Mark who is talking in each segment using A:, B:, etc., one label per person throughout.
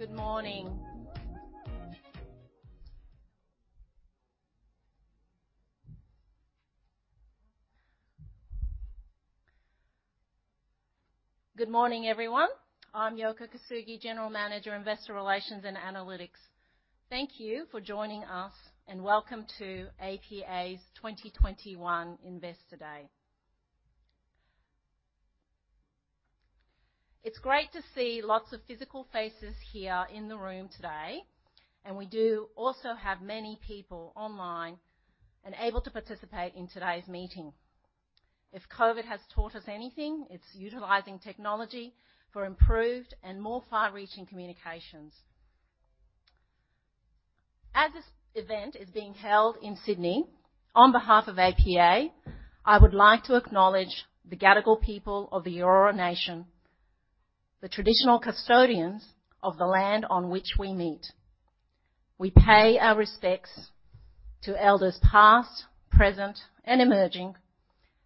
A: Good morning. Good morning, everyone. I'm Yoko Kosugi, General Manager of Investor Relations and Analytics. Thank you for joining us, and welcome to APA's 2021 Investor Day. It's great to see lots of physical faces here in the room today, and we do also have many people online and able to participate in today's meeting. If COVID has taught us anything, it's utilizing technology for improved and more far-reaching communications. As this event is being held in Sydney, on behalf of APA, I would like to acknowledge the Gadigal people of the Eora nation, the traditional custodians of the land on which we meet. We pay our respects to elders past, present, and emerging,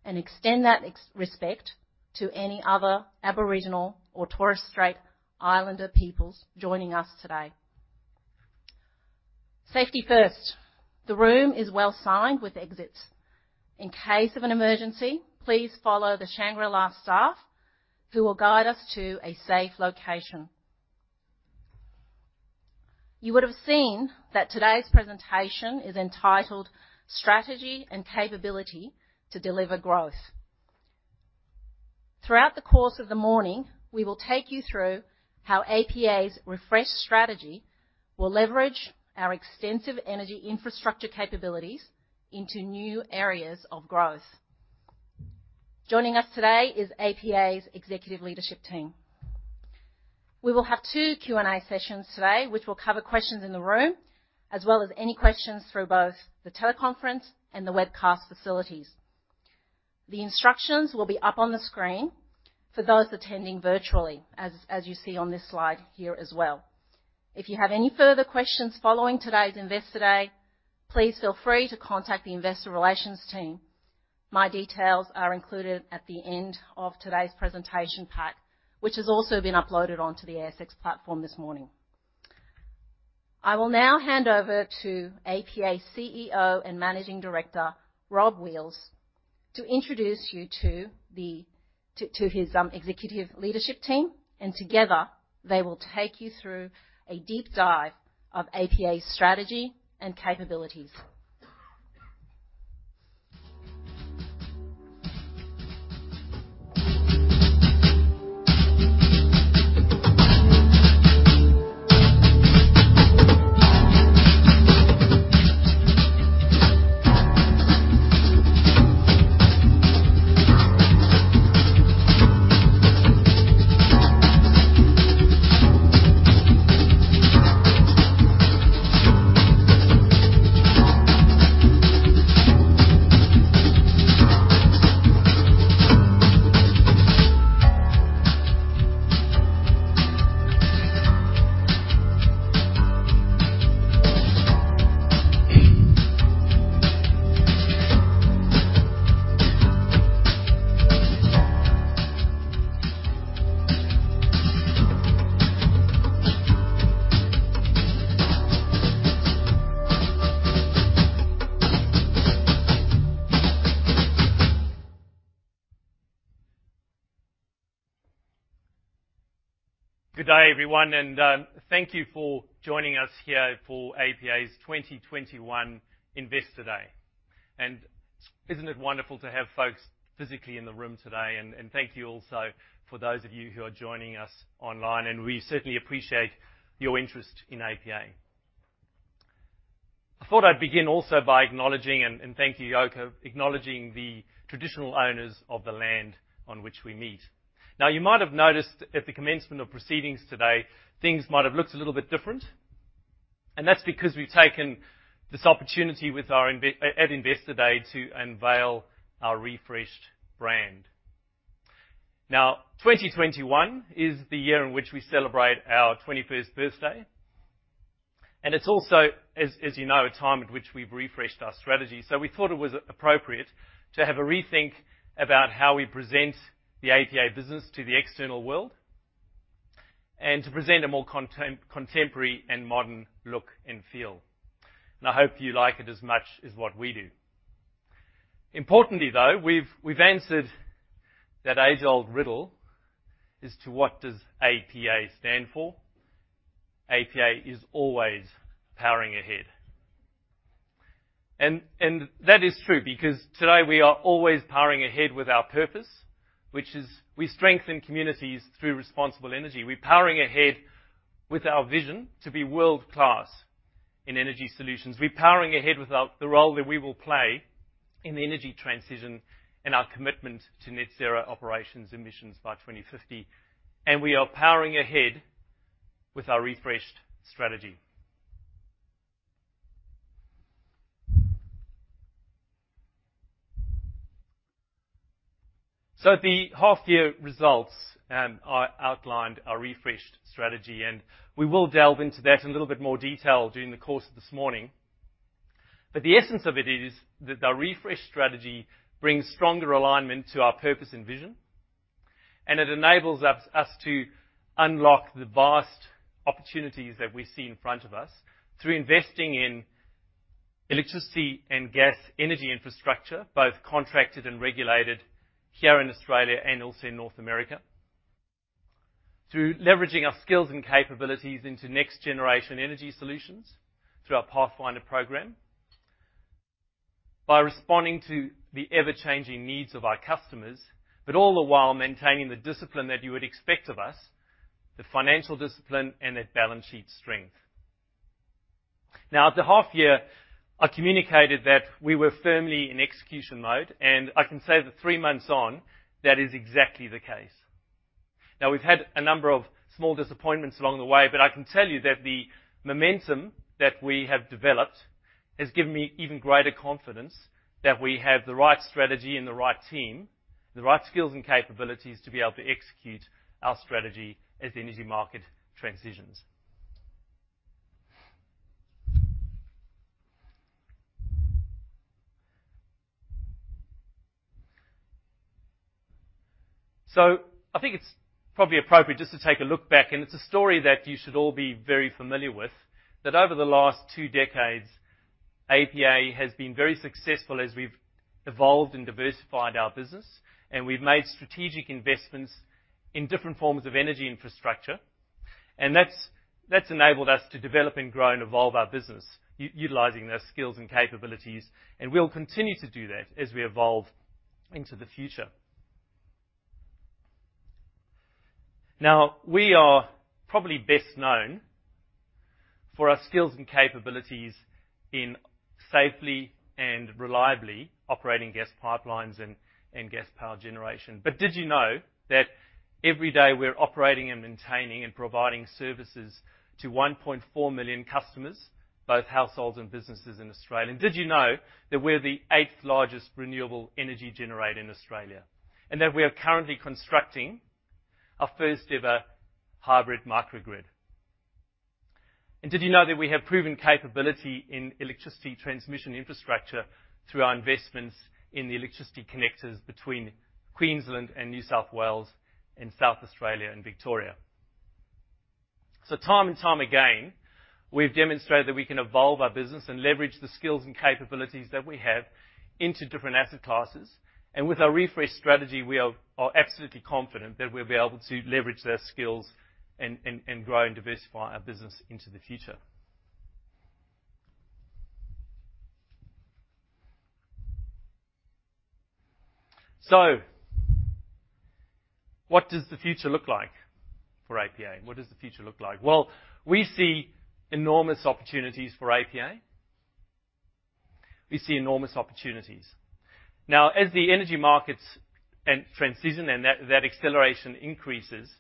A: and extend that respect to any other Aboriginal or Torres Strait Islander peoples joining us today. Safety first. The room is well signed with exits. In case of an emergency, please follow the Shangri-La staff, who will guide us to a safe location. You would have seen that today's presentation is entitled Strategy and Capability to Deliver Growth. Throughout the course of the morning, we will take you through how APA's refreshed strategy will leverage our extensive energy infrastructure capabilities into new areas of growth. Joining us today is APA's executive leadership team. We will have two Q&A sessions today, which will cover questions in the room, as well as any questions through both the teleconference and the webcast facilities. The instructions will be up on the screen for those attending virtually, as you see on this slide here as well. If you have any further questions following today's Investor Day, please feel free to contact the Investor Relations team. My details are included at the end of today's presentation pack, which has also been uploaded onto the ASX platform this morning. I will now hand over to APA's CEO and Managing Director, Rob Wheals, to introduce you to his executive leadership team. Together, they will take you through a deep dive of APA's strategy and capabilities.
B: G'day everyone, thank you for joining us here for APA's 2021 Investor Day. Isn't it wonderful to have folks physically in the room today? Thank you also for those of you who are joining us online, and we certainly appreciate your interest in APA. I thought I'd begin also by acknowledging and thank you, Yoko, acknowledging the traditional owners of the land on which we meet. Now, you might have noticed at the commencement of proceedings today, things might have looked a little bit different, and that's because we've taken this opportunity at Investor Day to unveil our refreshed brand. Now, 2021 is the year in which we celebrate our 21st birthday, and it's also, as you know, a time in which we've refreshed our strategy. We thought it was appropriate to have a rethink about how we present the APA business to the external world and to present a more contemporary and modern look and feel. I hope you like it as much as what we do. Importantly, though, we've answered that age-old riddle as to what does APA stand for. APA is always powering ahead. That is true because today we are always powering ahead with our purpose, which is we strengthen communities through responsible energy. We're powering ahead with our vision to be world-class in energy solutions. We're powering ahead with the role that we will play in the energy transition and our commitment to net zero operations emissions by 2050. We are powering ahead with our refreshed strategy. The half year results outlined our refreshed strategy, and we will delve into that in a little bit more detail during the course of this morning. The essence of it is that our refresh strategy brings stronger alignment to our purpose and vision, and it enables us to unlock the vast opportunities that we see in front of us through investing in electricity and gas energy infrastructure, both contracted and regulated, here in Australia and also in North America, through leveraging our skills and capabilities into next-generation energy solutions through our Pathfinder Program, by responding to the ever-changing needs of our customers, but all the while maintaining the discipline that you would expect of us, the financial discipline and the balance sheet strength. Now, at the half year, I communicated that we were firmly in execution mode, and I can say that three months on, that is exactly the case. Now, we've had a number of small disappointments along the way, but I can tell you that the momentum that we have developed has given me even greater confidence that we have the right strategy and the right team, the right skills and capabilities to be able to execute our strategy as the energy market transitions. I think it's probably appropriate just to take a look back, and it's a story that you should all be very familiar with, that over the last two decades, APA has been very successful as we've evolved and diversified our business, and we've made strategic investments in different forms of energy infrastructure. That's enabled us to develop and grow and evolve our business, utilizing those skills and capabilities, and we'll continue to do that as we evolve into the future. Now, we are probably best known for our skills and capabilities in safely and reliably operating gas pipelines and gas power generation. Did you know that every day we're operating and maintaining and providing services to 1.4 million customers, both households and businesses in Australia? Did you know that we're the eighth-largest renewable energy generator in Australia, and that we are currently constructing our first-ever hybrid microgrid? Did you know that we have proven capability in electricity transmission infrastructure through our investments in the electricity connectors between Queensland and New South Wales and South Australia and Victoria? Time and time again, we've demonstrated that we can evolve our business and leverage the skills and capabilities that we have into different asset classes. With our refresh strategy, we are absolutely confident that we'll be able to leverage those skills and grow and diversify our business into the future. What does the future look like for APA? What does the future look like? Well, we see enormous opportunities for APA. We see enormous opportunities. As the energy markets transition and that acceleration increases,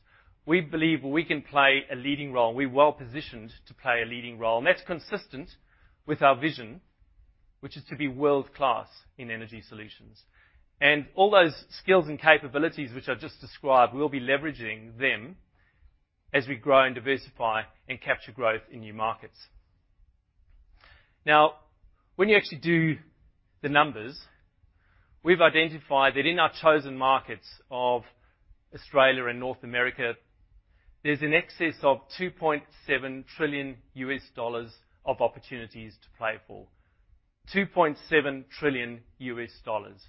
B: we believe we can play a leading role. We're well-positioned to play a leading role. That's consistent with our vision, which is to be world-class in energy solutions. All those skills and capabilities which I've just described, we'll be leveraging them as we grow and diversify and capture growth in new markets. When you actually do the numbers, we've identified that in our chosen markets of Australia and North America, there's an excess of $2.7 trillion of opportunities to play for. $2.7 trillion. Those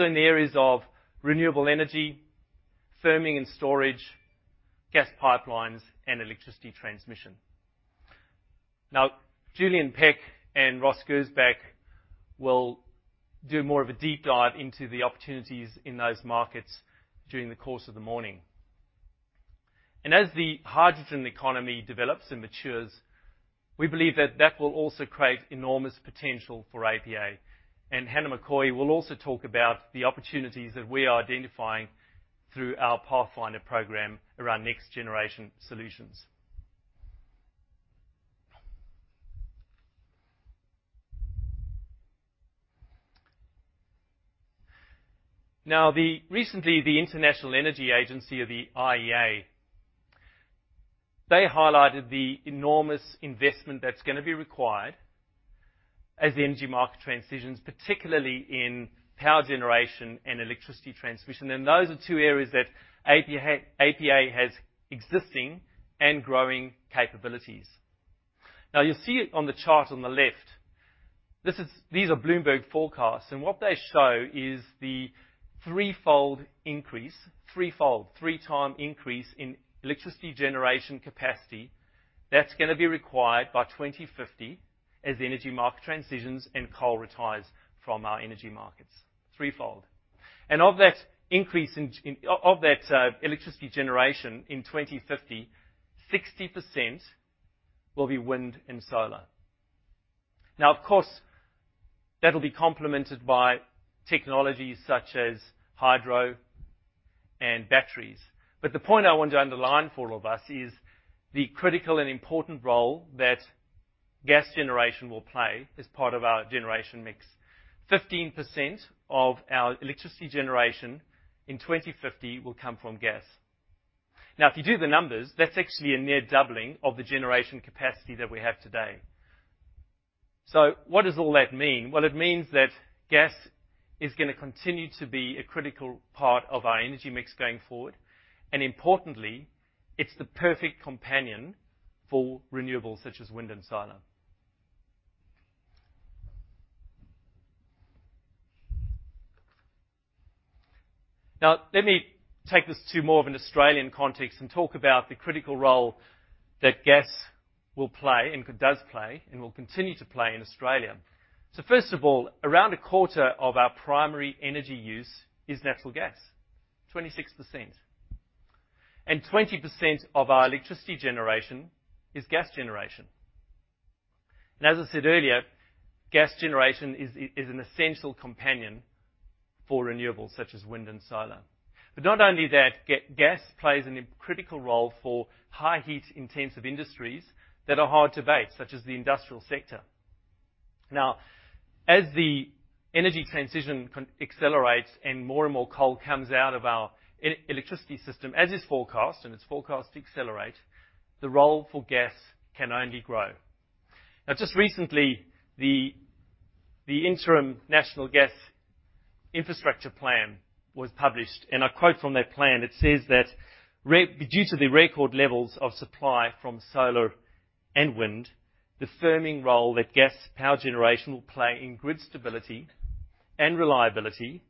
B: are in the areas of renewable energy, firming and storage, gas pipelines, and electricity transmission. Julian Peck and Ross Gersbach will do more of a deep dive into the opportunities in those markets during the course of the morning. As the hydrogen economy develops and matures, we believe that that will also create enormous potential for APA. Hannah McCaughey will also talk about the opportunities that we are identifying through our Pathfinder Program around next-generation solutions. Recently, the International Energy Agency, or the IEA, they highlighted the enormous investment that's going to be required as the energy market transitions, particularly in power generation and electricity transmission. Those are two areas that APA has existing and growing capabilities. You'll see it on the chart on the left, these are Bloomberg forecasts, and what they show is the threefold increase, threefold, three-time increase in electricity generation capacity that's going to be required by 2050 as the energy market transitions and coal retires from our energy markets. Threefold. Of that electricity generation in 2050, 60% will be wind and solar. Of course, that'll be complemented by technologies such as hydro and batteries. The point I want to underline for all of us is the critical and important role that gas generation will play as part of our generation mix. 15% of our electricity generation in 2050 will come from gas. If you do the numbers, that's actually a near doubling of the generation capacity that we have today. What does all that mean? Well, it means that gas is going to continue to be a critical part of our energy mix going forward, and importantly, it's the perfect companion for renewables such as wind and solar. Let me take us to more of an Australian context and talk about the critical role that gas will play, and does play, and will continue to play in Australia. First of all, around a quarter of our primary energy use is natural gas, 26%. 20% of our electricity generation is gas generation. As I said earlier, gas generation is an essential companion for renewables such as wind and solar. Not only that, gas plays a critical role for high heat-intensive industries that are hard to abate, such as the industrial sector. As the energy transition accelerates and more and more coal comes out of our electricity system, as is forecast, and it's forecast to accelerate, the role for gas can only grow. Just recently, the Interim National Gas Infrastructure Plan was published, and I quote from that plan, it says that, "Due to the record levels of supply from solar and wind, the firming role that gas power generation will play in grid stability and reliability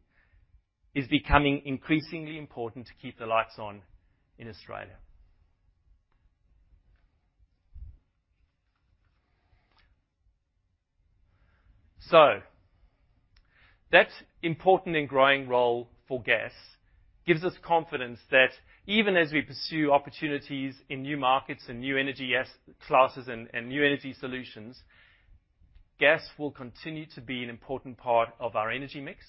B: is becoming increasingly important to keep the lights on in Australia." That importantly growing role for gas gives us confidence that even as we pursue opportunities in new markets and new energy classes and new energy solutions, gas will continue to be an important part of our energy mix,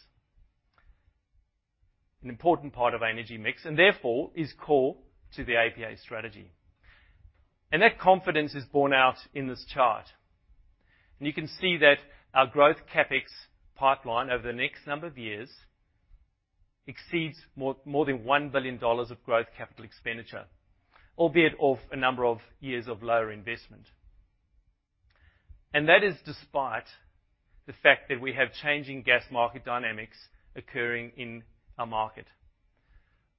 B: and therefore is core to the APA strategy. That confidence is borne out in this chart. You can see that our growth CapEx pipeline over the next number of years exceeds more than 1 billion dollars of growth capital expenditure, albeit off a number of years of lower investment. That is despite the fact that we have changing gas market dynamics occurring in our market,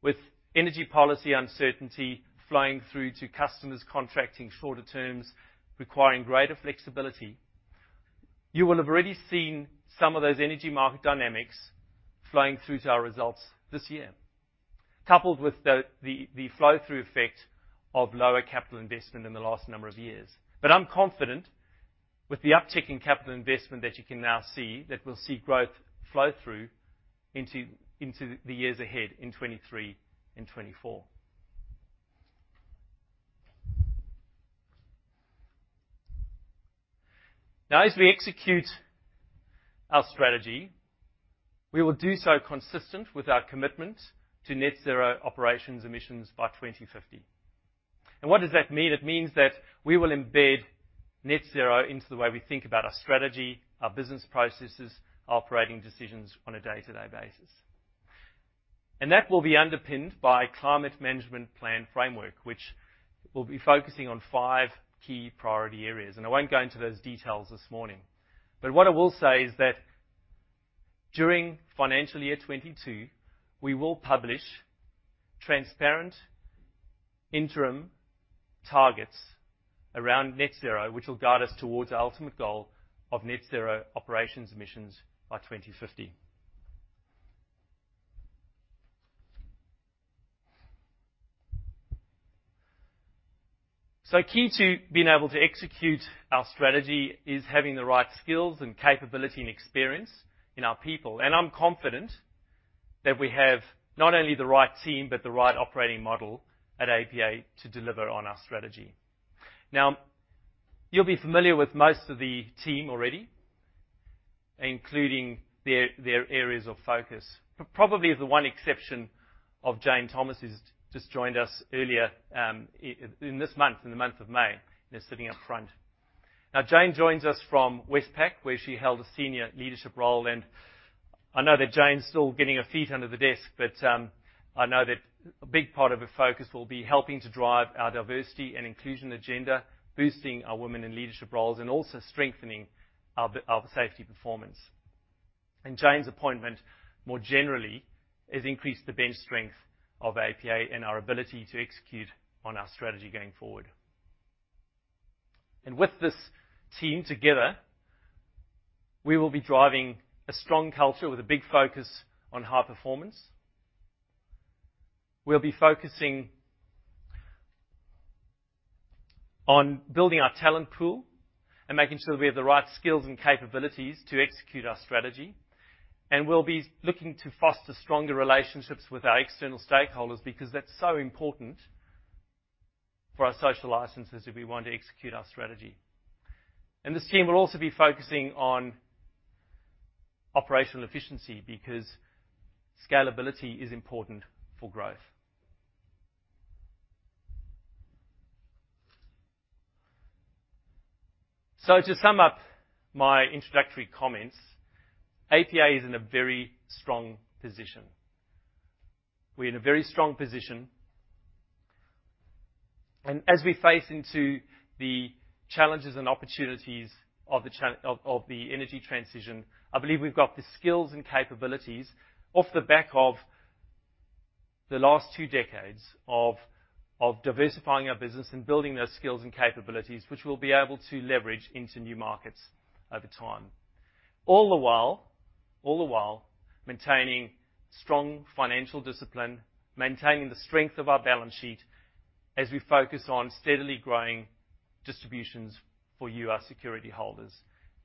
B: with energy policy uncertainty flowing through to customers contracting shorter terms requiring greater flexibility. You will have already seen some of those energy market dynamics flowing through to our results this year, coupled with the flow-through effect of lower capital investment in the last number of years. I'm confident with the uptick in capital investment that you can now see, that we'll see growth flow through into the years ahead in 2023 and 2024. As we execute our strategy, we will do so consistent with our commitment to net zero operations emissions by 2050. What does that mean? It means that we will embed net zero into the way we think about our strategy, our business processes, operating decisions on a day-to-day basis. That will be underpinned by a Climate Change Management Framework, which will be focusing on five key priority areas. I won't go into those details this morning. What I will say is that during financial year 2022, we will publish transparent interim targets around net zero, which will guide us towards our ultimate goal of net zero operations emissions by 2050. Key to being able to execute our strategy is having the right skills and capability and experience in our people. I'm confident that we have not only the right team, but the right operating model at APA to deliver on our strategy. You'll be familiar with most of the team already, including their areas of focus. Probably the one exception of Jane Thomas, who's just joined us earlier in this month, in the month of May, and is sitting up front. Jane joins us from Westpac, where she held a senior leadership role, and I know that Jane's still getting her feet under the desk, but I know that a big part of her focus will be helping to drive our diversity and inclusion agenda, boosting our women in leadership roles, and also strengthening our safety performance. Jane's appointment, more generally, has increased the bench strength of APA and our ability to execute on our strategy going forward. With this team together, we will be driving a strong culture with a big focus on high performance. We'll be focusing on building our talent pool and making sure we have the right skills and capabilities to execute our strategy. We'll be looking to foster stronger relationships with our external stakeholders because that's so important for our social license as we want to execute our strategy. This team will also be focusing on operational efficiency because scalability is important for growth. To sum up my introductory comments, APA is in a very strong position. We're in a very strong position, and as we face into the challenges and opportunities of the energy transition, I believe we've got the skills and capabilities off the back of the last two decades of diversifying our business and building those skills and capabilities, which we'll be able to leverage into new markets over time. All the while maintaining strong financial discipline, maintaining the strength of our balance sheet as we focus on steadily growing distributions for you, our security holders.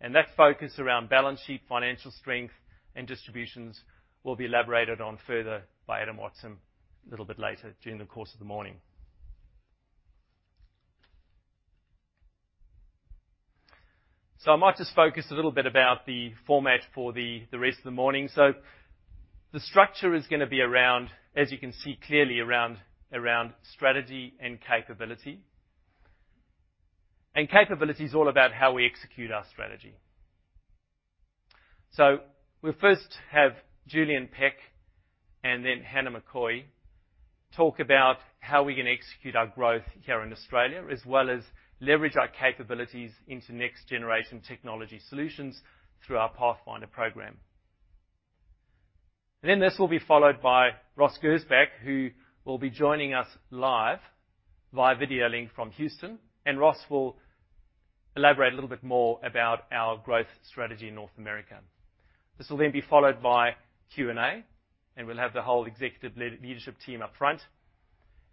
B: That focus around balance sheet financial strength and distributions will be elaborated on further by Adam Watson a little bit later during the course of the morning. I might just focus a little bit about the format for the rest of the morning. The structure is going to be, as you can see clearly, around strategy and capability. Capability is all about how we execute our strategy. We'll first have Julian Peck and then Hannah McCaughey talk about how we're going to execute our growth here in Australia, as well as leverage our capabilities into next generation technology solutions through our Pathfinder Program. This will be followed by Ross Gersbach, who will be joining us live via video link from Houston. Ross will elaborate a little bit more about our growth strategy in North America. This will be followed by Q&A. We'll have the whole executive leadership team up front.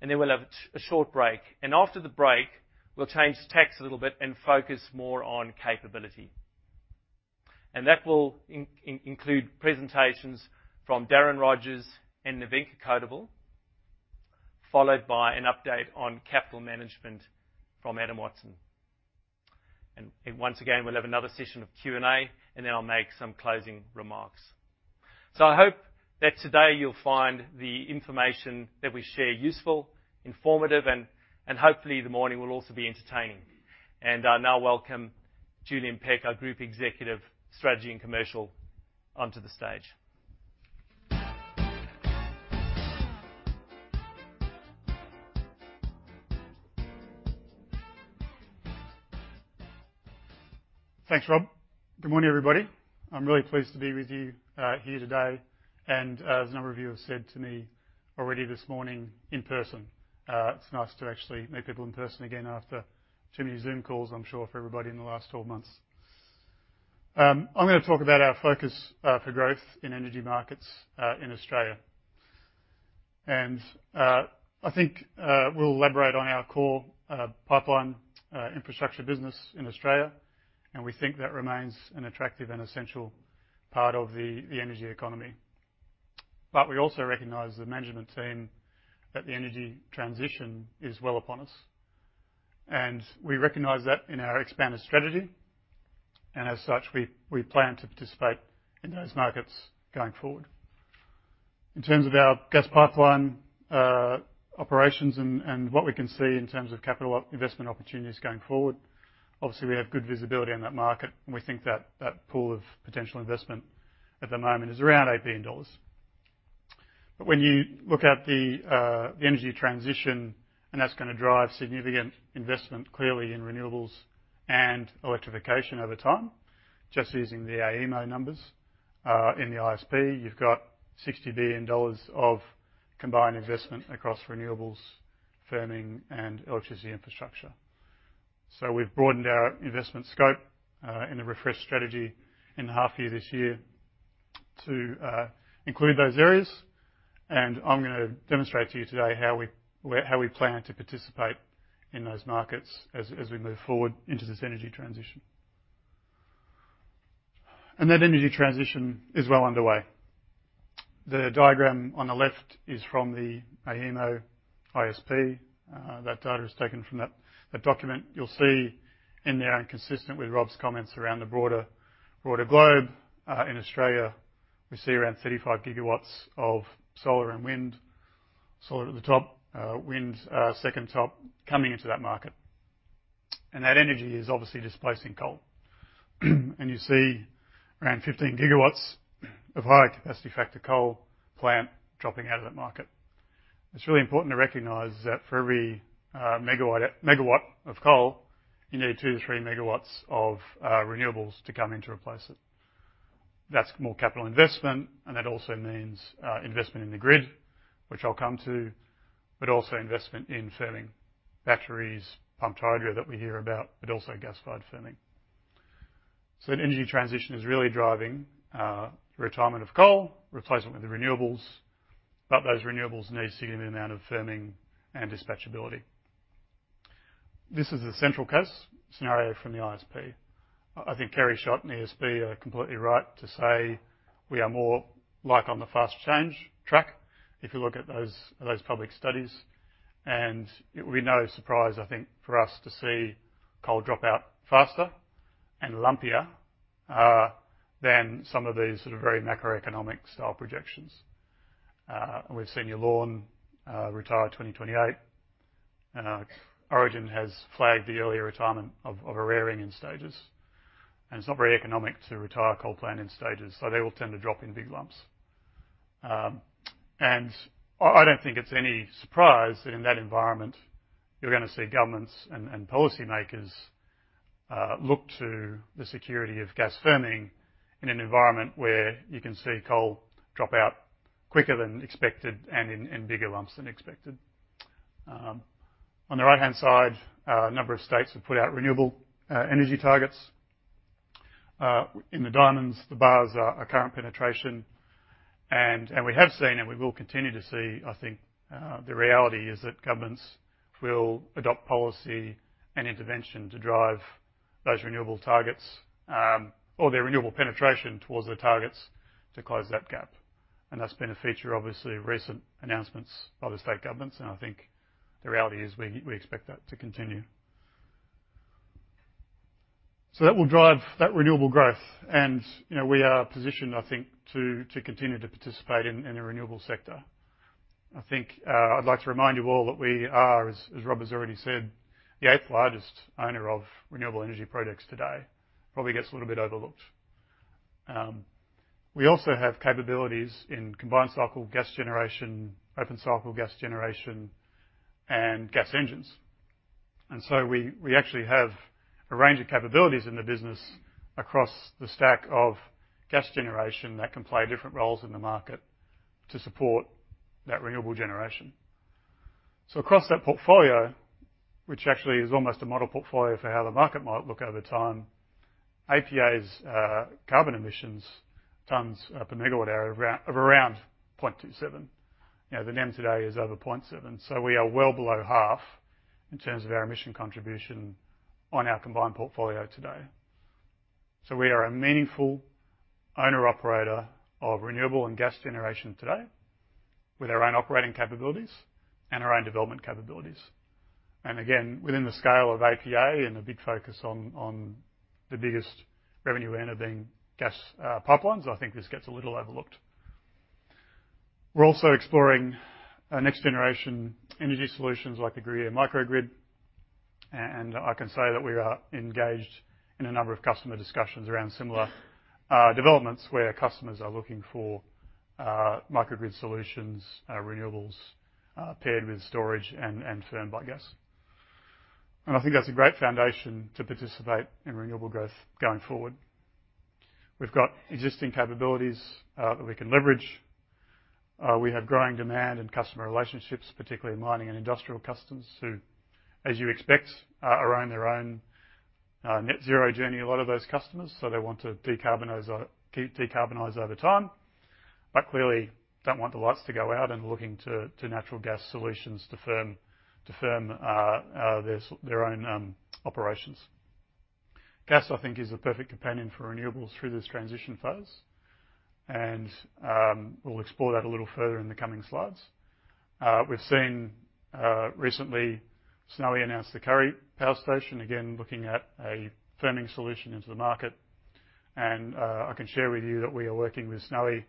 B: We'll have a short break. After the break, we'll change tack a little bit and focus more on capability. That will include presentations from Darren Rogers and Nevenka Codevelle, followed by an update on capital management from Adam Watson. Once again, we'll have another session of Q&A. I'll make some closing remarks. I hope that today you'll find the information that we share useful, informative, and hopefully the morning will also be entertaining. I now welcome Julian Peck, our Group Executive, Strategy and Commercial, onto the stage.
C: Thanks, Rob. Good morning, everybody. I'm really pleased to be with you here today. As a number of you have said to me already this morning in person, it's nice to actually meet people in person again after too many Zoom calls, I'm sure, for everybody in the last 12 months. I'm going to talk about our focus for growth in energy markets in Australia. I think we'll elaborate on our core pipeline infrastructure business in Australia, and we think that remains an attractive and essential part of the energy economy. We also recognize, the management team, that the energy transition is well upon us, and we recognize that in our expanded strategy, and as such, we plan to participate in those markets going forward. In terms of our gas pipeline operations and what we can see in terms of capital investment opportunities going forward, obviously, we have good visibility in that market, and we think that that pool of potential investment at the moment is around 8 billion dollars. When you look at the energy transition, and that's going to drive significant investment clearly in renewables and electrification over time, just using the AEMO numbers in the ISP, you've got 60 billion dollars of combined investment across renewables, firming, and LGC infrastructure. We've broadened our investment scope in a refreshed strategy in the half year this year to include those areas, and I'm going to demonstrate to you today how we plan to participate in those markets as we move forward into this energy transition. That energy transition is well underway. The diagram on the left is from the AEMO ISP. That data is taken from that document. You'll see in there, consistent with Rob's comments around the broader globe, in Australia, we see around 35 GW of solar and wind, solar at the top, wind second-top, coming into that market. That energy is obviously displacing coal. You see around 15 GW of low capacity factor coal plant dropping out of that market. It's really important to recognize that for every megawatts of coal, you need 2 MW-3 MW of renewables to come in to replace it. That's more capital investment, and it also means investment in the grid, which I'll come to, but also investment in firming batteries, pumped hydro that we hear about, but also gas-fired firming. The energy transition is really driving retirement of coal, replacement with renewables, but those renewables need a certain amount of firming and dispatchability. This is a central case scenario from the ISP. I think Kerry Schott and ESB are completely right to say we are more on the fast change track if you look at those public studies. It will be no surprise, I think, for us to see coal drop out faster and lumpier than some of these very macroeconomic style projections. We've seen Yallourn retire 2028. Origin has flagged the early retirement of Eraring in stages, it's not very economic to retire coal plant in stages, they all tend to drop in big lumps. I don't think it's any surprise in that environment, you're going to see governments and policymakers look to the security of gas firming in an environment where you can see coal drop out quicker than expected and in bigger lumps than expected. On the right-hand side, a number of states have put out renewable energy targets. In the diamonds, the bars are current penetration, and we have seen and we will continue to see, I think, the reality is that governments will adopt policy and intervention to drive those renewable targets or their renewable penetration towards the targets to close that gap. That's been a feature, obviously, recent announcements by the state governments, and I think the reality is we expect that to continue. That will drive that renewable growth, and we are positioned, I think, to continue to participate in the renewable sector. I think I'd like to remind you all that we are, as Rob has already said, the eighth largest owner of renewable energy projects today. Probably gets a little bit overlooked. We also have capabilities in combined-cycle gas generation, open-cycle gas generation, and gas engines. So we actually have a range of capabilities in the business across the stack of gas generation that can play different roles in the market to support that renewable generation. Across that portfolio, which actually is almost a model portfolio for how the market might look over time, APA's carbon emissions tons per megawatt hour of around 0.27. The NEM today is over 0.7, so we are well below half in terms of our emission contribution on our combined portfolio today. We are a meaningful owner-operator of renewable and gas generation today with our own operating capabilities and our own development capabilities. Again, within the scale of APA and the big focus on the biggest revenue earner being gas pipelines, I think this gets a little overlooked. We're also exploring next-generation energy solutions like the Gruyere Microgrid, I can say that we are engaged in a number of customer discussions around similar developments where customers are looking for microgrid solutions, renewables paired with storage and firmed by gas. I think that's a great foundation to participate in renewable growth going forward. We've got existing capabilities that we can leverage. We have growing demand and customer relationships, particularly mining and industrial customers who, as you expect, are on their own net zero journey, a lot of those customers. They want to decarbonize over time, Clearly don't want the lights to go out and looking to natural gas solutions to firm their own operations. Gas, I think, is a perfect companion for renewables through this transition phase, We'll explore that a little further in the coming slides. We've seen recently Snowy announce the Kurri Kurri Power Station, looking at a firming solution into the market. I can share with you that we are working with Snowy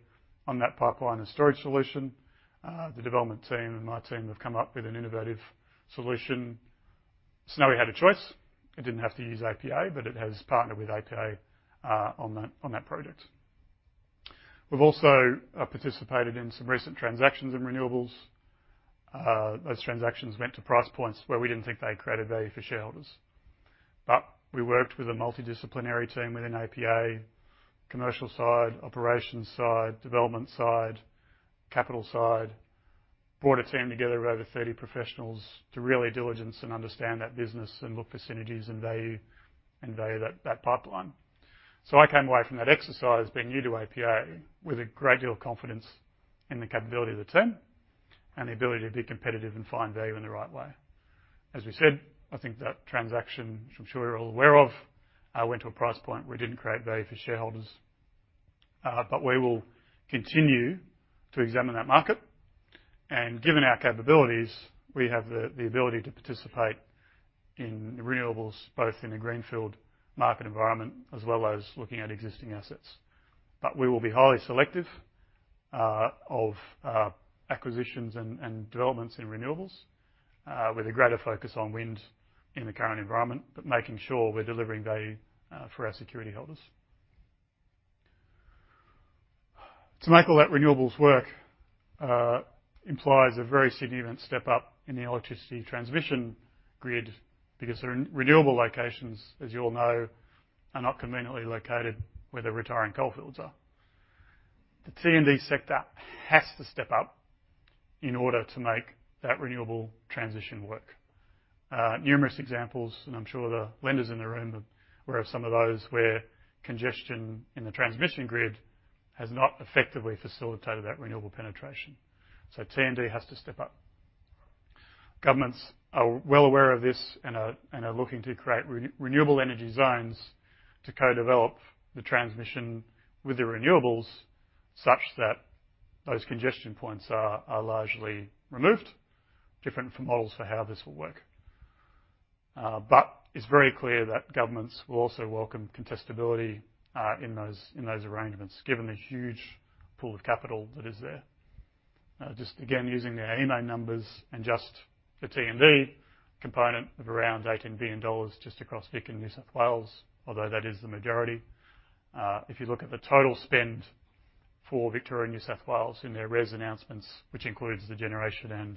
C: on that pipeline and storage solution. The development team and my team have come up with an innovative solution. Snowy had a choice. It didn't have to use APA, it has partnered with APA on that project. We've also participated in some recent transactions in renewables. Those transactions went to price points where we didn't think they created value for shareholders. We worked with a multidisciplinary team within APA, commercial side, operations side, development side, capital side, brought a team together of over 30 professionals to really diligence and understand that business and look for synergies and value in that pipeline. I came away from that exercise being new to APA with a great deal of confidence in the capability of the team and the ability to be competitive and find value in the right way. As we said, I think that transaction, which I'm sure you're all aware of, went to a price point where it didn't create value for shareholders. We will continue to examine that market, and given our capabilities, we have the ability to participate in renewables, both in a greenfield market environment as well as looking at existing assets. We will be highly selective of acquisitions and developments in renewables with a greater focus on wind in the current environment, but making sure we're delivering value for our security holders. To make all that renewables work implies a very significant step up in the electricity transmission grid because renewable locations, as you all know, are not conveniently located where the retiring coal fields are. The T&D sector has to step up in order to make that renewable transition work. Numerous examples, and I'm sure the lenders in the room are aware of some of those, where congestion in the transmission grid has not effectively facilitated that renewable penetration. T&D has to step up. Governments are well aware of this and are looking to create Renewable Energy Zones to co-develop the transmission with the renewables such that those congestion points are largely removed, different from models for how this will work. It's very clear that governments will also welcome contestability in those arrangements, given the huge pool of capital that is there. Just again, using our AEMO numbers and just the T&D component of around 18 billion dollars just across Vic and New South Wales, although that is the majority. If you look at the total spend for Victoria and New South Wales in their REZ announcements, which includes the generation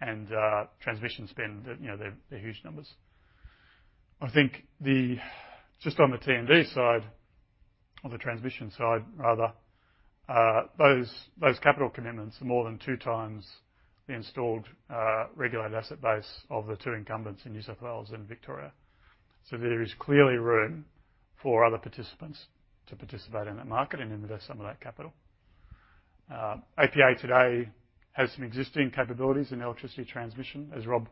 C: and transmission spend, they're huge numbers. I think just on the T&D side or the transition side, rather, those capital commitments are more than 2x the installed regulated asset base of the two incumbents in New South Wales and Victoria. There is clearly room for other participants to participate in that market and invest some of that capital. APA today has some existing capabilities in electricity transmission, as Rob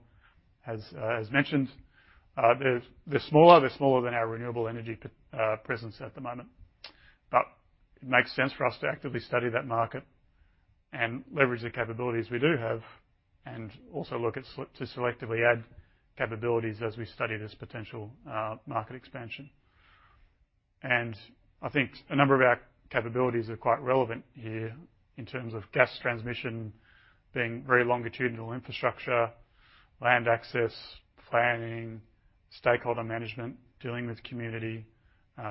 C: has mentioned. They're smaller than our renewable energy presence at the moment. It makes sense for us to actively study that market and leverage the capabilities we do have, and also look to selectively add capabilities as we study this potential market expansion. I think a number of our capabilities are quite relevant here in terms of gas transmission being very longitudinal infrastructure, land access, planning, stakeholder management, dealing with community,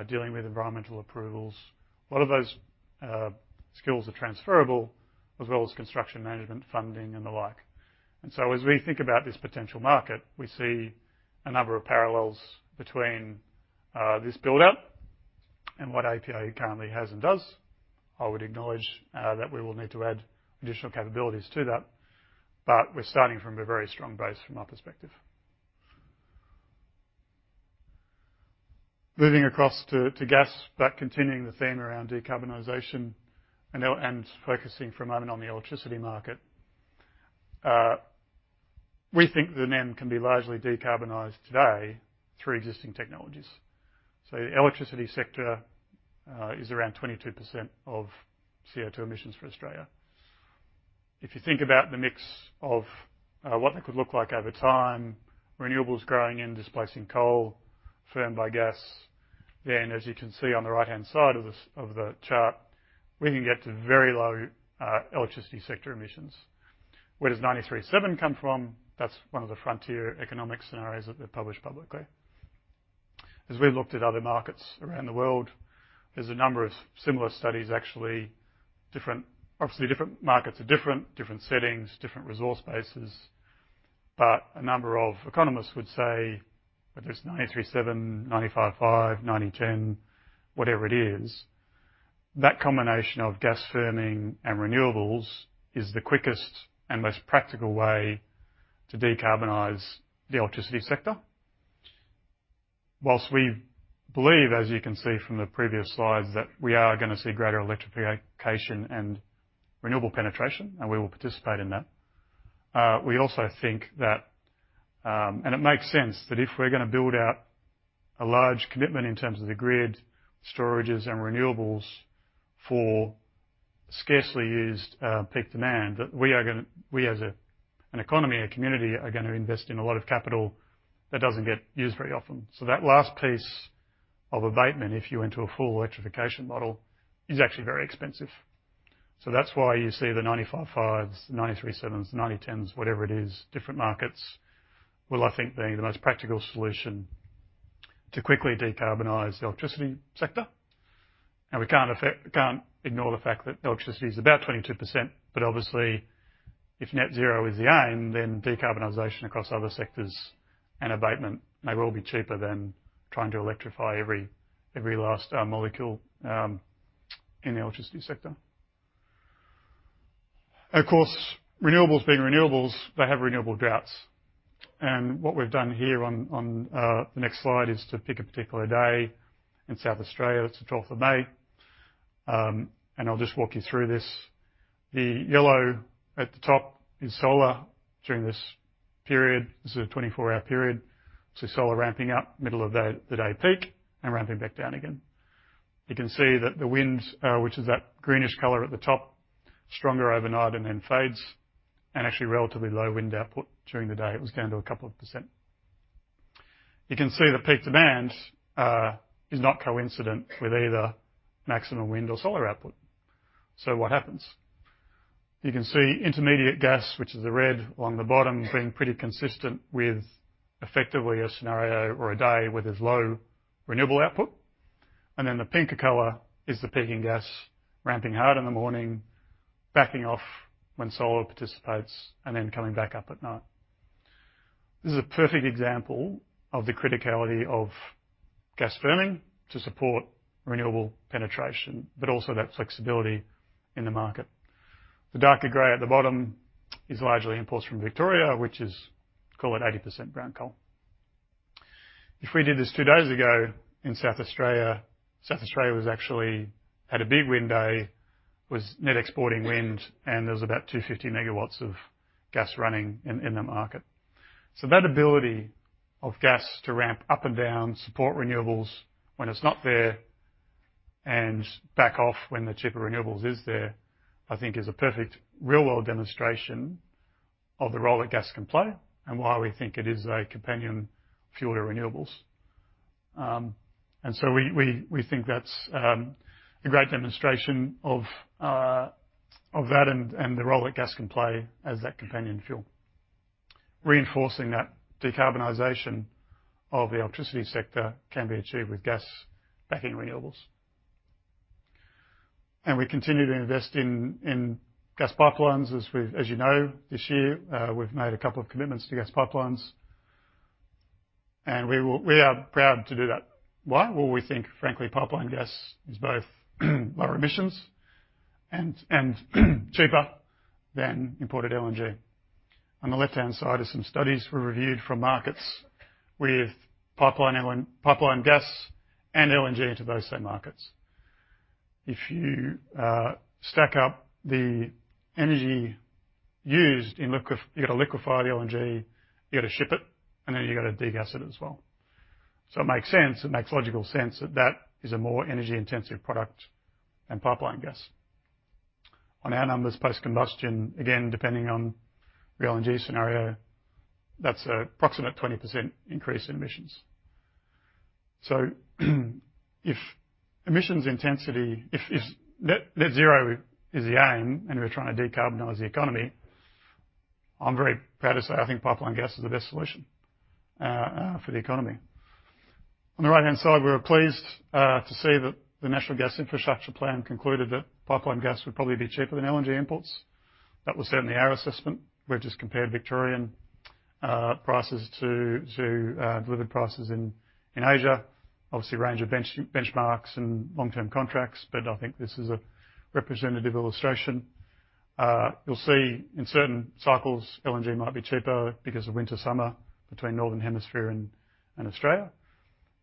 C: dealing with environmental approvals. A lot of those skills are transferable as well as construction management, funding, and the like. As we think about this potential market, we see a number of parallels between this build-out and what APA currently has and does. I would acknowledge that we will need to add additional capabilities to that, but we're starting from a very strong base from my perspective. Moving across to gas, but continuing the theme around decarbonization and focusing for a moment on the electricity market. We think the NEM can be largely decarbonized today through existing technologies. The electricity sector is around 22% of CO2 emissions for Australia. If you think about the mix of what that could look like over time, renewables growing and displacing coal, firm by gas, then as you can see on the right-hand side of the chart, we can get to very low electricity sector emissions. Where does 937 come from? That's one of the Frontier Economics scenarios that they published publicly. As we looked at other markets around the world, there's a number of similar studies, actually. Obviously different markets are different settings, different resource bases. A number of economists would say whether it's 937, 955, 910, whatever it is, that combination of gas firming and renewables is the quickest and most practical way to decarbonize the electricity sector. Whilst we believe, as you can see from the previous slides, that we are going to see greater electrification and renewable penetration, and we will participate in that, we also think that, and it makes sense that if we're going to build out a large commitment in terms of the grid storages and renewables for scarcely used peak demand, that we as an economy, a community, are going to invest in a lot of capital that doesn't get used very often. That last piece of abatement, if you went to a full electrification model, is actually very expensive. That's why you see the 955s, the 937s, 910s, whatever it is, different markets will, I think, be the most practical solution to quickly decarbonize the electricity sector. We can't ignore the fact that electricity is about 22%. Obviously if net zero is the aim, then decarbonization across other sectors and abatement, they will be cheaper than trying to electrify every last molecule in the electricity sector. Of course, renewables being renewables, they have renewable droughts. What we've done here on the next slide is to pick a particular day in South Australia. It's the 12th of May. I'll just walk you through this. The yellow at the top is solar during this period. This is a 24-hour period. Solar ramping up middle of the day peak and ramping back down again. You can see that the wind, which is that greenish color at the top, stronger overnight and then fades and actually relatively low wind output during the day. It was down to a couple of percent. You can see that peak demand is not coincident with either maximum wind or solar output. What happens? You can see intermediate gas, which is the red along the bottom, being pretty consistent with effectively a scenario or a day where there is low renewable output. The pinker color is the peaking gas ramping out in the morning, backing off when solar participates and then coming back up at night. This is a perfect example of the criticality of gas firming to support renewable penetration, but also that flexibility in the market. The darker gray at the bottom is largely imports from Victoria, which is call it 80% brown coal. If we did this two days ago in South Australia, South Australia actually had a big wind day, was net exporting wind, and there was about 250 MW of gas running in the market. That ability of gas to ramp up and down, support renewables when it's not there and back off when the cheaper renewables is there, I think is a perfect real-world demonstration of the role that gas can play and why we think it is a companion fuel to renewables. We think that's a great demonstration of that and the role that gas can play as that companion fuel, reinforcing that decarbonization of the electricity sector can be achieved with gas backing renewables. We continue to invest in gas pipelines as you know, this year, we've made a couple of commitments to gas pipelines, and we are proud to do that. Why? Well, we think, frankly, pipeline gas is both lower emissions and cheaper than imported LNG. On the left-hand side are some studies we reviewed from markets with pipeline gas and LNG to those same markets. If you stack up the energy used, you got to liquefy LNG, you got to ship it, and then you got to regas it as well. It makes sense, it makes logical sense that that is a more energy-intensive product than pipeline gas. On our numbers, post-combustion, again, depending on the LNG scenario, that's approximate 20% increase in emissions. If net zero is the aim and we're trying to decarbonize the economy, I'm very proud to say I think pipeline gas is the best solution for the economy. On the right-hand side, we were pleased to see that the National Gas Infrastructure Plan concluded that pipeline gas would probably be cheaper than LNG imports. That was certainly our assessment. We've just compared Victorian prices to delivered prices in Asia. Obviously, a range of benchmarks and long-term contracts, but I think this is a representative illustration. You'll see in certain cycles, LNG might be cheaper because of winter, summer between Northern Hemisphere and Australia.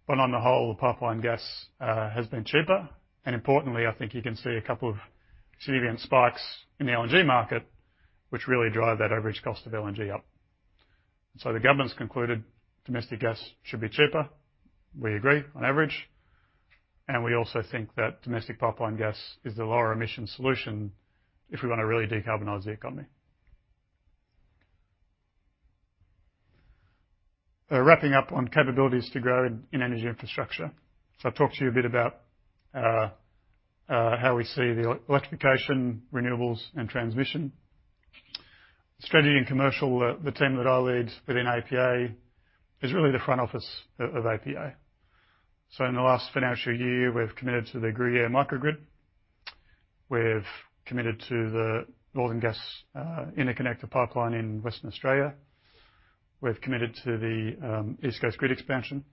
C: On the whole, pipeline gas has been cheaper. Importantly, I think you can see a couple of significant spikes in the LNG market, which really drive that average cost of LNG up. The government's concluded domestic gas should be cheaper. We agree on average, and we also think that domestic pipeline gas is a lower emission solution if we want to really decarbonize the economy. Wrapping up on capabilities to grow in energy infrastructure. I'll talk to you a bit about how we see the electrification, renewables, and transmission. Strategy and Commercial, the team that I lead within APA is really the front office of APA. In the last financial year, we've committed to the Gruyere Microgrid. We've committed to the Northern Gas Interconnect Pipeline in Western Australia. We've committed to the East Coast Grid expansion.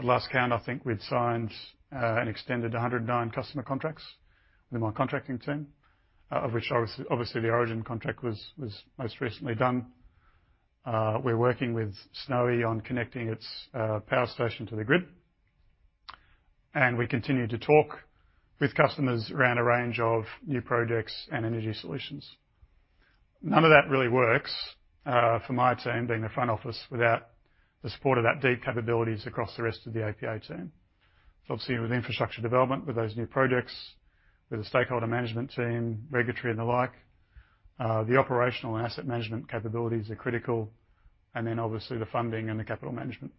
C: At last count, I think we'd signed and extended 109 customer contracts with my contracting team, of which obviously the Origin contract was most recently done. We're working with Snowy on connecting its power station to the grid, and we continue to talk with customers around a range of new projects and energy solutions. None of that really works for my team being a front office without the support of that deep capabilities across the rest of the APA team. Obviously with infrastructure development, with those new projects, with the stakeholder management team, regulatory and the like, the operational and asset management capabilities are critical, obviously the funding and the capital management.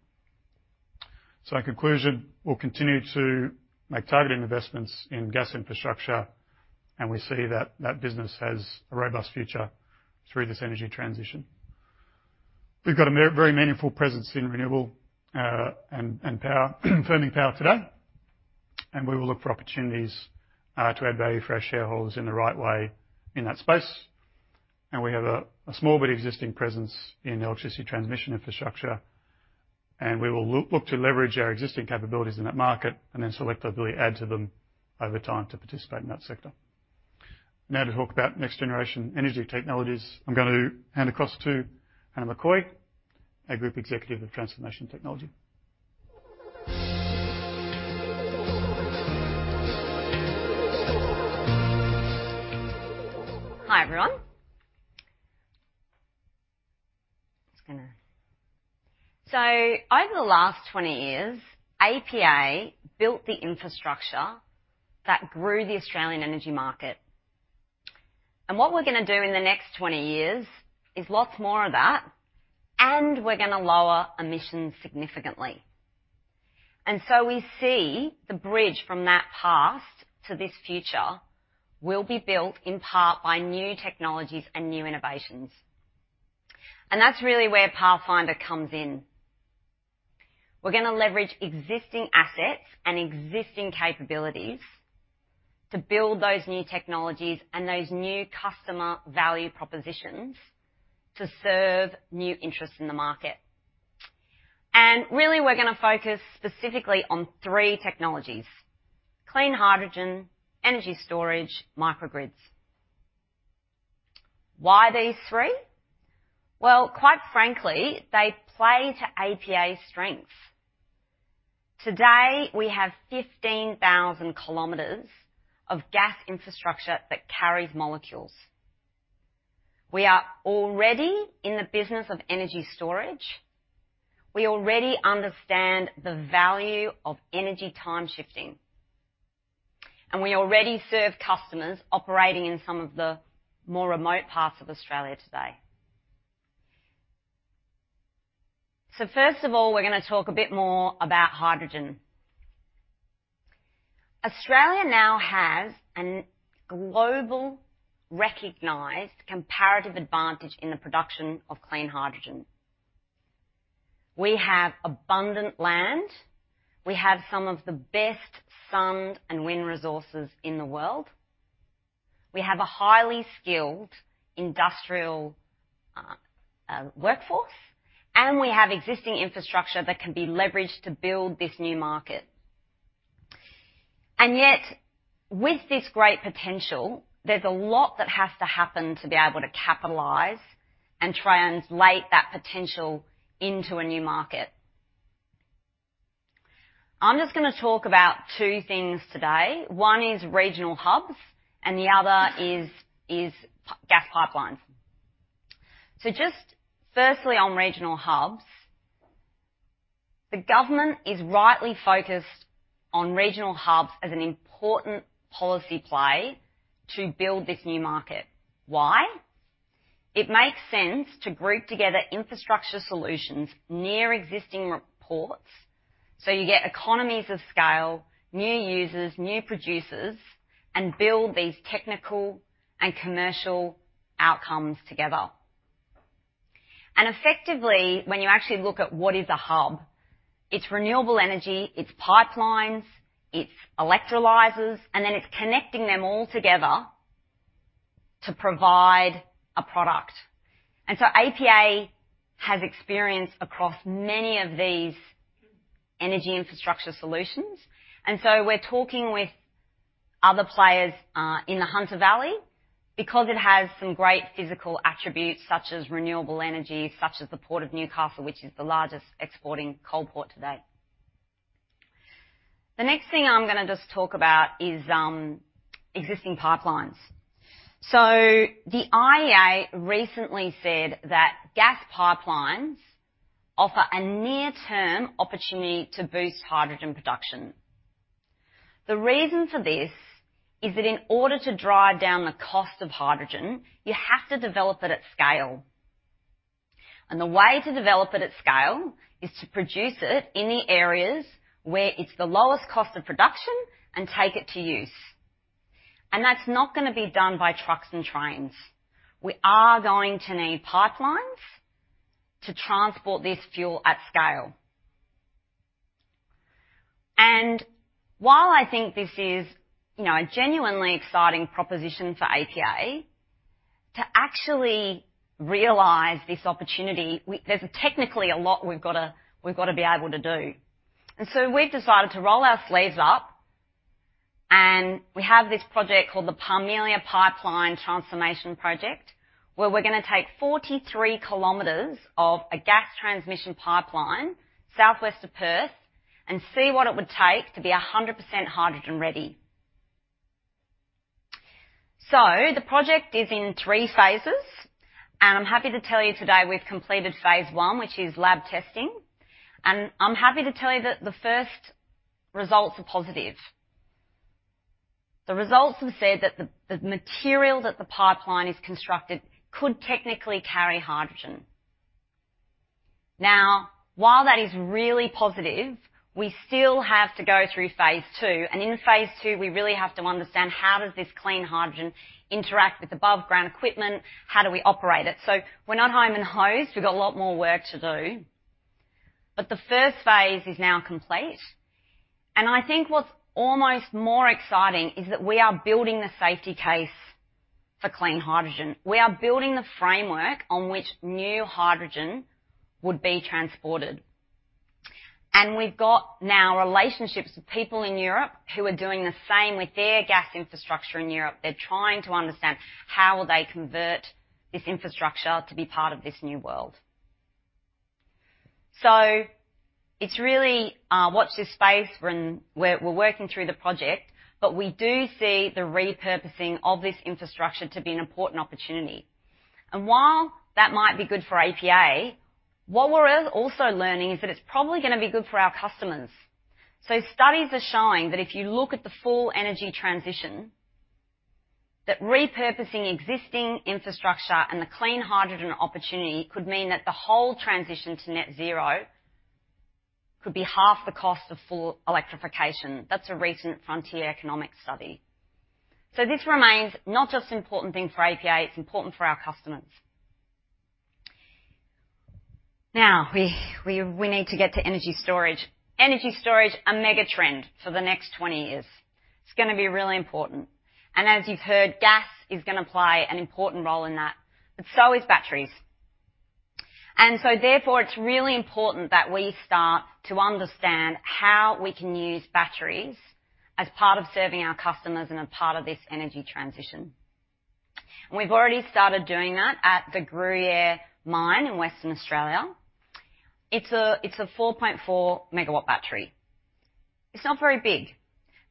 C: In conclusion, we'll continue to make targeted investments in gas infrastructure, and we see that that business has a robust future through this energy transition. We've got a very meaningful presence in renewable and firming power today, and we will look for opportunities to add value for our shareholders in the right way in that space. We have a small but existing presence in electricity transmission infrastructure, and we will look to leverage our existing capabilities in that market and then selectively add to them over time to participate in that sector. Now to talk about next-generation energy technologies, I'm going to hand across to Hannah McCaughey, a Group Executive of Transformation and Technology.
D: Hi, everyone. Over the last 20 years, APA built the infrastructure that grew the Australian energy market. What we're going to do in the next 20 years is lots more of that, and we're going to lower emissions significantly. We see the bridge from that past to this future will be built in part by new technologies and new innovations. That's really where Pathfinder comes in. We're going to leverage existing assets and existing capabilities to build those new technologies and those new customer value propositions to serve new interest in the market. Really, we're going to focus specifically on three technologies, clean hydrogen, energy storage, microgrids. Why these three? Quite frankly, they play to APA's strengths. Today, we have 15,000 km of gas infrastructure that carries molecules. We are already in the business of energy storage. We already understand the value of energy time shifting, we already serve customers operating in some of the more remote parts of Australia today. First of all, we're going to talk a bit more about hydrogen. Australia now has a globally recognized comparative advantage in the production of clean hydrogen. We have abundant land, we have some of the best sun and wind resources in the world, we have a highly skilled industrial workforce, we have existing infrastructure that can be leveraged to build this new market. Yet with this great potential, there's a lot that has to happen to be able to capitalize and translate that potential into a new market. I'm just going to talk about two things today. One is regional hubs and the other is gas pipelines. Just firstly on regional hubs, the government is rightly focused on regional hubs as an important policy play to build this new market. Why? It makes sense to group together infrastructure solutions near existing ports, so you get economies of scale, new users, new producers, and build these technical and commercial outcomes together. Effectively, when you actually look at what is a hub, it's renewable energy, it's pipelines, it's electrolyzers, and then it's connecting them all together to provide a product. APA has experience across many of these energy infrastructure solutions, and so we're talking with other players in the Hunter Valley because it has some great physical attributes, such as renewable energy, such as the Port of Newcastle, which is the largest exporting coal port today. The next thing I'm going to just talk about is existing pipelines. The IEA recently said that gas pipelines offer a near-term opportunity to boost hydrogen production. The reason for this is that in order to drive down the cost of hydrogen, you have to develop it at scale. The way to develop it at scale is to produce it in the areas where it's the lowest cost of production and take it to use. That's not going to be done by trucks and trains. We are going to need pipelines to transport this fuel at scale. While I think this is a genuinely exciting proposition for APA, to actually realize this opportunity, there's technically a lot we've got to be able to do. We've decided to roll our sleeves up, and we have this project called the Parmelia Pipeline Transformation Project, where we're going to take 43 km of a gas transmission pipeline southwest of Perth and see what it would take to be 100% hydrogen ready. The project is in three phases, and I'm happy to tell you today we've completed phase I, which is lab testing, and I'm happy to tell you that the first results are positive. The results have said that the material that the pipeline is constructed could technically carry hydrogen. While that is really positive, we still have to go through phase II. In phase II, we really have to understand how does this clean hydrogen interact with aboveground equipment? How do we operate it? We're not home and hosed. We've got a lot more work to do. The first phase is now complete, and I think what's almost more exciting is that we are building a safety case for clean hydrogen. We are building a framework on which new hydrogen would be transported. We've got now relationships with people in Europe who are doing the same with their gas infrastructure in Europe. They're trying to understand how will they convert this infrastructure to be part of this new world. It's really watch this space. We're working through the project, but we do see the repurposing of this infrastructure to be an important opportunity. While that might be good for APA, what we're also learning is that it's probably going to be good for our customers. Studies are showing that if you look at the full energy transition, that repurposing existing infrastructure and the clean hydrogen opportunity could mean that the whole transition to net zero could be half the cost of full electrification. That's a recent Frontier Economics study. This remains not just important thing for APA, it's important for our customers. Now, we need to get to energy storage. Energy storage, a mega trend for the next 20 years. It's going to be really important. As you've heard, gas is going to play an important role in that, but so is batteries. Therefore, it's really important that we start to understand how we can use batteries as part of serving our customers and a part of this energy transition. We've already started doing that at the Gruyere mine in Western Australia. It's a 4.4 MW battery. It's not very big.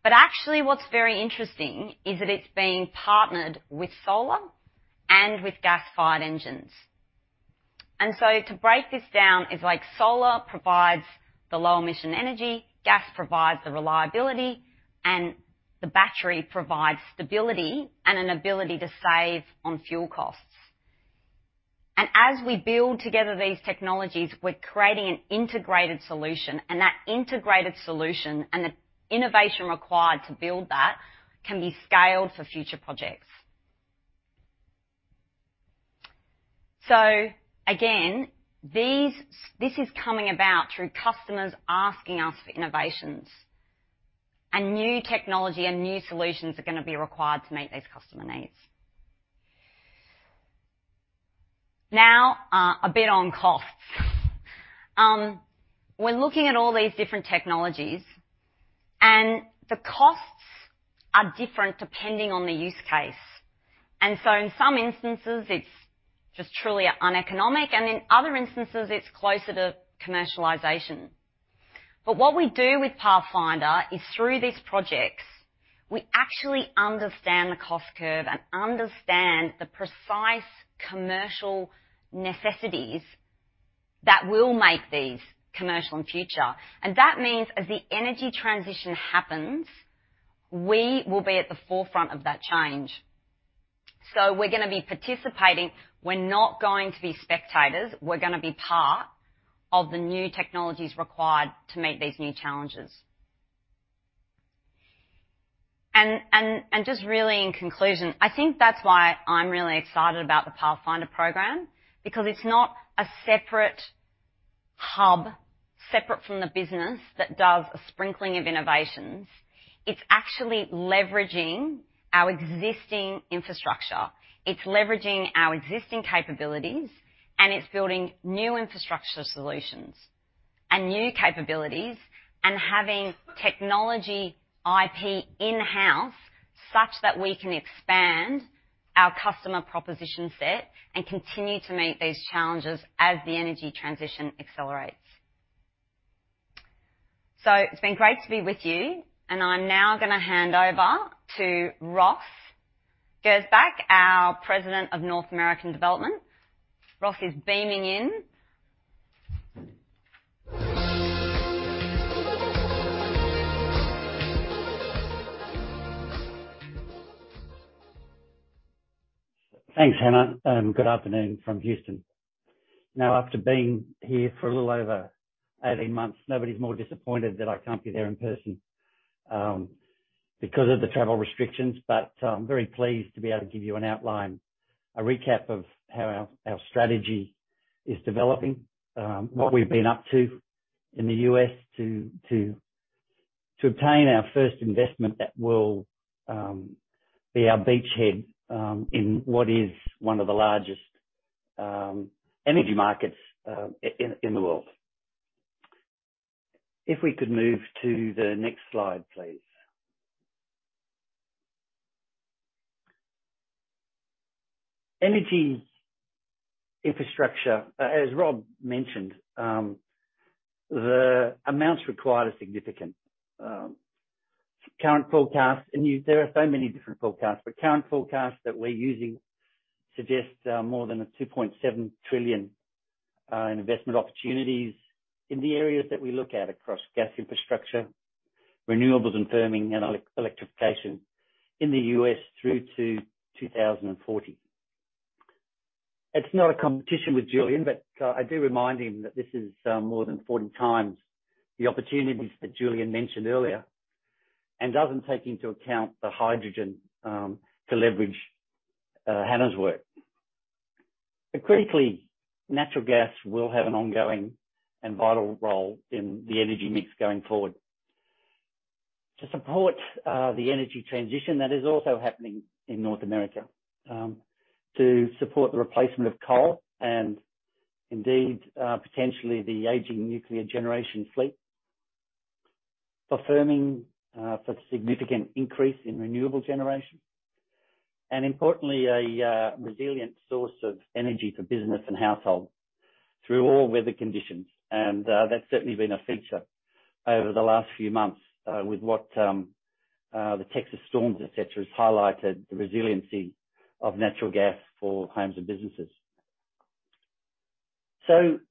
D: Actually what's very interesting is that it's being partnered with solar and with gas-fired engines. To break this down is like solar provides the low-emission energy, gas provides the reliability, and the battery provides stability and an ability to save on fuel costs. As we build together these technologies, we're creating an integrated solution, and that integrated solution and the innovation required to build that can be scaled for future projects. Again, this is coming about through customers asking us for innovations. New technology and new solutions are going to be required to meet those customer needs. Now, a bit on costs. We're looking at all these different technologies, and the costs are different depending on the use case. In some instances it's just truly uneconomic, and in other instances it's closer to commercialization. What we do with Pathfinder is through these projects, we actually understand the cost curve and understand the precise commercial necessities that will make these commercial in future. That means as the energy transition happens, we will be at the forefront of that change. We're going to be participating. We're not going to be spectators. We're going to be part of the new technologies required to meet these new challenges. Just really in conclusion, I think that's why I'm really excited about the Pathfinder Program, because it's not a separate hub, separate from the business that does a sprinkling of innovations. It's actually leveraging our existing infrastructure. It's leveraging our existing capabilities, and it's building new infrastructure solutions and new capabilities and having technology IP in-house such that we can expand our customer proposition set and continue to meet these challenges as the energy transition accelerates. It's been great to be with you and I'm now going to hand over to Ross Gersbach, our President of North American Development. Ross is beaming in.
E: Thanks, Hannah. Good afternoon from Houston. After being here for a little over 18 months, nobody's more disappointed that I can't be there in person because of the travel restrictions. I'm very pleased to be able to give you an outline, a recap of how our strategy is developing, what we've been up to in the U.S. to obtain our first investment that will be our beachhead in what is one of the largest energy markets in the world. If we could move to the next slide, please. Energy infrastructure, as Rob mentioned, the amounts required are significant. Current forecasts, there are so many different forecasts, current forecasts that we're using suggest more than a $2.7 trillion investment opportunities in the areas that we look at across gas infrastructure, renewables and firming, and electrification in the U.S. through to 2040. It's no competition with Julian, but I do remind him that this is more than 40x the opportunities that Julian mentioned earlier, and doesn't take into account the hydrogen to leverage Hannah's work. Critically, natural gas will have an ongoing and vital role in the energy mix going forward to support the energy transition that is also happening in North America to support the replacement of coal and indeed potentially the aging nuclear generation fleet, firming for the significant increase in renewable generation and importantly, a resilient source of energy for business and households through all weather conditions. That's certainly been a feature over the last few months with what the Texas storms, et cetera, has highlighted the resiliency of natural gas for homes and businesses.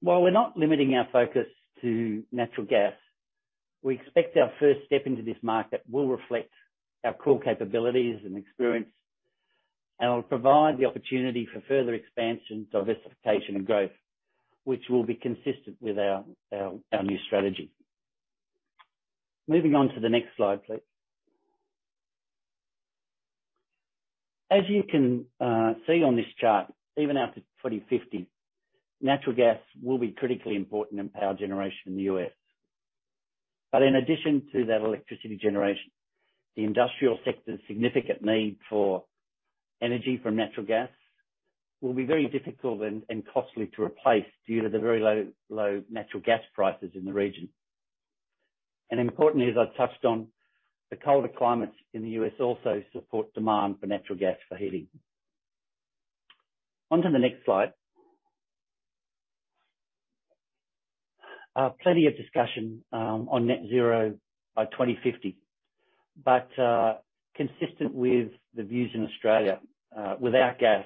E: While we're not limiting our focus to natural gas, we expect our first step into this market will reflect our core capabilities and experience and will provide the opportunity for further expansion, diversification, and growth, which will be consistent with our new strategy. Moving on to the next slide, please. As you can see on this chart, even out to 2050, natural gas will be critically important in power generation in the U.S. In addition to that electricity generation, the industrial sector's significant need for energy from natural gas will be very difficult and costly to replace due to the very low natural gas prices in the region. Importantly, as I touched on, the colder climates in the U.S. also support demand for natural gas for heating. On to the next slide. Plenty of discussion on net zero by 2050, but consistent with the views in Australia, without gas,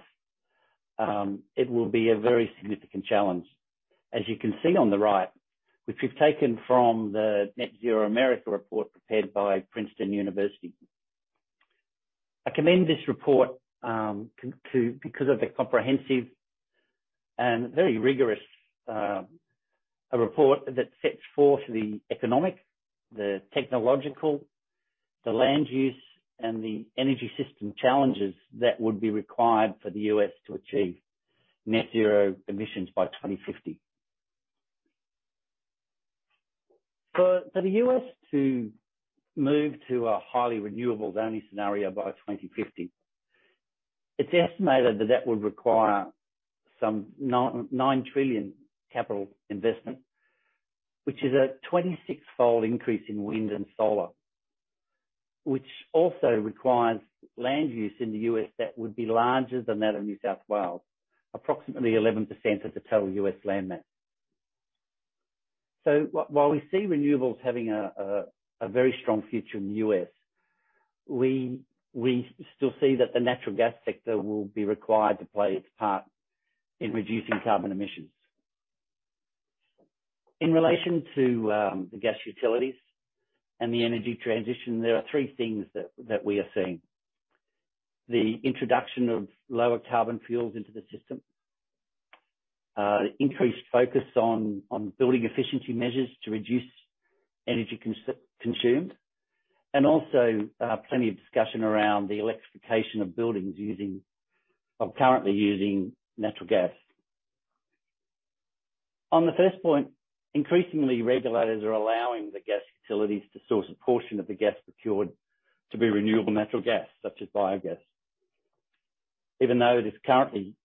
E: it will be a very significant challenge. As you can see on the right, which we've taken from the Net-Zero America report prepared by Princeton University. I commend this report because of the comprehensive and very rigorous report that sets forth the economic, the technological, the land use, and the energy system challenges that would be required for the U.S. to achieve net zero emissions by 2050. For the U.S. to move to a highly renewables-only scenario by 2050, it's estimated that that would require some $9 trillion capital investment, which is a 26-fold increase in wind and solar, which also requires land use in the U.S. that would be larger than that of New South Wales, approximately 11% of the total U.S. land mass. While we see renewables having a very strong future in the U.S., we still see that the natural gas sector will be required to play its part in reducing carbon emissions. In relation to the gas utilities and the energy transition, there are three things that we are seeing. The introduction of lower carbon fuels into the system, increased focus on building efficiency measures to reduce energy consumed, and also plenty of discussion around the electrification of buildings currently using natural gas. On the first point, increasingly regulators are allowing the gas utilities to source a portion of the gas procured to be renewable natural gas, such as biogas, even though it is currently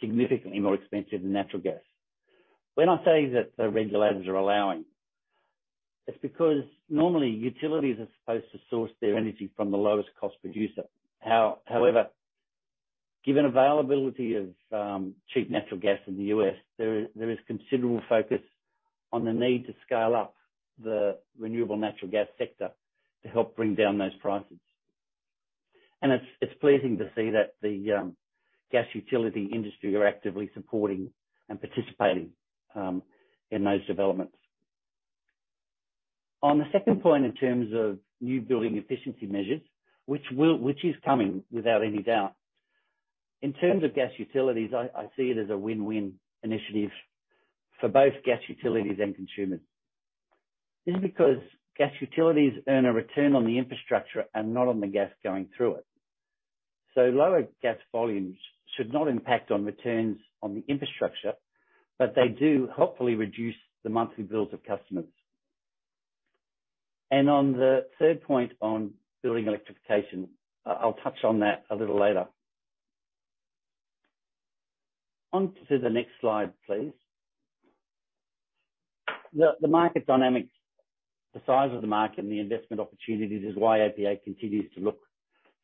E: significantly more expensive than natural gas. When I say that the regulators are allowing, it's because normally utilities are supposed to source their energy from the lowest cost producer. Given availability of cheap natural gas in the U.S., there is considerable focus on the need to scale up the renewable natural gas sector to help bring down those prices. It's pleasing to see that the gas utility industry are actively supporting and participating in those developments. On the second point, in terms of new building efficiency measures, which is coming without any doubt. In terms of gas utilities, I see it as a win-win initiative for both gas utilities and consumers, this because gas utilities earn a return on the infrastructure and not on the gas going through it. Lower gas volumes should not impact on returns on the infrastructure, but they do hopefully reduce the monthly bills of customers. On the third point on building electrification, I'll touch on that a little later. On to the next slide, please. The market dynamics, the size of the market, and the investment opportunities is why APA continues to look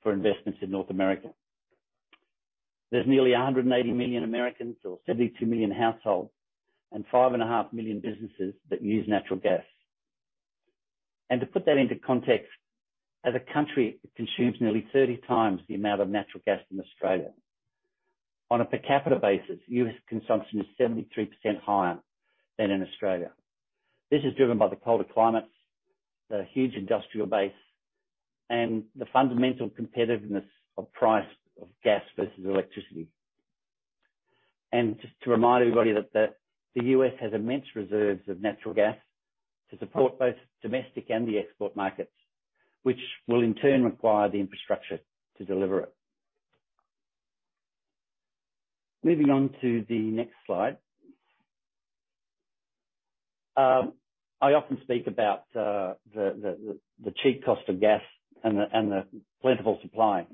E: for investments in North America. There's nearly 180 million Americans, or 72 million households, and 5.5 million businesses that use natural gas. To put that into context, as a country, it consumes nearly 30x the amount of natural gas in Australia. On a per capita basis, U.S. consumption is 72% higher than in Australia. This is driven by the polar climates, the huge industrial base, and the fundamental competitiveness of price of gas versus electricity. Just to remind everybody that the U.S. has immense reserves of natural gas to support both domestic and the export markets, which will in turn require the infrastructure to deliver it. Moving on to the next slide. I often speak about the cheap cost of gas and the plentiful supply,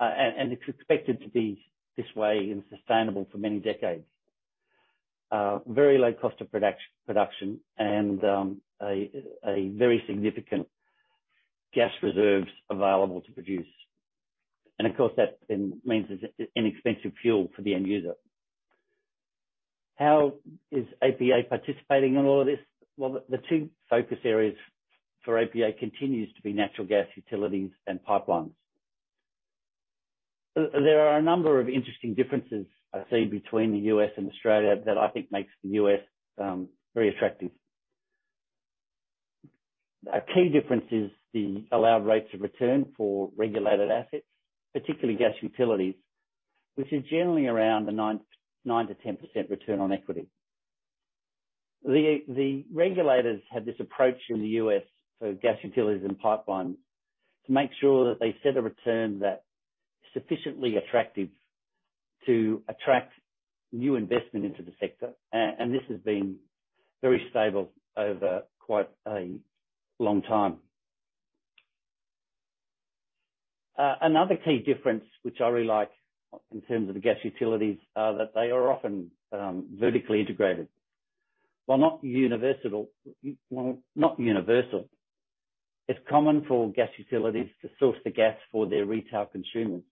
E: and it's expected to be this way and sustainable for many decades. Very low cost of production and a very significant gas reserves available to produce. Of course, that then means it's an inexpensive fuel for the end user. How is APA participating in all this? Well, the two focus areas for APA continues to be natural gas utilities and pipelines. There are a number of interesting differences I see between the U.S. and Australia that I think makes the U.S. very attractive. A key difference is the allowed rates of return for regulated assets, particularly gas utilities, which is generally around a 9%-10% return on equity. The regulators have this approach in the U.S. for gas utilities and pipelines to make sure that they set a return that sufficiently attractive to attract new investment into the sector, this has been very stable over quite a long time. Another key difference which I really like in terms of the gas utilities are that they are often vertically integrated. While not universal, it's common for gas utilities to source the gas for their retail consumers,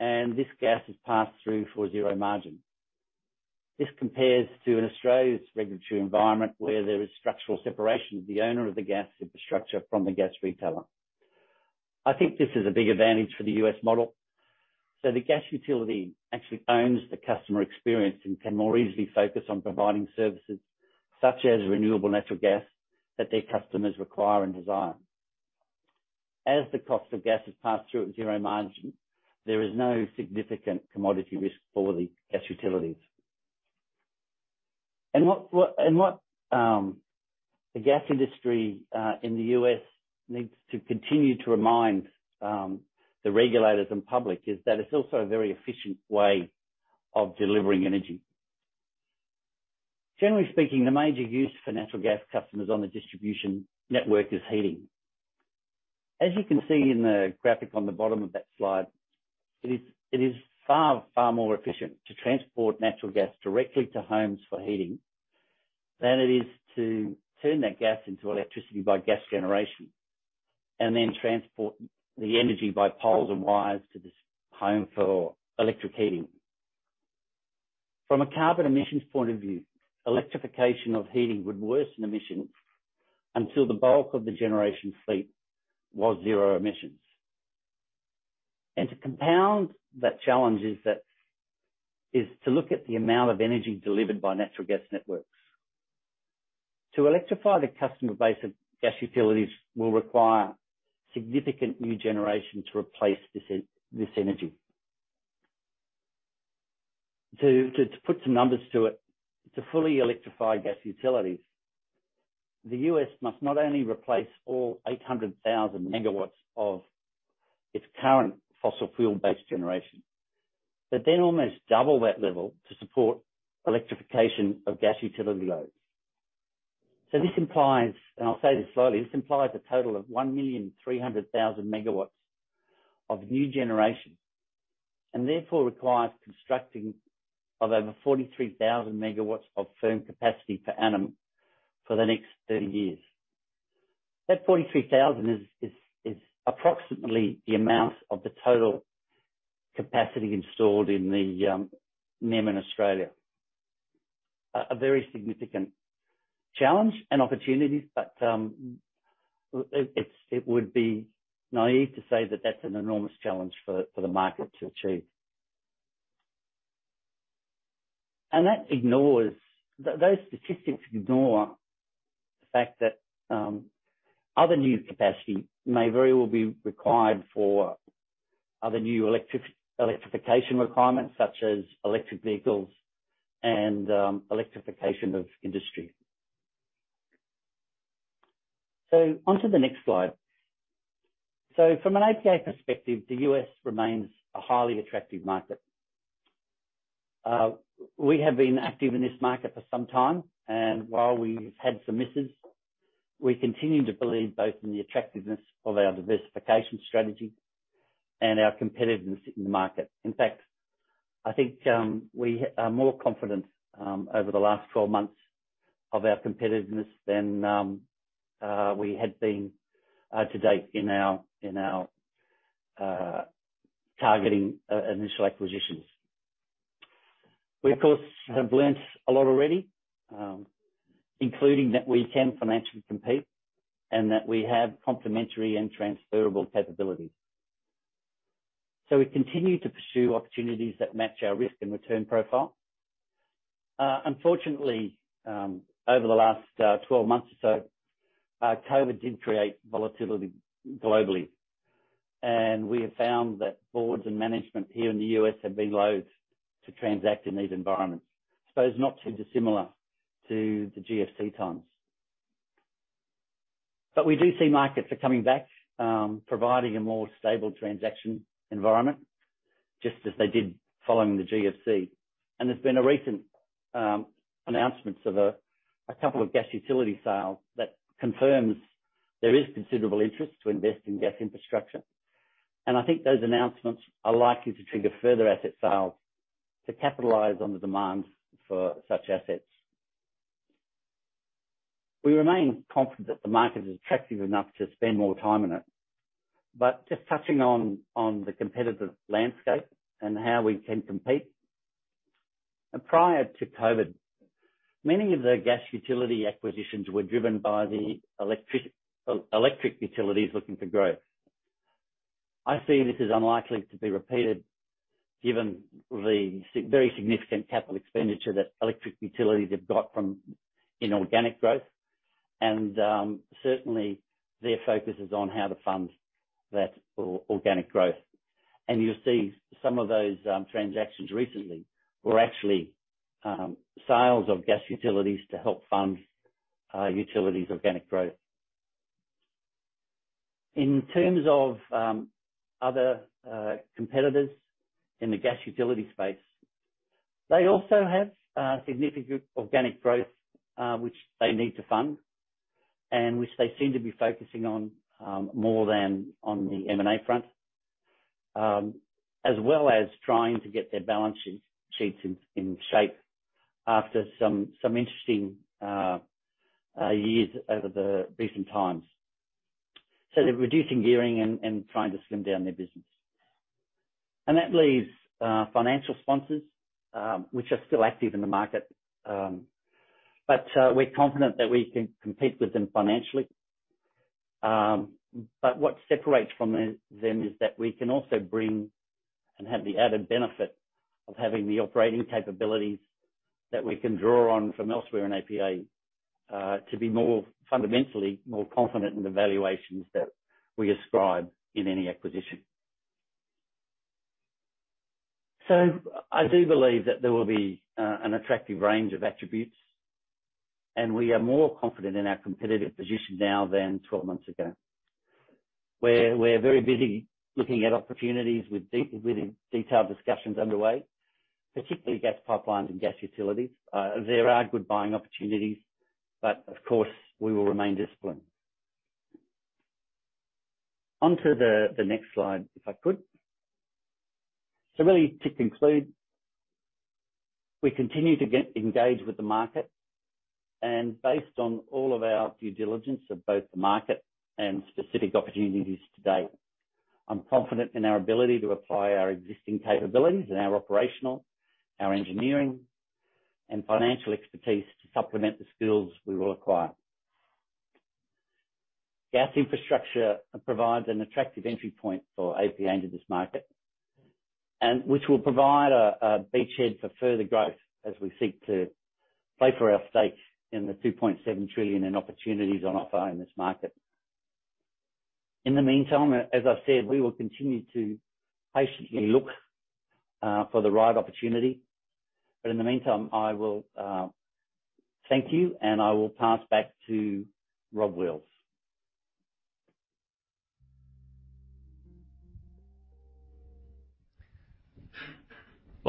E: and this gas is passed through for zero margin. This compares to Australia's regulatory environment, where there is structural separation of the owner of the gas infrastructure from the gas retailer. I think this is a big advantage for the U.S. model. The gas utility actually owns the customer experience and can more easily focus on providing services such as renewable natural gas that their customers require and desire. As the cost of gas is passed through at zero margin, there is no significant commodity risk for the gas utilities. What the gas industry in the U.S. needs to continue to remind the regulators and public is that it's also a very efficient way of delivering energy. Generally speaking, the major use for natural gas customers on the distribution network is heating. As you can see in the graphic on the bottom of that slide, it is far more efficient to transport natural gas directly to homes for heating than it is to turn that gas into electricity by gas generation, and then transport the energy by poles and wires to this home for electric heating. From a carbon emissions point of view, electrification of heating would worsen emissions until the bulk of the generation fleet was zero emissions. To compound the challenges is to look at the amount of energy delivered by natural gas networks. To electrify the customer base of gas utilities will require significant new generation to replace this energy. To put some numbers to it, to fully electrify gas utilities, the U.S. must not only replace all 800,000 MW of its current fossil fuel-based generation, but then almost double that level to support electrification of gas utility loads. This implies, and I'll say this slowly, this implies a total of 1,300,000 MW of new generation, and therefore requires constructing of over 43,000 MW of firm capacity per annum for the next 30 years. That 43,000 MW is approximately the amount of the total capacity installed in the NEM in Australia. A very significant challenge and opportunity, but it would be naive to say that that's an enormous challenge for the market to achieve. Those statistics ignore the fact that other new capacity may very well be required for other new electrification requirements such as electric vehicles and electrification of industry. Onto the next slide. From an APA perspective, the U.S. remains a highly attractive market. We have been active in this market for some time, and while we've had some misses, we continue to believe both in the attractiveness of our diversification strategy and our competitiveness in the market. In fact, I think we are more confident over the last 12 months of our competitiveness than we had been to date in our targeting initial acquisitions. We, of course, have learned a lot already, including that we can financially compete and that we have complementary and transferable capabilities. We continue to pursue opportunities that match our risk and return profile. Unfortunately, over the last 12 months or so, COVID did create volatility globally, and we have found that boards and management here in the U.S. have been loathe to transact in these environments. It's not too dissimilar to the GFC times. We do see markets are coming back, providing a more stable transaction environment, just as they did following the GFC. There's been recent announcements of a couple of gas utility sales that confirms there is considerable interest to invest in gas infrastructure, and I think those announcements are likely to trigger further asset sales to capitalize on the demand for such assets. We remain confident that the market is attractive enough to spend more time in it, but just touching on the competitive landscape and how we can compete. Prior to COVID, many of the gas utility acquisitions were driven by the electric utilities looking for growth. I see this as unlikely to be repeated given the very significant capital expenditure that electric utilities have got from inorganic growth, and certainly their focus is on how to fund that organic growth. You will see some of those transactions recently were actually sales of gas utilities to help fund utilities' organic growth. In terms of other competitors in the gas utility space, they also have significant organic growth, which they need to fund and which they seem to be focusing on more than on the M&A front, as well as trying to get their balance sheets in shape after some interesting years over the recent times. They are reducing gearing and trying to slim down their business. That leaves financial sponsors, which are still active in the market, but we're confident that we can compete with them financially. What separates from them is that we can also bring and have the added benefit of having the operating capabilities that we can draw on from elsewhere in APA to be more fundamentally more confident in the valuations that we ascribe in any acquisition. I do believe that there will be an attractive range of attributes, and we are more confident in our competitive position now than 12 months ago. We're very busy looking at opportunities with detailed discussions underway, particularly gas pipelines and gas utilities. There are good buying opportunities, but of course, we will remain disciplined. On to the next slide, if I could. Really, to conclude, we continue to engage with the market, based on all of our due diligence of both the market and specific opportunities to date, I'm confident in our ability to apply our existing capabilities and our operational, our engineering, and financial expertise to supplement the skills we will acquire. Gas infrastructure provides an attractive entry point for APA into this market, which will provide a beachhead for further growth as we seek to play for our stakes in the $2.7 trillion in opportunities on offer in this market. In the meantime, as I said, we will continue to patiently look for the right opportunity. In the meantime, I will thank you, and I will pass back to Rob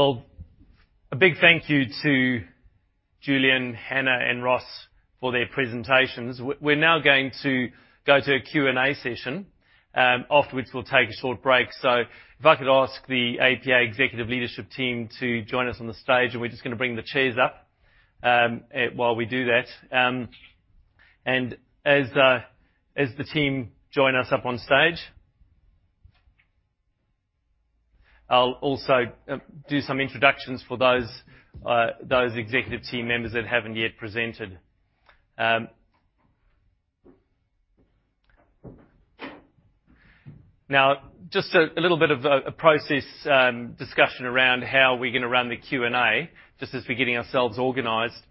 E: Wheals.
B: A big thank you to Julian, Hannah, and Ross for their presentations. We're now going to go to a Q&A session, afterwards we'll take a short break. If I could ask the APA executive leadership team to join us on the stage, we're just going to bring the chairs up while we do that. As the team join us up on stage, I'll also do some introductions for those executive team members that haven't yet presented. Just a little bit of a process discussion around how we're going to run the Q&A, just as we're getting ourselves organized.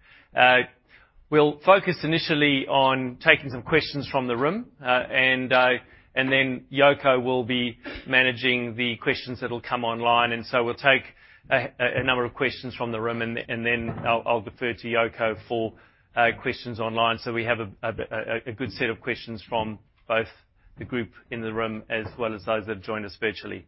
B: We'll focus initially on taking some questions from the room, and then Yoko will be managing the questions that will come online. We'll take a number of questions from the room, and then I'll defer to Yoko for questions online so we have a good set of questions from both the group in the room as well as those that joined us virtually.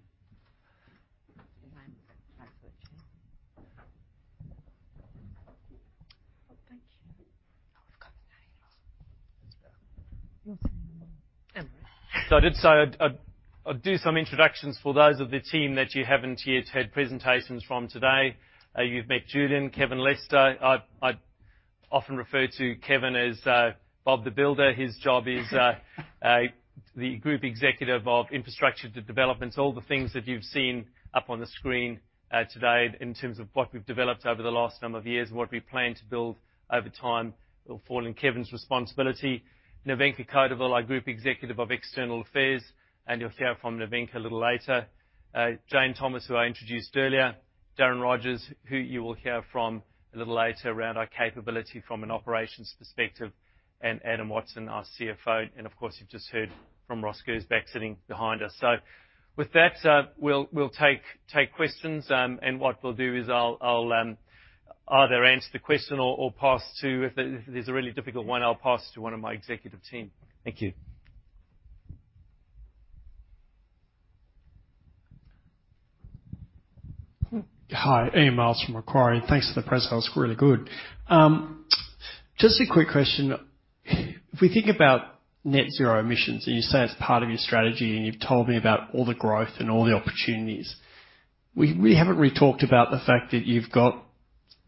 B: I'll do some introductions for those of the team that you haven't yet had presentations from today. You've met Julian, Kevin Lester. I often refer to Kevin as Bob the Builder. His job is the Group Executive of Infrastructure Development, all the things that you've seen up on the screen today in terms of what we've developed over the last number of years and what we plan to build over time will fall in Kevin's responsibility. Nevenka Codevelle, Group Executive of External Affairs, and you'll hear from Nevenka a little later. Jane Thomas, who I introduced earlier, Darren Rogers, who you will hear from a little later around our capability from an operations perspective, and Adam Watson, our CFO, and of course, you've just heard from Ross Gersbach sitting behind us. With that, we'll take questions, and what we'll do is I'll either answer the question or, if there's a really difficult one, I'll pass to one of my executive team. Thank you.
F: Hi, Ian Myles from Macquarie. Thanks for the press, that was really good. Just a quick question. If we think about net zero emissions, you say it's part of your strategy, you've told me about all the growth and all the opportunities. We haven't really talked about the fact that you've got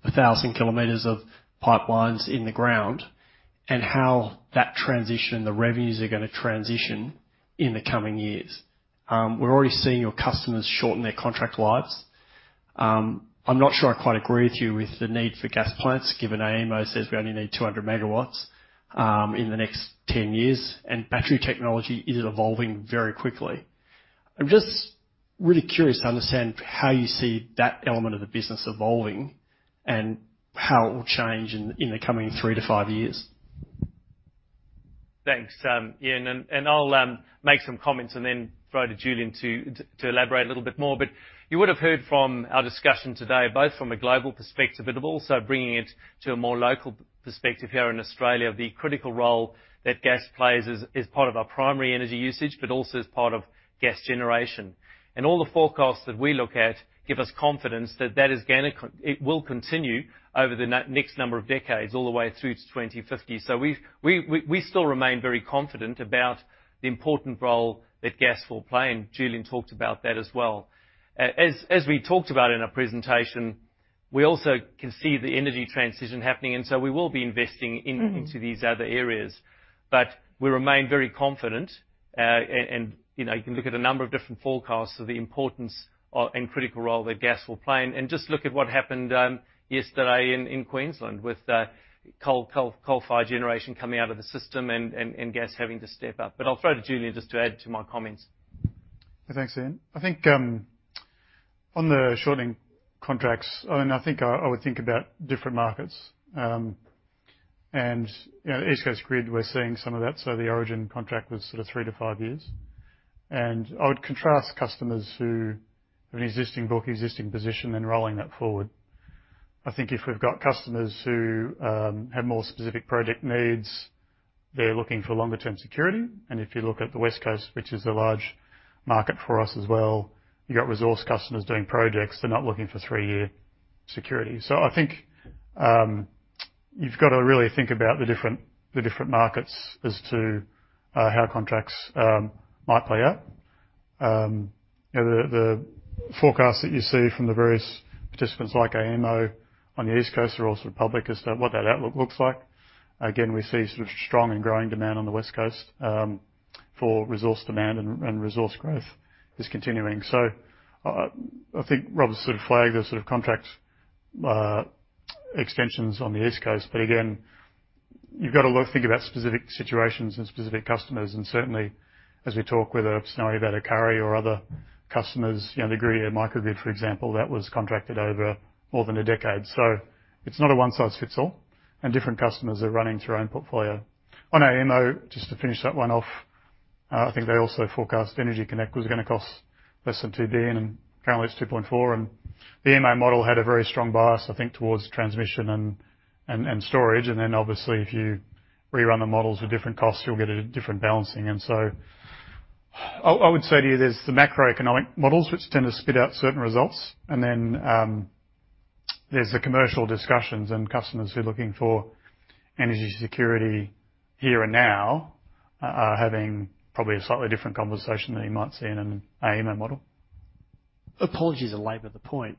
F: 1,000 km of pipelines in the ground and how that transition, the revenues are going to transition in the coming years. We're already seeing your customers shorten their contract lives. I'm not sure I quite agree with you with the need for gas plants, given AEMO says we only need 200 MW in the next 10 years, battery technology is evolving very quickly. I'm just really curious to understand how you see that element of the business evolving and how it will change in the coming three to five years.
B: Thanks, Ian. I'll make some comments and then throw to Julian to elaborate a little bit more. You would have heard from our discussion today, both from a global perspective, but also bringing it to a more local perspective here in Australia, the critical role that gas plays as part of our primary energy usage, but also as part of gas generation. All the forecasts that we look at give us confidence that it will continue over the next number of decades, all the way through to 2050. We still remain very confident about the important role that gas will play, and Julian talked about that as well. As we talked about in our presentation. We also can see the energy transition happening, we will be investing into these other areas. We remain very confident, and you can look at a number of different forecasts of the importance and critical role that gas will play. Just look at what happened yesterday in Queensland with coal-fired generation coming out of the system and gas having to step up. I'll throw to Julian just to add to my comments.
C: Thanks, Ian. I think on the shorting contracts, and I think I would think about different markets. East Coast Grid, we're seeing some of that. The Origin contract was sort of three to five years. I would contrast customers who have an existing book, existing position, and rolling that forward. I think if we've got customers who have more specific project needs, they're looking for longer-term security. If you look at the West Coast, which is a large market for us as well, you got resource customers doing projects. They're not looking for three-year security. I think you've got to really think about the different markets as to how contracts might play out. The forecasts that you see from the various participants like AEMO on the East Coast are also public as to what that outlook looks like. We see strong and growing demand on the West Coast for resource demand and resource growth is continuing. I think Robert sort of flagged the sort of contract extensions on the East Coast. Again, you've got to think about specific situations and specific customers, and certainly as we talk whether it's now about Kurri or other customers, the agreement with Microgrid, for example, that was contracted over more than a decade. It's not a one-size-fits-all, and different customers are running their own portfolio. On AEMO, just to finish that one off, I think they also forecast EnergyConnect was going to cost less than 2 billion and currently it's 2.4 billion, and the AEMO model had a very strong bias, I think, towards transmission and storage. Obviously, if you rerun the models with different costs, you'll get a different balancing. I would say to you, there's the macroeconomic models which tend to spit out certain results, then there's the commercial discussions and customers who are looking for energy security here and now are having probably a slightly different conversation than you might see in an AEMO model.
F: Apologies to labor the point.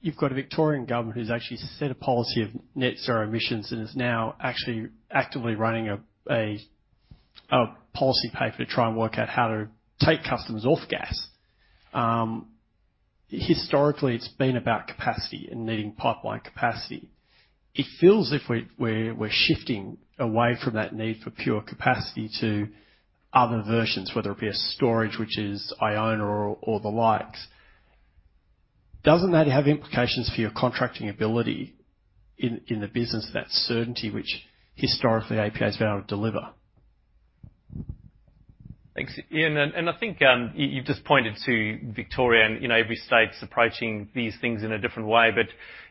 F: You've got a Victorian government who's actually set a policy of net zero emissions and is now actually actively running a policy paper to try and work out how to take customers off gas. Historically, it's been about capacity and needing pipeline capacity. It feels as if we're shifting away from that need for pure capacity to other versions, whether it be a storage, which is Iona or the likes. Doesn't that have implications for your contracting ability in the business, that certainty which historically APA has been able to deliver?
B: Thanks, Ian, and I think you just pointed to Victoria and every state's approaching these things in a different way, but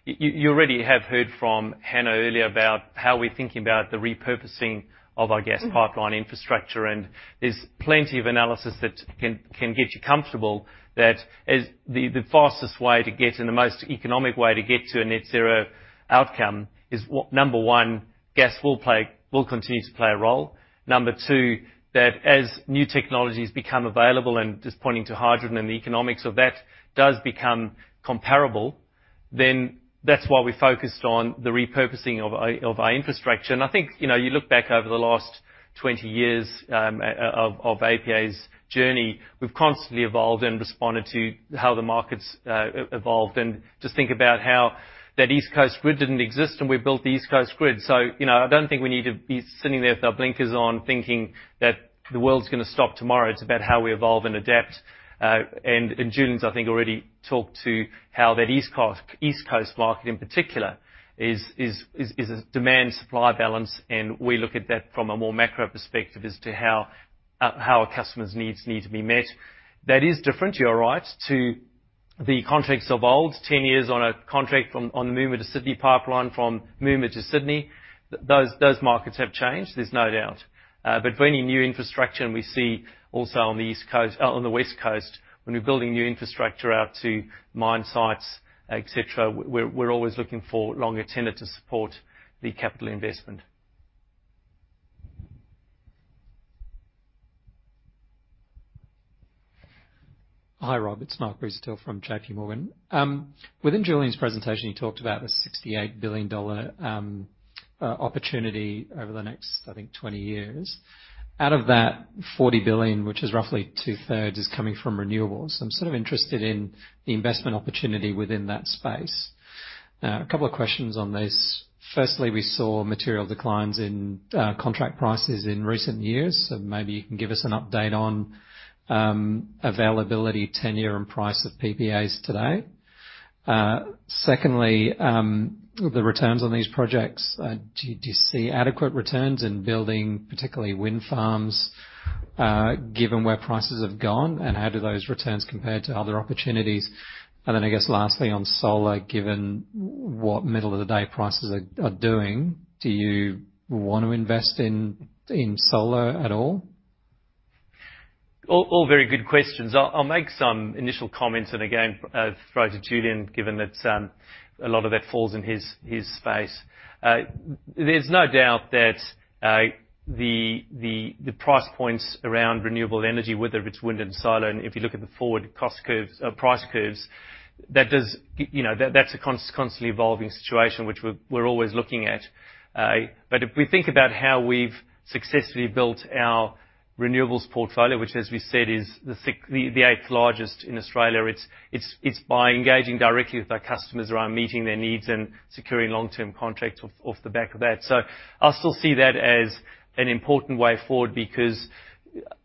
B: you already have heard from Hannah earlier about how we're thinking about the repurposing of our gas pipeline infrastructure, and there's plenty of analysis that can get you comfortable that the fastest way to get to, the most economic way to get to a net zero outcome is what, number one, gas will continue to play a role. Number two, that as new technologies become available and just pointing to hydrogen and the economics of that does become comparable, then that's why we focused on the repurposing of our infrastructure. I think, you look back over the last 20 years of APA's journey, we've constantly evolved and responded to how the market's evolved and just think about how that East Coast Grid didn't exist, and we built the East Coast Grid. I don't think we need to be sitting there with our blinkers on thinking that the world's going to stop tomorrow. It's about how we evolve and adapt. Julian's, I think, already talked to how that East Coast market in particular is a demand-supply balance, and we look at that from a more macro perspective as to how our customers' needs need to be met. That is different, you are right, to the contracts evolved 10 years on a contract on the Moomba to Sydney Pipeline from Moomba to Sydney. Those markets have changed, there's no doubt. Building new infrastructure, and we see also on the West Coast, when we're building new infrastructure out to mine sites, et cetera, we're always looking for longer tenure to support the capital investment.
G: Hi, Rob. Mark Busuttil from JPMorgan. Within Julian's presentation, you talked about an 68 billion dollar opportunity over the next, I think, 20 years. Out of that, 40 billion, which is roughly 2/3s, is coming from renewables. I'm sort of interested in the investment opportunity within that space. A couple of questions on this. Firstly, we saw material declines in contract prices in recent years, so maybe you can give us an update on availability, tenure, and price of PPAs today. Secondly, the returns on these projects, do you see adequate returns in building particularly wind farms, given where prices have gone, and how do those returns compare to other opportunities? I guess lastly, on solar, given what middle-of-the-day prices are doing, do you want to invest in solar at all?
B: All very good questions. I'll make some initial comments and again, throw to Julian, given that a lot of that falls in his space. There's no doubt that the price points around renewable energy, whether it's wind and solar, and if you look at the forward price curves, that's a constantly evolving situation, which we're always looking at. If we think about how we've successfully built our renewables portfolio, which as we said is the eighth largest in Australia, it's by engaging directly with our customers around meeting their needs and securing long-term contracts off the back of that. I still see that as an important way forward because,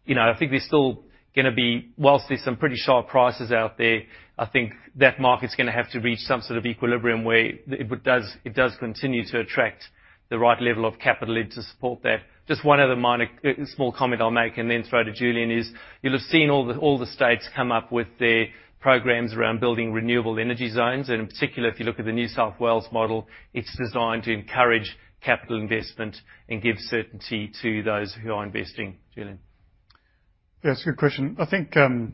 B: I think there's still going to be, whilst there's some pretty sharp prices out there, I think that market's going to have to reach some sort of equilibrium where it does continue to attract the right level of capital in to support that. Just one other minor small comment I'll make and then throw to Julian is, you'll have seen all the states come up with their programs around building Renewable Energy Zones, and in particular, if you look at the New South Wales model, it's designed to encourage capital investment and give certainty to those who are investing. Julian.
C: That's a good question. I think, and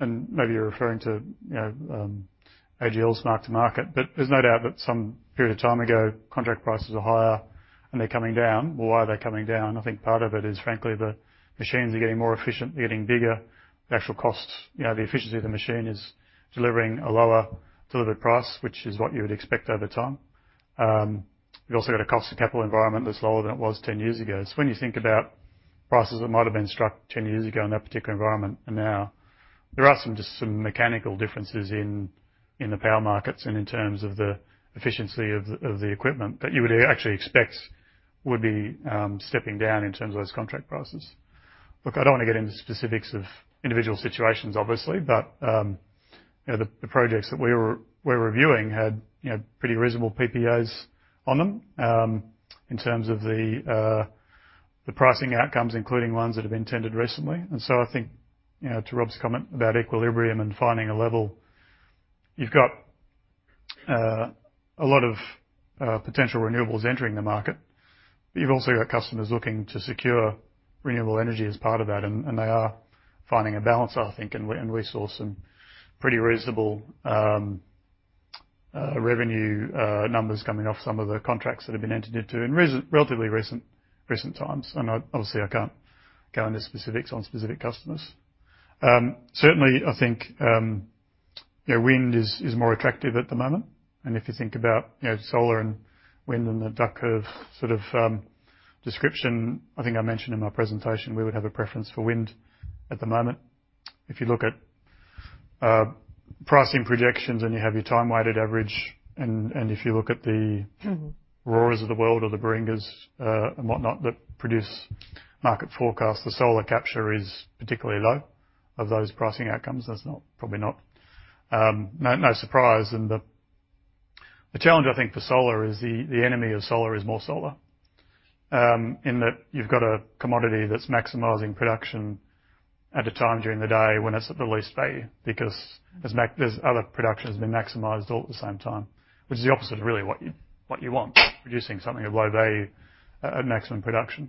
C: maybe you're referring to AGL's mark to market, but there's no doubt that some period of time ago, contract prices were higher and they're coming down. Why are they coming down? I think part of it is frankly, the machines are getting more efficient, getting bigger. The actual cost, the efficiency of the machine is delivering a lower delivered price, which is what you would expect over time. You also got a cost of capital environment that's lower than it was 10 years ago. When you think about prices that might have been struck 10 years ago in that particular environment and now, there are just some mechanical differences in the power markets and in terms of the efficiency of the equipment that you would actually expect would be stepping down in terms of those contract prices. Look, I don't want to get into specifics of individual situations, obviously, but the projects that we're reviewing had pretty reasonable PPAs on them, in terms of the pricing outcomes, including ones that have been tendered recently. So I think, to Rob's comment about equilibrium and finding a level, you've got a lot of potential renewables entering the market, but you've also got customers looking to secure renewable energy as part of that, and they are finding a balance, I think, and we saw some pretty reasonable revenue numbers coming off some of the contracts that have been entered into in relatively recent times. Obviously, I can't go into specifics on specific customers. Certainly, I think, wind is more attractive at the moment. If you think about solar and wind and the duck curve sort of description, I think I mentioned in my presentation, we would have a preference for wind at the moment. If you look at pricing projections and you have your time-weighted average, and if you look at the ROARers of the world or the Baringas and whatnot that produce market forecasts, the solar capture is particularly low of those pricing outcomes. That's probably not no surprise. The challenge I think for solar is the enemy of solar is more solar, in that you've got a commodity that's maximizing production at a time during the day when it's at the least value because there's other production has been maximized all at the same time, which is the opposite of really what you want, producing something of low value at maximum production.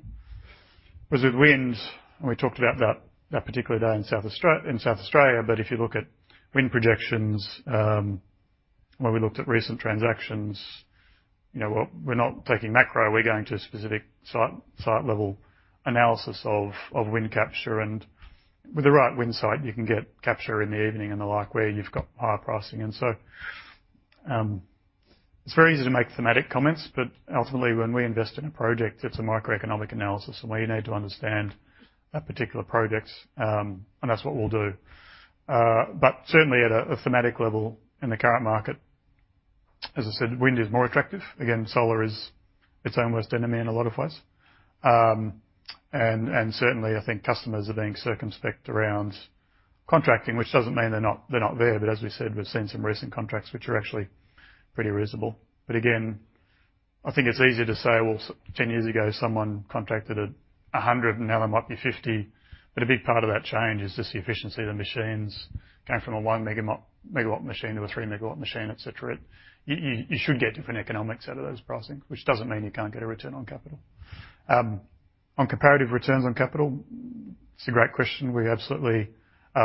C: Whereas with wind, and we talked about that particular day in South Australia, but if you look at wind projections, where we looked at recent transactions, we're not taking macro, we're going to a specific site-level analysis of wind capture and with the right wind site, you can get capture in the evening and the like where you've got higher pricing. It's very easy to make thematic comments, but ultimately, when we invest in a project, it's a microeconomic analysis, and we need to understand that particular project, and that's what we'll do. Certainly at a thematic level in the current market, as I said, wind is more attractive. Again, solar is its own worst enemy in a lot of ways. Certainly, I think customers are being circumspect around contracting, which doesn't mean they're not there. As we said, we've seen some recent contracts, which are actually pretty reasonable. Again, I think it's easy to say, 10 years ago, someone contracted at 100, and now they might be 50. A big part of that change is just the efficiency of the machines came from a 1 MW machine to a 3 MW machine, et cetera. You should get different economics out of those pricing, which doesn't mean you can't get a return on capital. On comparative returns on capital, it's a great question. We're absolutely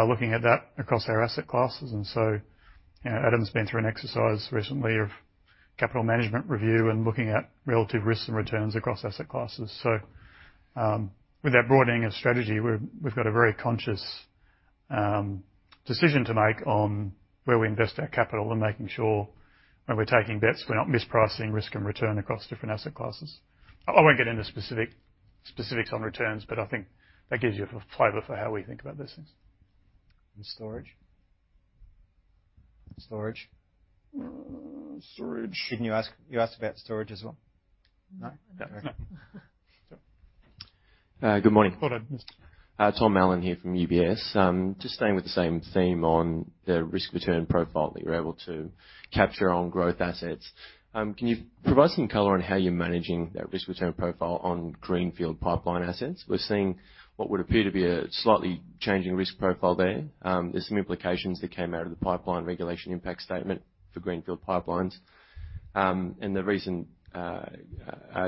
C: looking at that across our asset classes, Adam's been through an exercise recently of capital management review and looking at relative risks and returns across asset classes. With that broadening of strategy, we've got a very conscious decision to make on where we invest our capital and making sure when we're taking bets, we're not mispricing risk and return across different asset classes. I won't get into specifics on returns, but I think that gives you a flavor for how we think about those things.
B: Storage. You asked about storage as well?
G: No.
B: Okay.
H: Good morning.
B: Thought I'd missed it.
H: Tom Allen here from UBS. Just staying with the same theme on the risk-return profile that you're able to capture on growth assets. Can you provide some color on how you're managing that risk-return profile on greenfield pipeline assets? We're seeing what would appear to be a slightly changing risk profile there. There's some implications that came out of the pipeline Decision Regulation Impact Statement for greenfield pipelines. The reason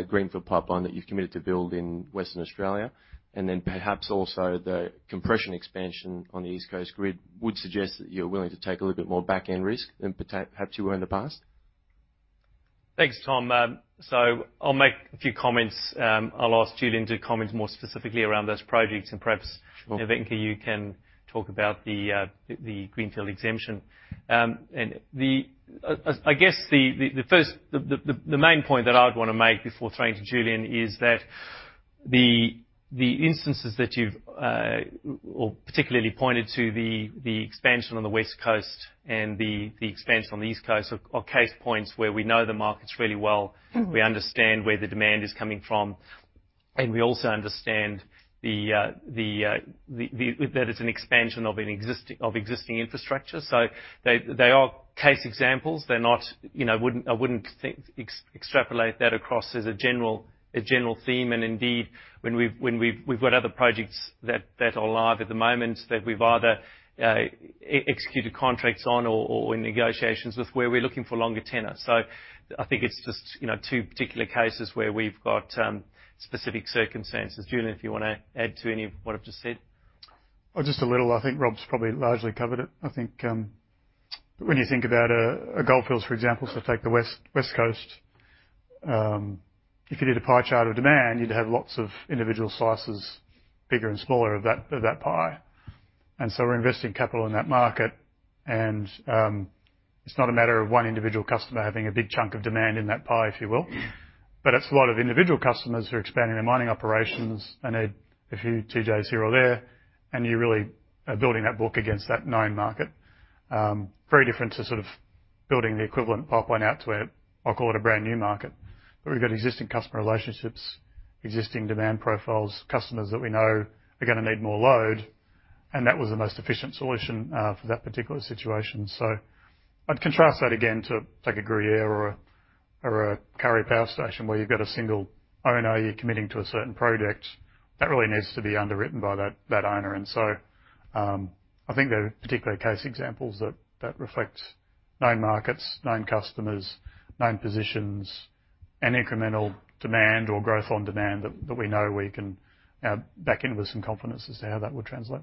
H: greenfield pipeline that you've committed to build in Western Australia, and then perhaps also the compression expansion on the East Coast Grid would suggest that you're willing to take a little bit more back-end risk than perhaps you were in the past.
B: Thanks, Tom. I'll make a few comments. I'll ask Julian to comment more specifically around those projects.
H: Sure.
B: Nevenka, you can talk about the greenfields exemption. I guess the main point that I'd want to make before turning to Julian is that the instances that you've particularly pointed to the expansion on the West Coast and the expansion on the East Coast are case points where we know the markets really well. We understand where the demand is coming from, and we also understand that it's an expansion of existing infrastructure. They are case examples. I wouldn't extrapolate that across as a general theme. Indeed, when we've got other projects that are live at the moment that we've either executed contracts on or in negotiations with, where we're looking for longer tenure. I think it's just two particular cases where we've got specific circumstances. Julian, if you want to add to any of what I've just said.
C: Just a little. I think Rob's probably largely covered it. I think when you think about Goldfields, for example, take the West Coast, if you did a pie chart of demand, you'd have lots of individual slices, bigger and smaller of that pie. We're investing capital in that market, and it's not a matter of one individual customer having a big chunk of demand in that pie, if you will. It's a lot of individual customers who are expanding their mining operations and add a few net zero there, and you really are building that book against that known market. Very different to sort of building the equivalent pipeline out to a, I call it, a brand-new market, where we've got existing customer relationships, existing demand profiles, customers that we know are going to need more load, and that was the most efficient solution for that particular situation. I'd contrast that again to take a Gruyere or a Kurri Power Station where you've got a single owner, you're committing to a certain project, that really needs to be underwritten by that owner. I think they're particular case examples that reflect known markets, known customers, known positions, and incremental demand or growth on demand that we know we can back in with some confidence as to how that would translate.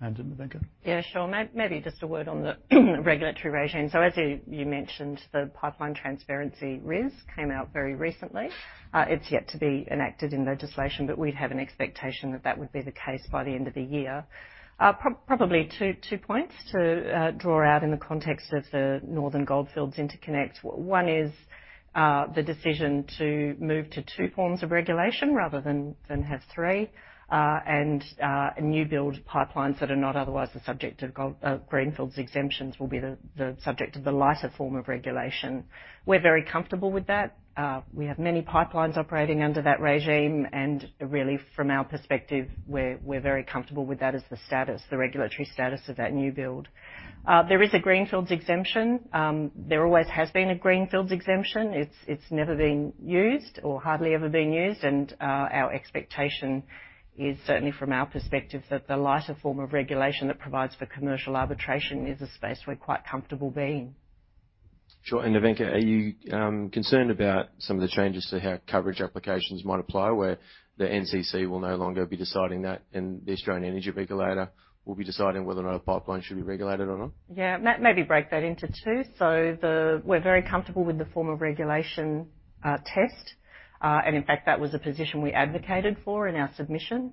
C: To Nevenka.
I: Yeah, sure. Maybe just a word on the regulatory regime. As you mentioned, the pipeline transparency list came out very recently. It's yet to be enacted in legislation, we have an expectation that that would be the case by the end of the year. Probably two points to draw out in the context of Northern Goldfields Interconnect. one is the decision to move to two forms of regulation rather than have three, new build pipelines that are not otherwise the subject of greenfields exemptions will be the subject of the lighter form of regulation. We're very comfortable with that. We have many pipelines operating under that regime, really from our perspective, we're very comfortable with that as the regulatory status of that new build. There is a greenfields exemption. There always has been a greenfields exemption. It's never been used or hardly ever been used. Our expectation is certainly from our perspective, that the lighter form of regulation that provides for commercial arbitration is a space we're quite comfortable being.
H: Sure. Nevenka, are you concerned about some of the changes to how coverage applications might apply, where the NCC will no longer be deciding that and the Australian Energy Regulator will be deciding whether or not a pipeline should be regulated or not?
I: Yeah. Maybe break that into two. We're very comfortable with the form of regulation test, and in fact, that was a position we advocated for in our submission.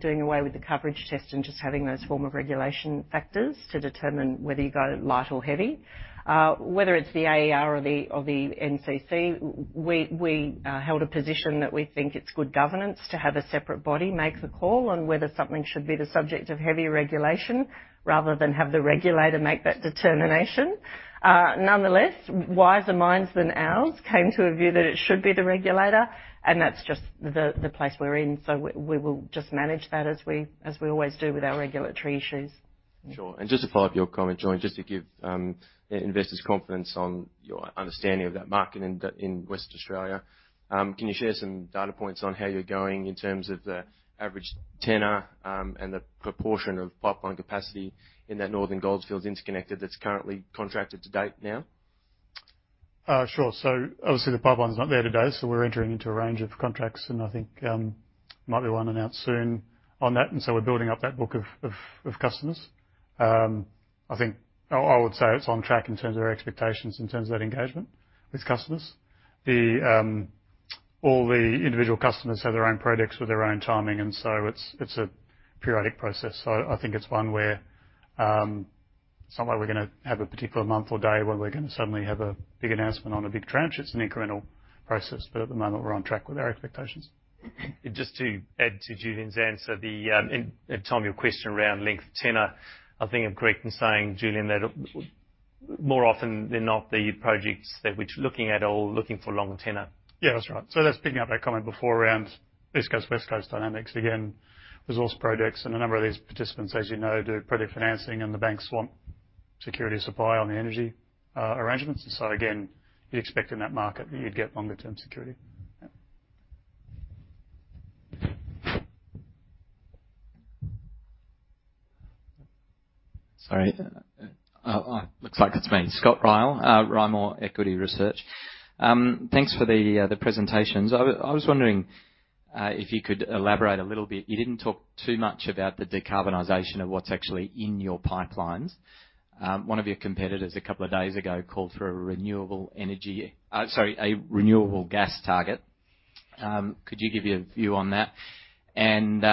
I: Doing away with the coverage test and just having those form of regulation factors to determine whether you go light or heavy. Whether it's the AER or the NCC, we held a position that we think it's good governance to have a separate body make the call on whether something should be the subject of heavier regulation rather than have the regulator make that determination. Nonetheless, wiser minds than ours came to a view that it should be the regulator, and that's just the place we're in. We will just manage that as we always do with our regulatory issues.
H: Sure. Just to follow up your comment, Julian, just to give investors confidence on your understanding of that market in Western Australia, can you share some data points on how you're going in terms of the average tenure and the proportion of pipeline capacity in Northern Goldfields Interconnect that's currently contracted to date now?
C: Sure. Obviously, the pipeline's not there today, so we're entering into a range of contracts, and I think might be one announced soon on that. We're building up that book of customers. I think I would say it's on track in terms of our expectations, in terms of engagement with customers. All the individual customers have their own projects with their own timing, and it's a periodic process. I think it's one where it's not like we're going to have a particular month or day where we're going to suddenly have a big announcement on a big tranche. It's an incremental process, but at the moment, we're on track with our expectations.
B: Just to add to Julian's answer, the time your question around length of tenure, I think I'm correct in saying, Julian, that more often than not, the projects that we're looking at are looking for longer tenure.
C: Yeah, that's right. Just picking up that comment before around East Coast, West Coast dynamics, again, resource projects and a number of these participants, as you know, do project financing and the banks want security of supply on the energy arrangements. Again, you expect in that market that you get longer-term security.
J: Sorry. Looks like it's me. Scott Ryall, Rimor Equity Research. Thanks for the presentations. I was wondering if you could elaborate a little bit. You didn't talk too much about the decarbonization of what's actually in your pipelines. One of your competitors a couple of days ago called for a renewable gas target. Could you give your view on that and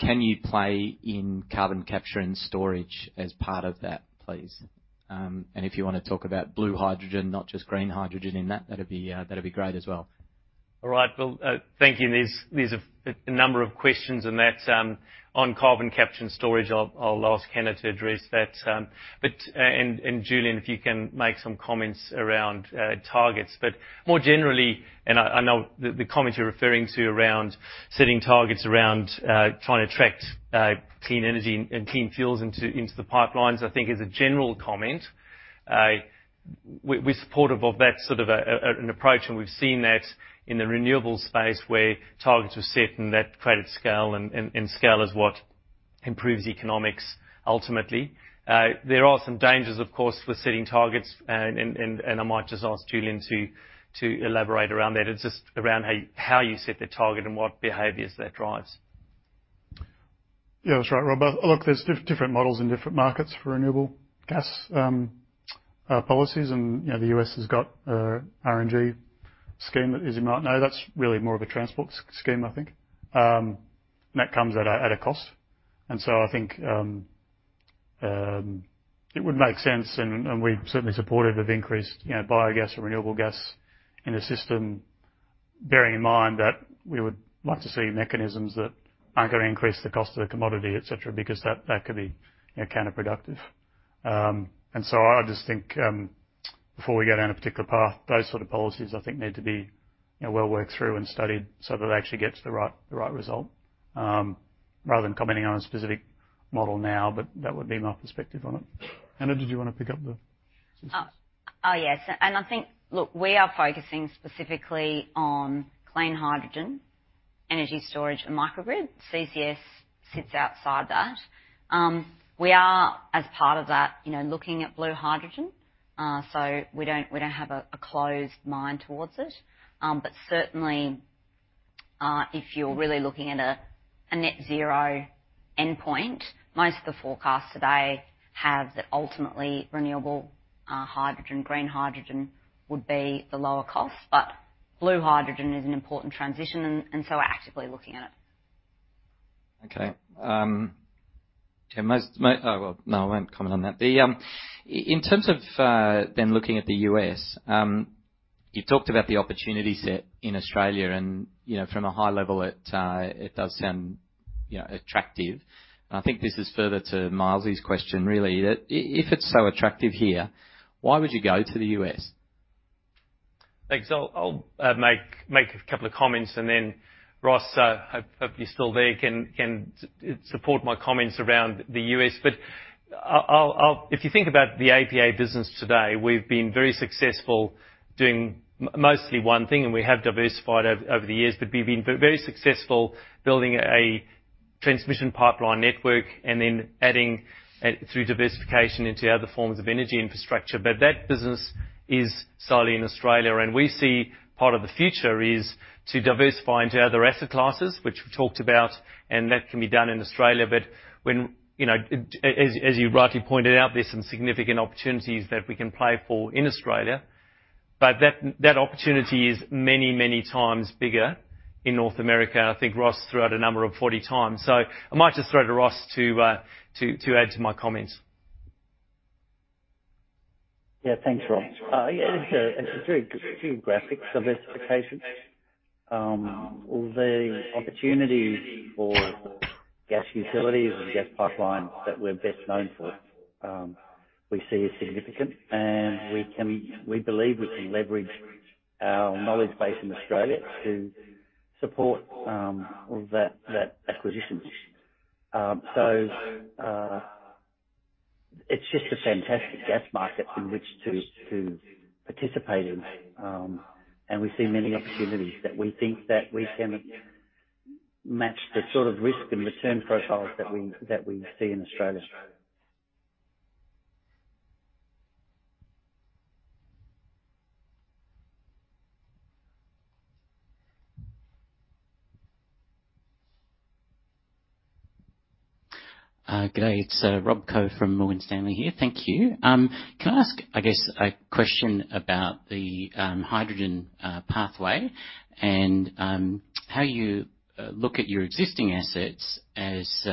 J: can you play in carbon capture and storage as part of that, please? If you want to talk about blue hydrogen, not just green hydrogen in that'd be great as well.
B: All right. Well, thank you. There's a number of questions on that. On carbon capture and storage, I'll ask Hannah to address that, and Julian, if you can make some comments around targets. More generally, and I know the comments you're referring to around setting targets around trying to attract clean energy and clean fuels into the pipelines, I think as a general comment, we're supportive of that sort of an approach, and we've seen that in the renewable space where targets are set and that created scale, and scale is what improves economics ultimately. There are some dangers, of course, for setting targets, and I might just ask Julian to elaborate around that. It's just around how you set the target and what behaviors that drives.
C: Yeah, that's right, Rob. Look, there's different models in different markets for renewable gas policies. The U.S. has got a RNG scheme as you might know. That's really more of a transport scheme, I think. That comes at a cost. I think it would make sense, and we're certainly supportive of increased biogas or renewable gas in the system, bearing in mind that we would like to see mechanisms that aren't going to increase the cost of the commodity, et cetera, because that could be counterproductive. I just think before we go down a particular path, those sort of policies I think need to be well worked through and studied so that they actually get to the right result, rather than commenting on a specific model now, but that would be my perspective on it. Hannah, did you want to pick up?
D: Oh, yeah. I think, look, we are focusing specifically on clean hydrogen, energy storage, and microgrid. CCS sits outside that. We are, as part of that, looking at blue hydrogen. We don't have a closed mind towards it. Certainly, if you're really looking at a net zero endpoint, most of the forecasts today have that ultimately renewable hydrogen, green hydrogen would be the lower cost. Blue hydrogen is an important transition. We're actively looking at it.
J: Okay. Well, no more comments on that. In terms of then looking at the U.S., you talked about the opportunity set in Australia and from a high level it does sound attractive. I think this is further to Myles' question, really. If it's so attractive here, why would you go to the U.S.?
B: Thanks. I'll make a couple of comments and then Ross, I hope you're still there, can support my comments around the U.S. If you think about the APA business today, we've been very successful doing mostly one thing, and we have diversified over the years, but we've been very successful building a transmission pipeline network and then adding through diversification into other forms of energy infrastructure. That business is solely in Australia, and we see part of the future is to diversify into other asset classes, which we've talked about, and that can be done in Australia. As you rightly pointed out, there's some significant opportunities that we can play for in Australia, but that opportunity is many times bigger in North America. I think Ross threw out a number of 40x. I might just throw to Ross to add to my comments.
E: Yeah, thanks, Rob. Yeah, look, it's a few graphics of asset locations. All the opportunities for gas utilities and gas pipelines that we're best known for, we see as significant, and we believe we can leverage our knowledge base in Australia to support all of that acquisitions. It's just a fantastic gas market in which to participate in, and we see many opportunities that we think that we can match the sort of risk and return profiles that we see in Australia.
K: Good day. It is Rob Coe from Morgan Stanley here. Thank you. Can I ask, I guess, a question about the hydrogen pathway and how you look at your existing assets as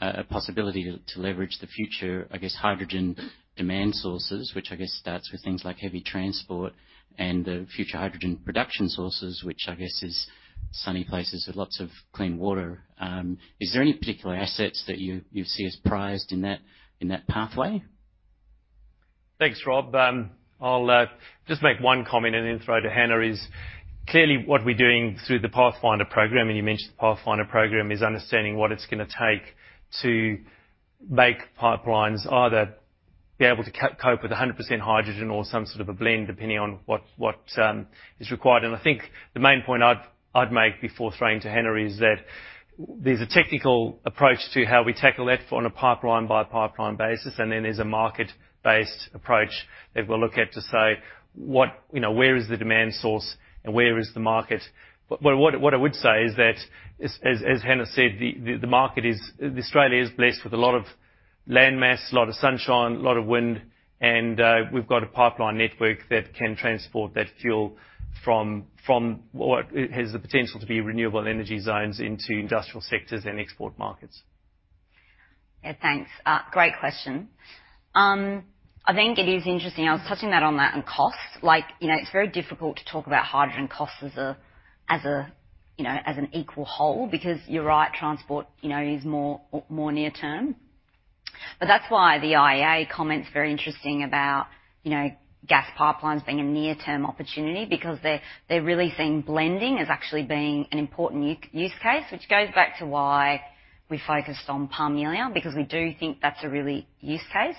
K: a possibility to leverage the future, I guess, hydrogen demand sources, which I guess starts with things like heavy transport and the future hydrogen production sources, which I guess is sunny places with lots of clean water. Is there any particular assets that you see as prized in that pathway?
B: Thanks, Rob. I'll just make one comment and then throw to Hannah, is clearly what we're doing through the Pathfinder Program, and you mentioned the Pathfinder Program, is understanding what it's going to take to make pipelines either be able to cope with 100% hydrogen or some sort of a blend, depending on what is required. I think the main point I'd make before throwing to Hannah is that there's a technical approach to how we tackle that on a pipeline-by-pipeline basis, and then there's a market-based approach that we'll look at to say, where is the demand source and where is the market? What I would say is that, as Hannah said, Australia is blessed with a lot of landmass, a lot of sunshine, a lot of wind, and we've got a pipeline network that can transport that fuel from what has the potential to be Renewable Energy Zones into industrial sectors and export markets.
D: Yeah, thanks. Great question. I think it is interesting. I was touching on that on costs. It's very difficult to talk about hydrogen costs as an equal whole, because you're right, transport is more near-term. That's why the IEA comment is very interesting about gas pipelines being a near-term opportunity because they're really seeing blending as actually being an important use case, which goes back to why we focused on Parmelia, because we do think that's a really use case.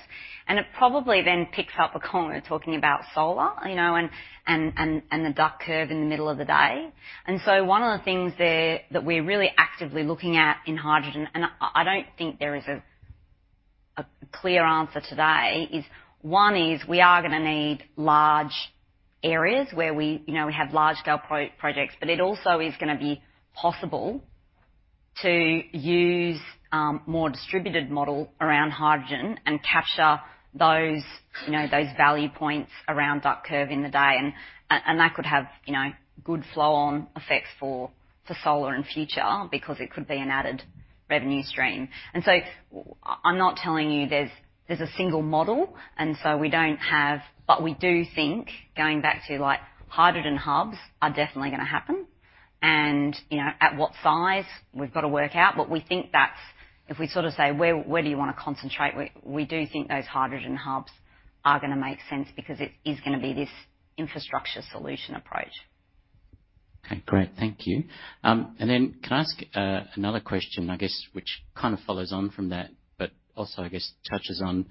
D: It probably then picks up on, we are talking about solar, and the duck curve in the middle of the day. One of the things that we're really actively looking at in hydrogen, and I don't think there is a clear answer today, is one is we are going to need large areas where we have large-scale projects, but it also is going to be possible to use more distributed model around hydrogen and capture those value points around duck curve in the day, and that could have good flow-on effects for solar in future because it could be an added revenue stream. I'm not telling you there's a single model, but we do think going back to hydrogen hubs are definitely going to happen, and at what size we've got to work out. We think that's if we say, "Where do you want to concentrate?" We do think those hydrogen hubs are going to make sense because it is going to be this infrastructure solution approach.
K: Okay, great. Thank you. Can I ask another question, I guess which follows on from that, but also I guess touches on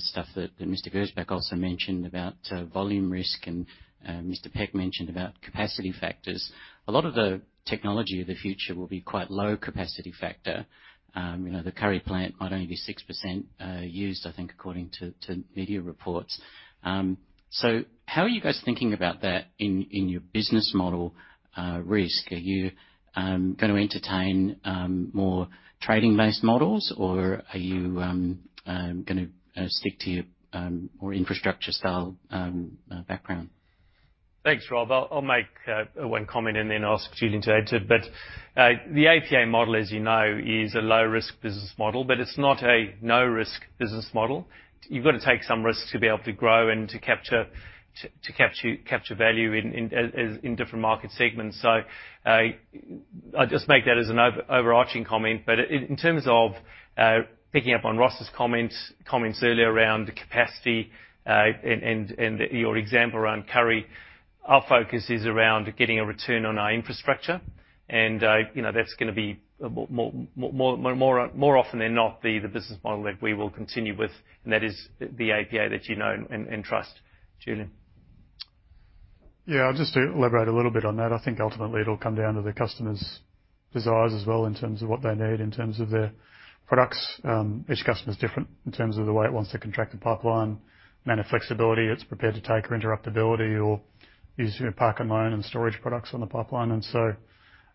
K: stuff that Mr. Gersbach also mentioned about volume risk and Mr. Peck mentioned about capacity factors. A lot of the technology of the future will be quite low capacity factor. The Kurri plant might only be 6% used, I think, according to media reports. How are you guys thinking about that in your business model risk? Are you going to entertain more trading-based models, or are you going to stick to your more infrastructure-style background?
B: Thanks, Rob. I'll make one comment and then ask Julian to add to it. The APA model, as you know, is a low-risk business model, but it's not a no-risk business model. You've got to take some risks to be able to grow and to capture value in different market segments. I'll just make that as an overarching comment, but in terms of picking up on Ross's comments earlier around the capacity and your example around Kurri, our focus is around getting a return on our infrastructure, and that's going to more often than not be the business model that we will continue with. That is the APA that you know and trust. Julian.
C: Yeah, just to elaborate a little bit on that. I think ultimately it'll come down to the customer's desires as well in terms of what they need in terms of their products. Each customer is different in terms of the way it wants to contract the pipeline, amount of flexibility it's prepared to take or interoperability or use park and loan and storage products on the pipeline.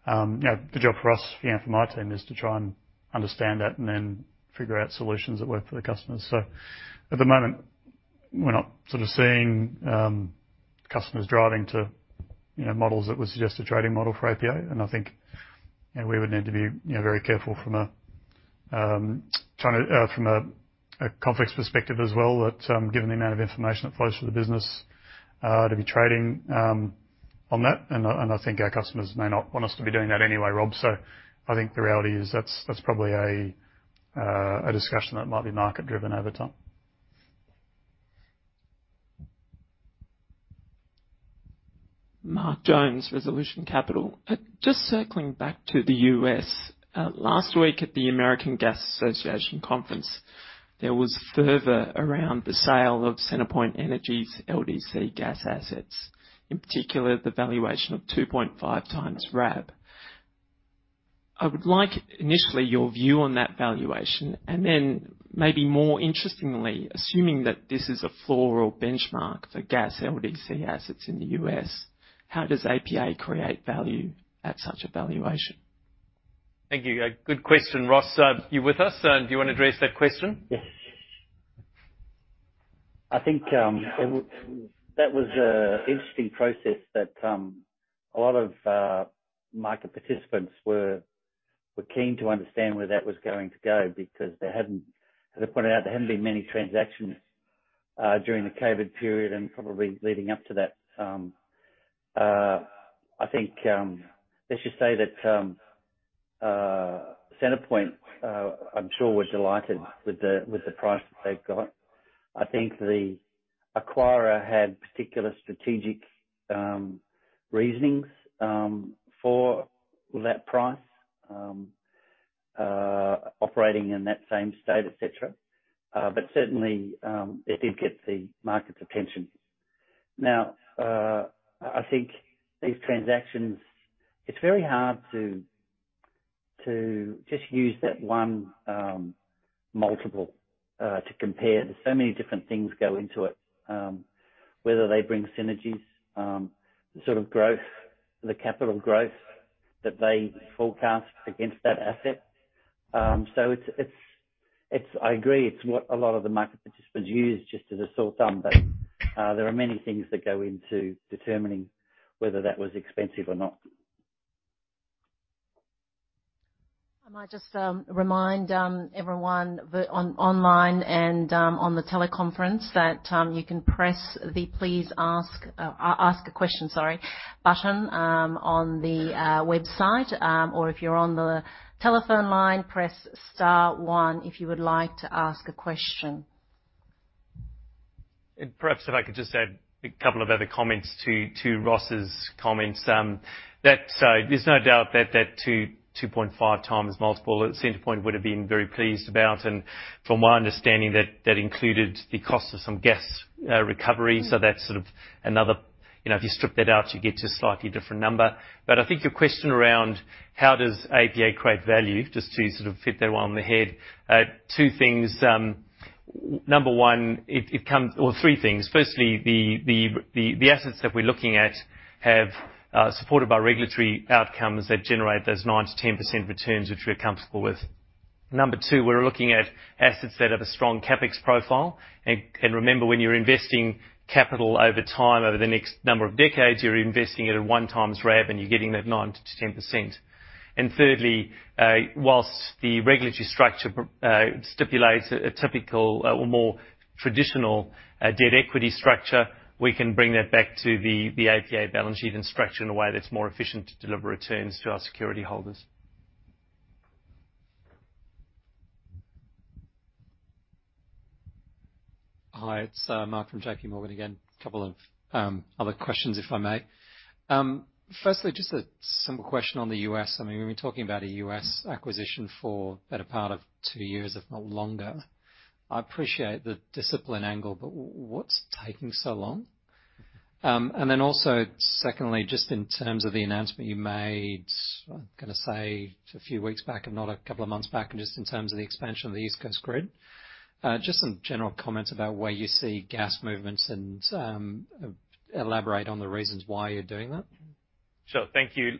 C: The job for us, for my team, is to try and understand that and then figure out solutions that work for the customers. At the moment, we're not seeing customers driving to models that would suggest a trading model for APA, and I think we would need to be very careful from a conflict perspective as well that given the amount of information that flows through the business to be trading on that, and I think our customers may not want us to be doing that anyway, Rob. I think the reality is that's probably a discussion that might be market-driven over time.
L: Mark Jones, Resolution Capital. Circling back to the U.S.. Last week at the American Gas Association conference, there was fervor around the sale of CenterPoint Energy's LDC gas assets, in particular the valuation of 2.5x RAB. I would like initially your view on that valuation and then maybe more interestingly, assuming that this is a floor or benchmark for gas LDC assets in the U.S., how does APA create value at such a valuation?
B: Thank you. Good question. Ross, are you with us? Do you want to address that question?
E: Yes. I think that was an interesting process that a lot of market participants were keen to understand where that was going to go because as I pointed out, there hadn't been many transactions during the COVID period and probably leading up to that. I think let's just say that CenterPoint, I'm sure was delighted with the price that they've got. I think the acquirer had particular strategic reasons for that price, operating in that same state, et cetera. Certainly, it did get the market's attention. I think these transactions, it's very hard to just use that one multiple to compare. There's so many different things go into it, whether they bring synergies, the growth, the capital growth that they forecast against that asset. I agree, it's what a lot of the market participants use just as a rule of thumb, but there are many things that go into determining whether that was expensive or not.
A: I might just remind everyone online and on the teleconference that you can press the please ask, sorry, the Ask A Question button on the website, or if you're on the telephone line, press star one if you would like to ask a question.
B: Perhaps if I could just add a couple of other comments to Ross's comments. There's no doubt that 2x-2.5x multiple at CenterPoint would have been very pleased about. From my understanding, that included the cost of some gas recovery. That's another, if you strip that out, you get to a slightly different number. I think your question around how does APA create value, just to sort of hit that one on the head, two things. Number one, or three things. Firstly, the assets that we're looking at have, supported by regulatory outcomes, that generate those 9%-10% returns, which we're comfortable with. Number two, we're looking at assets that have a strong CapEx profile. Remember, when you're investing capital over time over the next number of decades, you're investing at a 1x RAB, and you're getting that 9%-10%. Thirdly, whilst the regulatory structure stipulates a typical or more traditional debt equity structure, we can bring that back to the APA balance sheet and structure in a way that's more efficient to deliver returns to our security holders.
G: Hi, it's Mark from JPMorgan again. A couple of other questions, if I may. Firstly, just some question on the U.S. I mean, we've been talking about a U.S. acquisition for the better part of two years, if not longer. I appreciate the discipline angle, but what's taking so long? Also, secondly, just in terms of the announcement you made, I'm going to say a few weeks back and not a couple of months back, just in terms of the expansion of the East Coast Grid, just some general comments about where you see gas movements and elaborate on the reasons why you're doing that.
B: Sure. Thank you.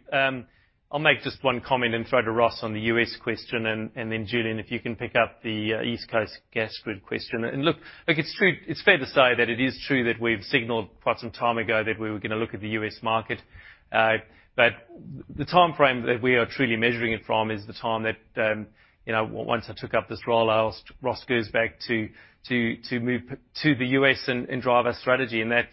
B: I'll make just one comment and throw to Ross on the U.S. question, and then Julian, if you can pick up the East Coast Gas Grid question. Look, it's fair to say that it is true that we've signaled quite some time ago that we were going to look at the U.S. market. But the timeframe that we are truly measuring it from is the time that once I took up this role, Ross Gersbach to move to the U.S. and drive our strategy. That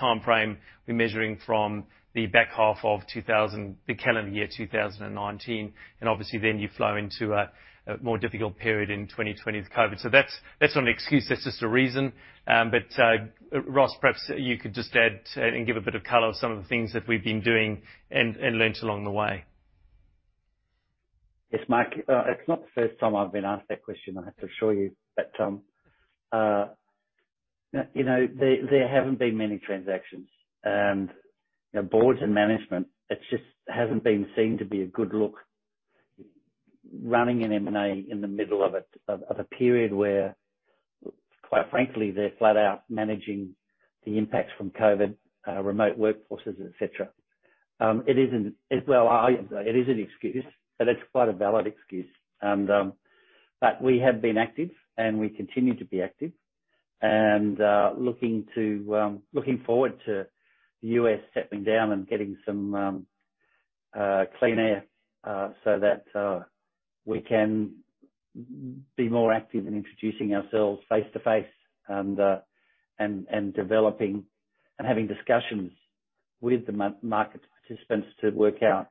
B: timeframe we're measuring from the back half of the calendar year 2019. Obviously then you flow into a more difficult period in 2020 with COVID. That's not an excuse, that's just a reason. Ross, perhaps you could just add and give a bit of color on some of the things that we've been doing and learned along the way.
E: Yes, Mark. It's not the first time I've been asked that question, Mark, to assure you that. There haven't been many transactions, and boards of management, it just hasn't been seen to be a good look running an M&A in the middle of a period where, quite frankly, they're flat out managing the impacts from COVID, remote workforces, et cetera. It is an excuse, it's quite a valid excuse. We have been active, and we continue to be active and looking forward to the U.S. settling down and getting some clean air so that we can be more active in introducing ourselves face-to-face and developing and having discussions with the market participants to work out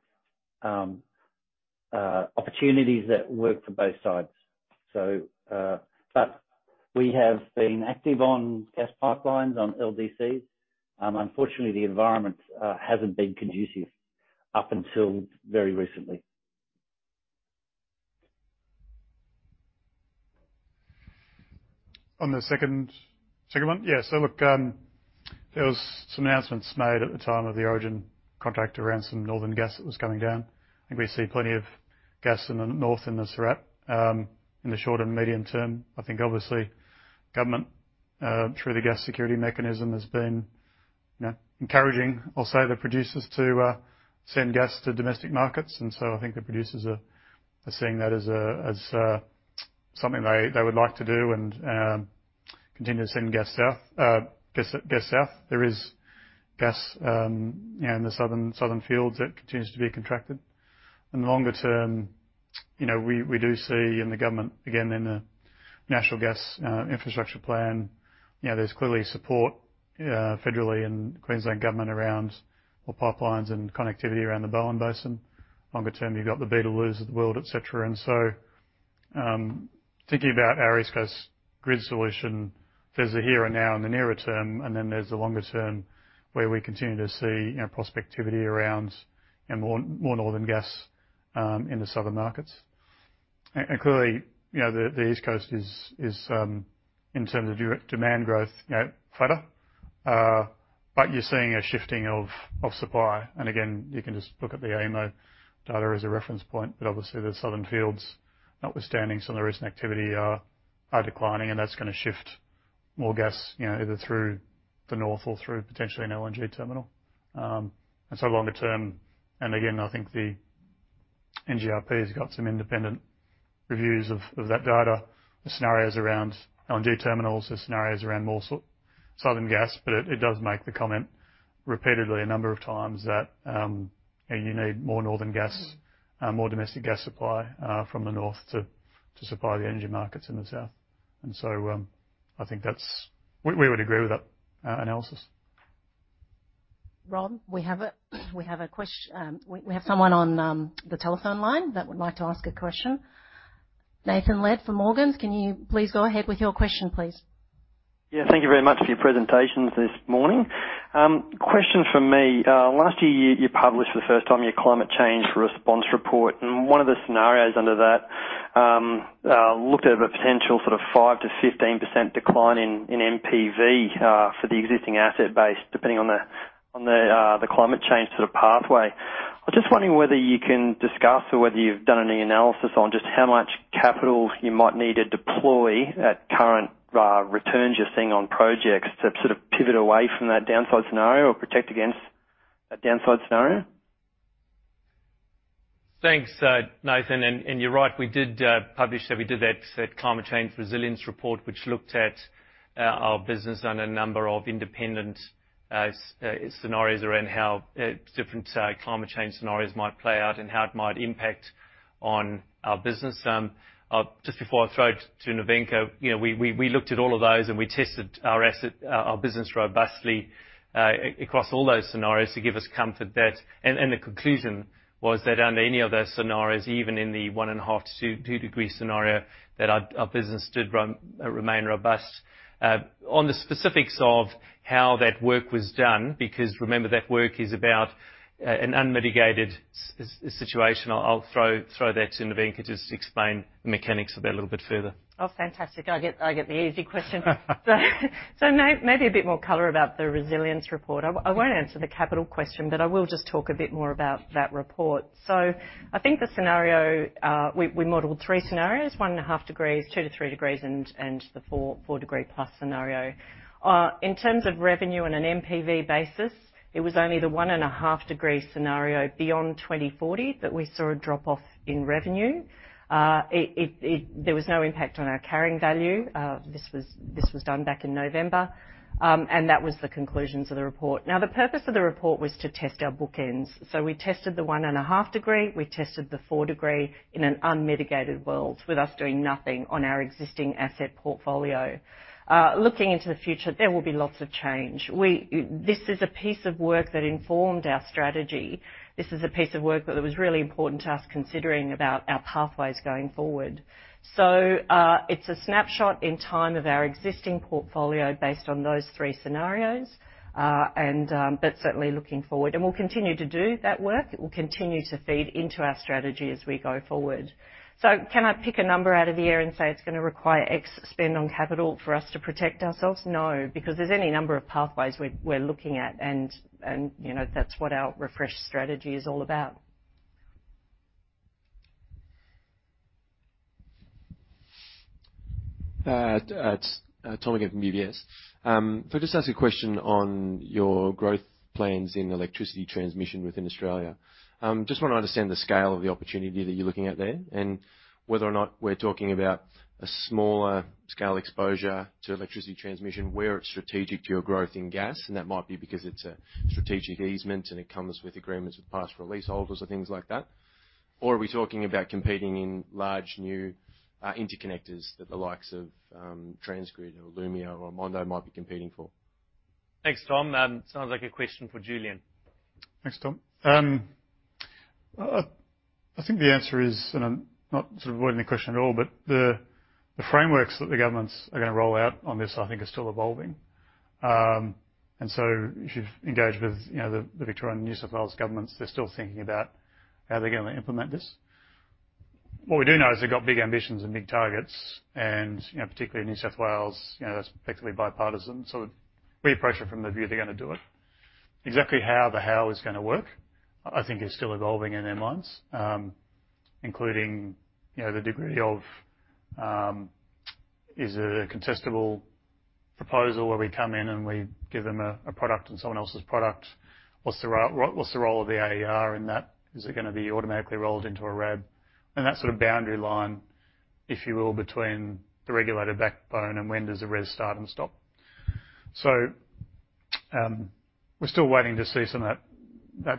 E: opportunities that work for both sides. We have been active on gas pipelines, on LDC. Unfortunately, the environment hasn't been conducive up until very recently.
C: On the second one. Yeah. Look, there was some announcements made at the time of the Origin contract around some northern gas that was coming down, and we see plenty of gas in the north in the short and medium term. I think obviously government, through the gas security mechanism, has been encouraging, I'll say, the producers to send gas to domestic markets. I think the producers are seeing that as something they would like to do and continue to send gas south. There is gas in the southern fields that continues to be contracted. In the longer term, we do see in the government, again, in a National Gas Infrastructure Plan. There's clearly support federally and Queensland government around more pipelines and connectivity around the Bowen Basin. Longer term, you've got the Beetaloo Basin world, et cetera. Thinking about our East Coast Grid solution, there's the here and now in the nearer term, then there's the longer term where we continue to see prospectivity around more northern gas in the southern markets. Clearly, the East Coast is, in terms of demand growth, flatter, but you're seeing a shifting of supply. Again, you can just look at the AEMO data as a reference point. Obviously the southern fields, notwithstanding some of the recent activity, are declining, and that's going to shift more gas either through the north or through potentially an LNG terminal. Longer term, and again, I think the NGIP has got some independent reviews of that data, the scenarios around LNG terminals, the scenarios around more southern gas, but it does make the comment repeatedly a number of times that you need more northern gas, more domestic gas supply from the north to supply the energy markets in the south. I think we would agree with that analysis.
A: Rob, we have someone on the telephone line that would like to ask a question. Nathan Lead from Morgans, can you please go ahead with your question, please?
M: Yeah, thank you very much for your presentations this morning. Question from me. Last year, you published the first time your climate change response report, and one of the scenarios under that looked at a potential 5%-15% decline in NPV for the existing asset base, depending on the climate change pathway. I'm just wondering whether you can discuss or whether you've done any analysis on just how much capital you might need to deploy at current returns you're seeing on projects to pivot away from that downside scenario or protect against a downside scenario.
B: Thanks, Nathan, you're right, we did publish that. We did that climate change resilience report, which looked at our business and a number of independent scenarios around how different climate change scenarios might play out and how it might impact on our business. Just before I throw to Nevenka, we looked at all of those, and we tested our business robustly across all those scenarios to give us comfort that. The conclusion was that under any of those scenarios, even in the one and a half to two degree scenario, that our business did remain robust. On the specifics of how that work was done, because remember, that work is about an unmitigated situation, I'll throw that to Nevenka, just to explain the mechanics of that a little bit further.
I: Oh, fantastic. I get the easy question. Maybe a bit more color about the resilience report. I won't answer the capital question, but I will just talk a bit more about that report. I think the scenario, we modeled three scenarios, one and a half degrees, two to three degrees, and the four degree plus scenario. In terms of revenue on an NPV basis, it was only the one and a half degree scenario beyond 2040 that we saw a drop-off in revenue. There was no impact on our carrying value. This was done back in November, and that was the conclusions of the report. The purpose of the report was to test our bookends. We tested the one and a half degree, we tested the four degree in an unmitigated world with us doing nothing on our existing asset portfolio. Looking into the future, there will be lots of change. This is a piece of work that informed our strategy. This is a piece of work that was really important to us considering about our pathways going forward. It's a snapshot in time of our existing portfolio based on those three scenarios, but certainly looking forward. We'll continue to do that work, and we'll continue to feed into our strategy as we go forward. Can I pick a number out of the air and say it's going to require X spend on capital for us to protect ourselves? No, because there's any number of pathways we're looking at, and that's what our refreshed strategy is all about.
H: Tom again from UBS. I just ask a question on your growth plans in electricity transmission within Australia. I want to understand the scale of the opportunity that you're looking at there and whether or not we're talking about a smaller scale exposure to electricity transmission where it's strategic to your growth in gas, and that might be because it's a strategic easement and it comes with agreements with past release holders or things like that. Are we talking about competing in large new interconnectors that the likes of TransGrid or Lumea or Mondo might be competing for?
B: Thanks, Tom. Sounds like a question for Julian.
C: Thanks, Tom. I think the answer is, and not to avoid any question at all, but the frameworks that the governments are going to roll out on this I think are still evolving. If you've engaged with the Victorian and New South Wales governments, they're still thinking about how they're going to implement this. What we do know is they've got big ambitions and big targets, and particularly New South Wales, that's effectively bipartisan. We have pressure from the view they're going to do it. Exactly how the whole is going to work, I think is still evolving in nuance including, the degree of, is it a contestable proposal where we come in and we give them a product and someone else's product? What's the role of the AER in that? Is it going to be automatically rolled into a RAB? That sort of boundary line, if you will, between the regulated backbone and when does the REZ start and stop. We're still waiting to see some of that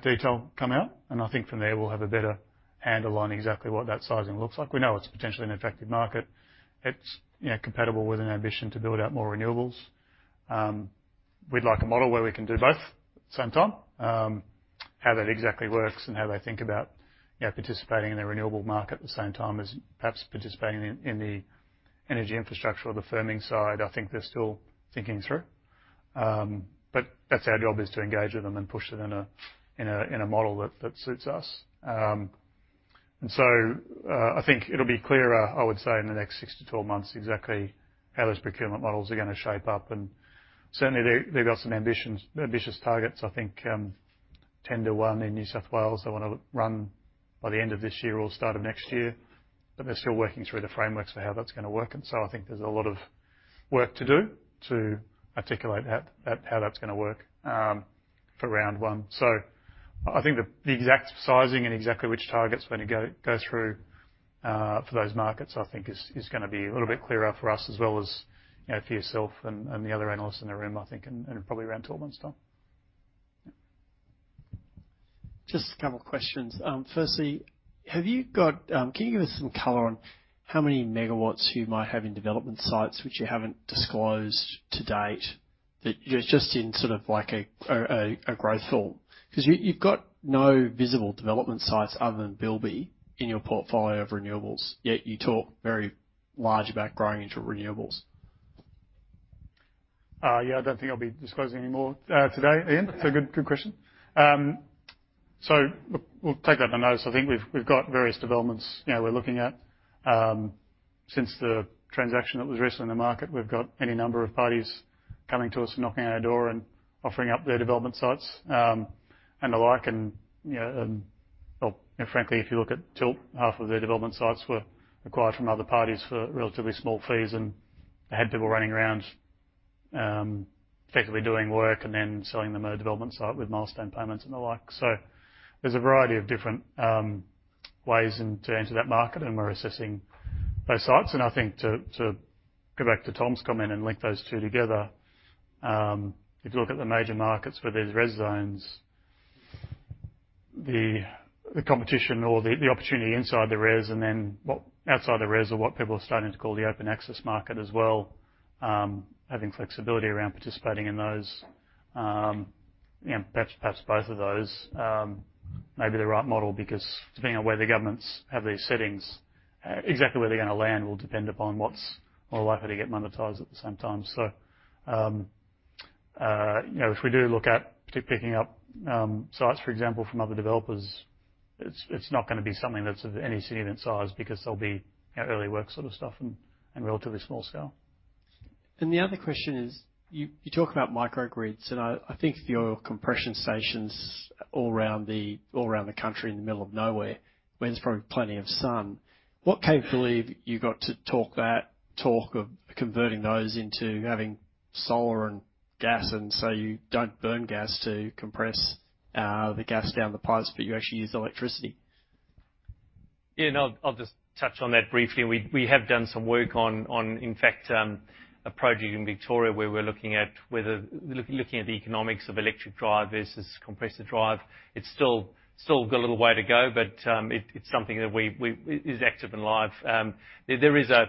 C: detail come out, and I think from there we'll have a better handle on exactly what that sizing looks like. We know it's potentially an effective market. It's compatible with an ambition to build out more renewables. We'd like a model where we can do both at the same time. How that exactly works and how they think about participating in the renewable market at the same time as perhaps participating in the energy infrastructure or the firming side, I think they're still thinking through. But that's our job is to engage with them and push it in a model that suits us. I think it'll be clearer, I would say, in the next six to 12 months, exactly how those procurement models are going to shape up. Certainly they've got some ambitious targets. I think Tender 1 in New South Wales they want to run by the end of this year or start of next year, but they're still working through the frameworks of how that's going to work. I think there's a lot of work to do to articulate how that's going to work for round one. I think the exact sizing and exactly which targets are going to go through for those markets, I think is going to be a little bit clearer for us as well as for yourself and the other analysts in the room, I think, and probably around 12 months, Tom.
F: Just a couple of questions. Firstly, can you give us some color on how many megawatts you might have in development sites which you haven't disclosed to date, just in sort of like a growth form? You've got no visible development sites other than [Bilby] in your portfolio of renewables, yet you talk very large about growing into renewables.
C: Yeah, I don't think I'll be disclosing any more today, Ian. That's a good question. We'll take that on notice. I think we've got various developments we're looking at. Since the transaction that was addressed in the market, we've got any number of parties coming to us, knocking on our door and offering up their development sites and the like. Frankly, if you look at Tilt, half of their development sites were acquired from other parties for relatively small fees, and they had people running around effectively doing work and then selling them a development site with milestone payments and the like. There's a variety of different ways to enter that market, and we're assessing those sites. I think to go back to Tom's comment and link those two together, if you look at the major markets where there's REZ zones, the competition or the opportunity inside the REZ and then outside the REZ or what people are starting to call the open access market as well, having flexibility around participating in those, perhaps both of those may be the right model, because depending on where the governments have these settings, exactly where they're going to land will depend upon what's more likely to get monetized at the same time. If we do look at picking up sites, for example, from other developers, it's not going to be something that's of any significant size because they'll be early work sort of stuff and relatively small scale.
F: The other question is, you talk about microgrids, and I think of your compression stations all around the country in the middle of nowhere, where there's probably plenty of sun. What capability have you got to talk of converting those into having solar and gas, and so you don't burn gas to compress the gas down the pipes, but you actually use electricity?
C: Yeah, I'll just touch on that briefly. We have done some work on, in fact, a project in Victoria where we're looking at the economics of electric drive versus compressor drive. It's still got a little way to go, but it's something that is active and live. There is a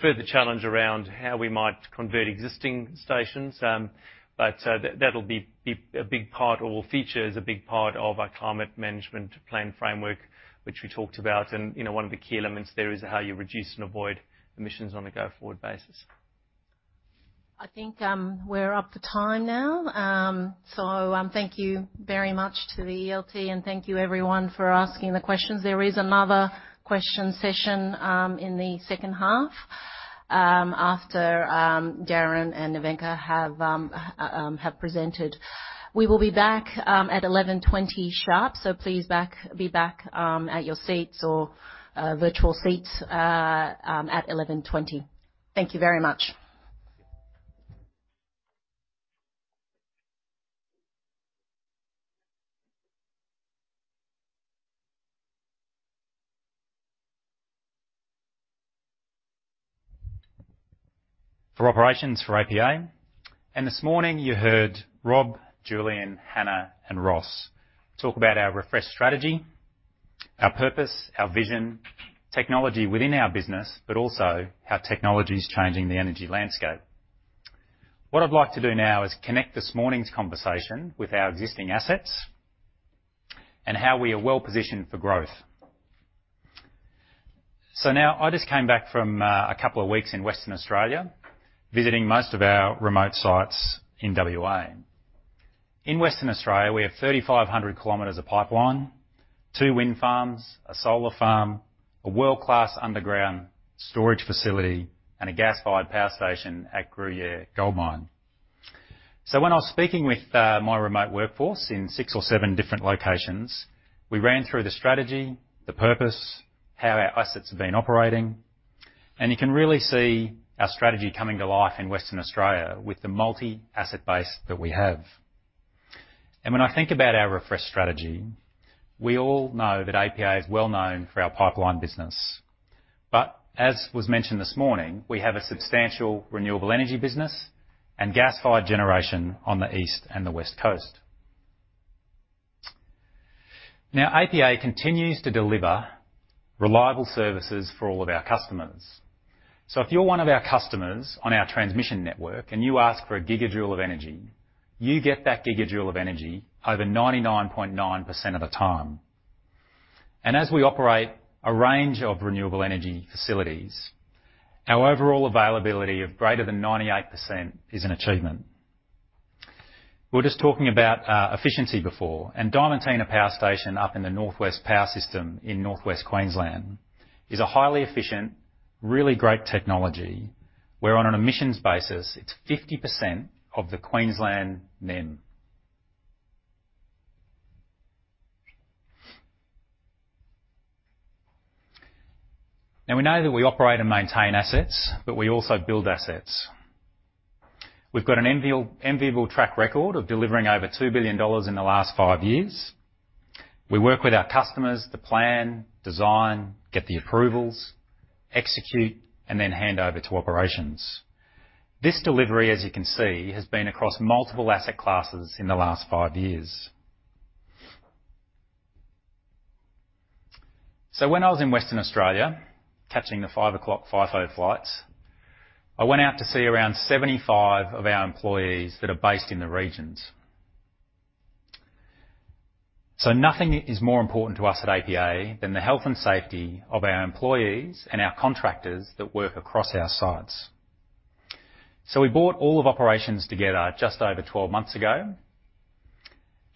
C: further challenge around how we might convert existing stations, but that'll be a big part or will feature as a big part of our Climate Management Plan Framework, which we talked about, and one of the key elements there is how you reduce and avoid emissions on a go-forward basis.
A: I think we're up to time now. Thank you very much to the ELT and thank you everyone for asking the questions. There is another question session in the second half after Darren and Nevenka have presented. We will be back at 11:20 sharp, please be back at your seats or virtual seats at 11:20. Thank you very much.
N: For operations for APA, and this morning you heard Rob, Julian, Hannah, and Ross talk about our refreshed strategy, our purpose, our vision, technology within our business, but also how technology is changing the energy landscape. What I'd like to do now is connect this morning's conversation with our existing assets and how we are well-positioned for growth. Now, I just came back from a couple of weeks in Western Australia, visiting most of our remote sites in WA. In Western Australia, we have 3,500 km of pipeline, two wind farms, a solar farm, a world-class underground storage facility, and a gas-fired power station at Gruyere Gold Mine. When I was speaking with my remote workforce in six or seven different locations, we ran through the strategy, the purpose, how our assets have been operating, and you can really see our strategy coming to life in Western Australia with the multi-asset base that we have. When I think about our refresh strategy, we all know that APA is well-known for our pipeline business. As was mentioned this morning, we have a substantial renewable energy business and gas-fired generation on the east and the west coast. APA continues to deliver reliable services for all of our customers. If you're one of our customers on our transmission network and you ask for a gigajoule of energy, you get that gigajoule of energy over 99.9% of the time. As we operate a range of renewable energy facilities, our overall availability of greater than 98% is an achievement. We were just talking about efficiency before. Diamantina Power Station up in the North West Power System in North West Queensland is a highly efficient, really great technology, where on an emissions basis, it's 50% of the Queensland NEM. We know that we operate and maintain assets, but we also build assets. We've got an enviable track record of delivering over 2 billion dollars in the last five years. We work with our customers to plan, design, get the approvals, execute, and then hand over to operations. This delivery, as you can see, has been across multiple asset classes in the last five years. When I was in Western Australia, catching the 5:00 FIFO flights, I went out to see around 75 of our employees that are based in the regions. Nothing is more important to us at APA than the health and safety of our employees and our contractors that work across our sites. We brought all of operations together just over 12 months ago,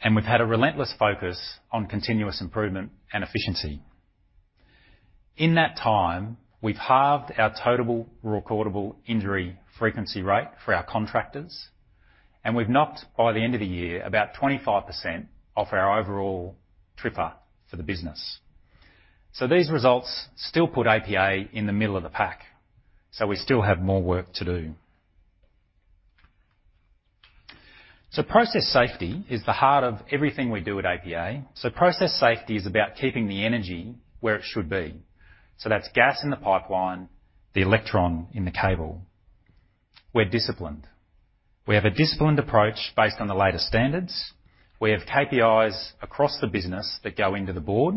N: and we've had a relentless focus on continuous improvement and efficiency. In that time, we've halved our total recordable injury frequency rate for our contractors, and we've knocked, by the end of the year, about 25% off our overall TRIFR for the business. These results still put APA in the middle of the pack, we still have more work to do. Process safety is the heart of everything we do at APA. Process safety is about keeping the energy where it should be. That's gas in the pipeline, the electron in the cable. We're disciplined. We have a disciplined approach based on the latest standards. We have KPIs across the business that go into the board.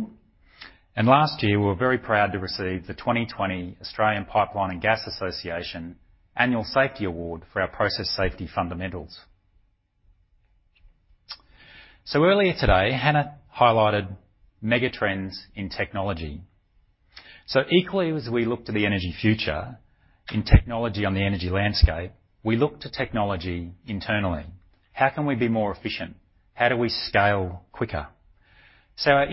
N: Last year, we were very proud to receive the 2020 Australian Pipelines and Gas Association Annual Safety Award for our process safety fundamentals. Earlier today, Hannah highlighted mega trends in technology. Equally as we look to the energy future in technology on the energy landscape, we look to technology internally. How can we be more efficient? How do we scale quicker? Our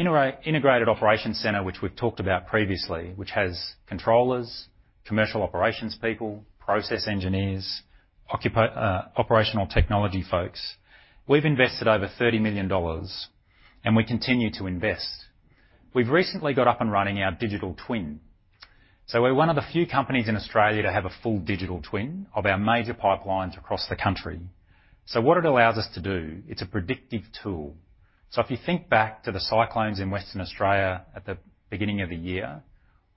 N: Integrated Operations Centre, which we've talked about previously, which has controllers, commercial operations people, process engineers, operational technology folks, we've invested over 30 million dollars, and we continue to invest. We've recently got up and running our digital twin. We're one of the few companies in Australia to have a full digital twin of our major pipelines across the country. What it allows us to do, it's a predictive tool. If you think back to the cyclones in Western Australia at the beginning of the year,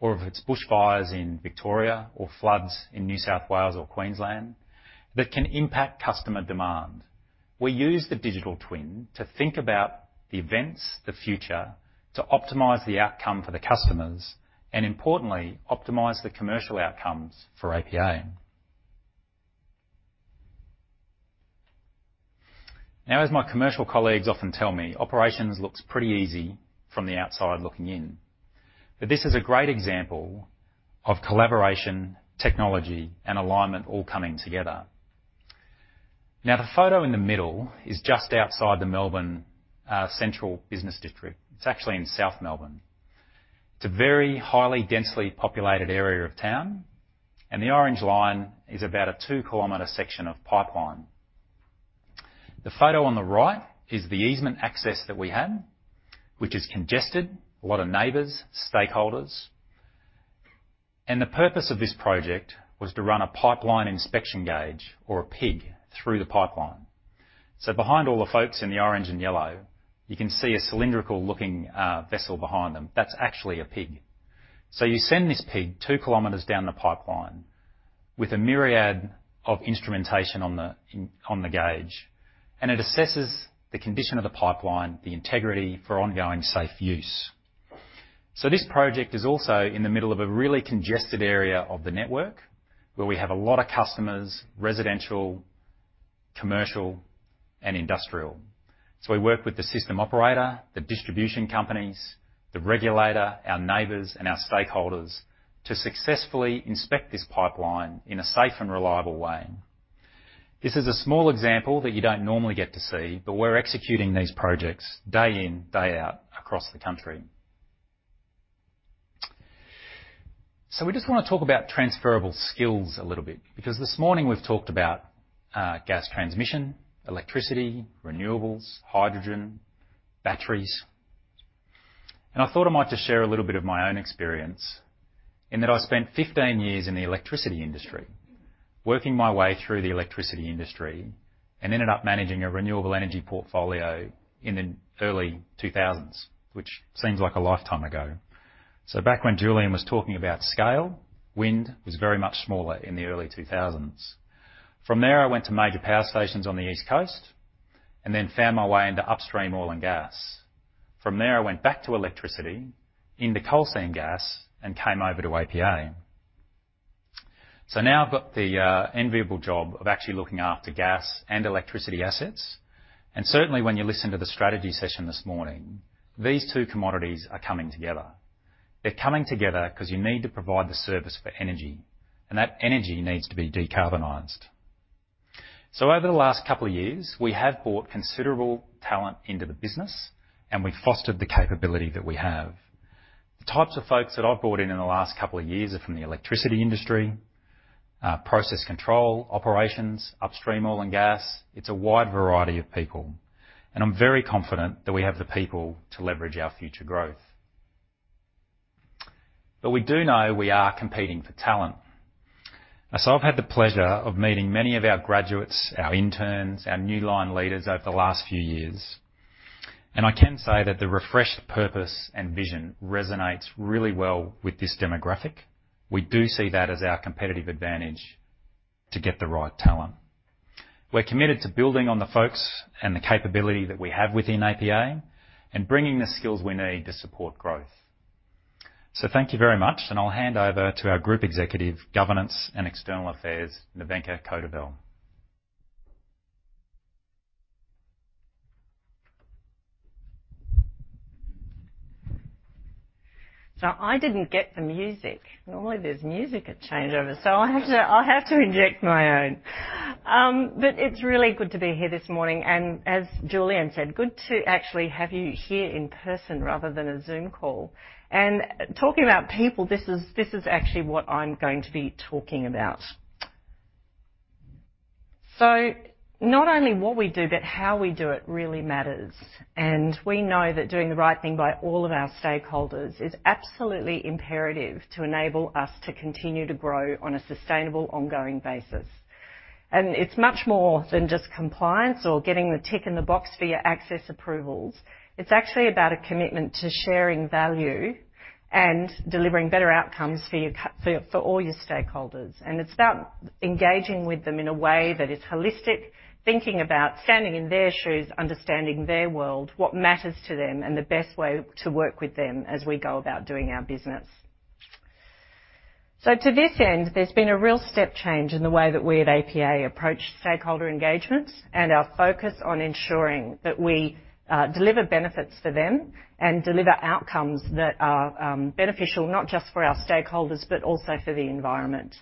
N: or if it's bushfires in Victoria or floods in New South Wales or Queensland, that can impact customer demand. We use the digital twin to think about the events, the future, to optimize the outcome for the customers, and importantly, optimize the commercial outcomes for APA. Now, as my commercial colleagues often tell me, operations looks pretty easy from the outside looking in. This is a great example of collaboration, technology, and alignment all coming together. Now, the photo in the middle is just outside the Melbourne central business district. It's actually in South Melbourne. It's a very highly densely populated area of town, and the orange line is about a 2 km section of pipeline. The photo on the right is the easement access that we have, which is congested, a lot of neighbors, stakeholders. The purpose of this project was to run a pipeline inspection gauge or a pig through the pipeline. Behind all the folks in the orange and yellow, you can see a cylindrical-looking vessel behind them. That's actually a pig. You send this pig 2 km down the pipeline with a myriad of instrumentation on the gauge, and it assesses the condition of the pipeline, the integrity for ongoing safe use. This project is also in the middle of a really congested area of the network where we have a lot of customers, residential, commercial, and industrial. We work with the system operator, the distribution companies, the regulator, our neighbors, and our stakeholders to successfully inspect this pipeline in a safe and reliable way. This is a small example that you don't normally get to see, but we're executing these projects day in, day out across the country. We just want to talk about transferable skills a little bit, because this morning we've talked about gas transmission, electricity, renewables, hydrogen, batteries. I thought I might to share a little bit of my own experience in that I spent 15 years in the electricity industry, working my way through the electricity industry and ended up managing a renewable energy portfolio in the early 2000s, which seems like a lifetime ago. Back when Julian was talking about scale, wind was very much smaller in the early 2000s. From there, I went to major power stations on the East Coast and then found my way into upstream oil and gas. From there, I went back to electricity, into coal seam gas, and came over to APA. Now I've got the enviable job of actually looking after gas and electricity assets, and certainly when you listen to the strategy session this morning, these two commodities are coming together. They're coming together because you need to provide the service for energy, and that energy needs to be decarbonized. Over the last couple of years, we have brought considerable talent into the business, and we fostered the capability that we have. The types of folks that I've brought in over the last couple of years are from the electricity industry, process control, operations, upstream oil and gas. It's a wide variety of people, and I'm very confident that we have the people to leverage our future growth. We do know we are competing for talent. I've had the pleasure of meeting many of our graduates, our interns, our new line leaders over the last few years, and I can say that the refreshed purpose and vision resonates really well with this demographic. We do see that as our competitive advantage to get the right talent. We're committed to building on the folks and the capability that we have within APA and bringing the skills we need to support growth. Thank you very much, and I'll hand over to our Group Executive, Governance and External Affairs, Nevenka Codevelle.
I: I didn't get the music, nor there's music at changeovers, so I have to inject my own. It's really good to be here this morning and as Julian said, good to actually have you here in person rather than a Zoom call. Talking about people, this is actually what I am going to be talking about. Not only what we do, but how we do it really matters. We know that doing the right thing by all of our stakeholders is absolutely imperative to enable us to continue to grow on a sustainable, ongoing basis. It is much more than just compliance or getting the tick in the box via access approvals. It is actually about a commitment to sharing value and delivering better outcomes for all your stakeholders. It is about engaging with them in a way that is holistic, thinking about standing in their shoes, understanding their world, what matters to them, and the best way to work with them as we go about doing our business. To this end, there's been a real step change in the way that we at APA approach stakeholder engagements and our focus on ensuring that we deliver benefits for them and deliver outcomes that are beneficial, not just for our stakeholders, but also for the environment.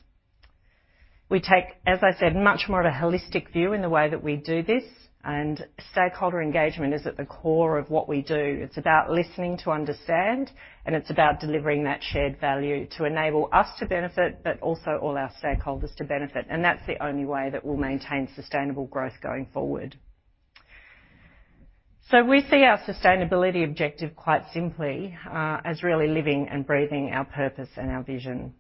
I: We take, as I said, much more of a holistic view in the way that we do this, and stakeholder engagement is at the core of what we do. It's about listening to understand, and it's about delivering that shared value to enable us to benefit, but also all our stakeholders to benefit. That's the only way that we'll maintain sustainable growth going forward. We see our sustainability objective quite simply as really living and breathing our purpose and our vision.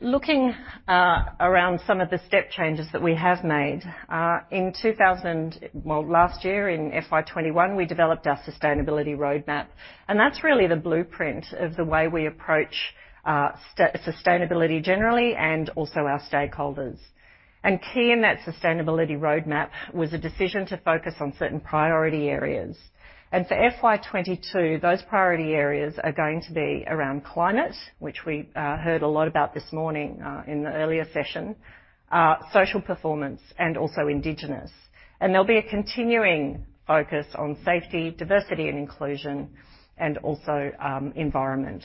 I: Looking around some of the step changes that we have made, last year in FY 2021, we developed our sustainability roadmap, and that's really the blueprint of the way we approach sustainability generally and also our stakeholders. Key in that sustainability roadmap was a decision to focus on certain priority areas. For FY 2022, those priority areas are going to be around climate, which we heard a lot about this morning in the earlier session, social performance, and also indigenous. There'll be a continuing focus on safety, diversity and inclusion, and also environment.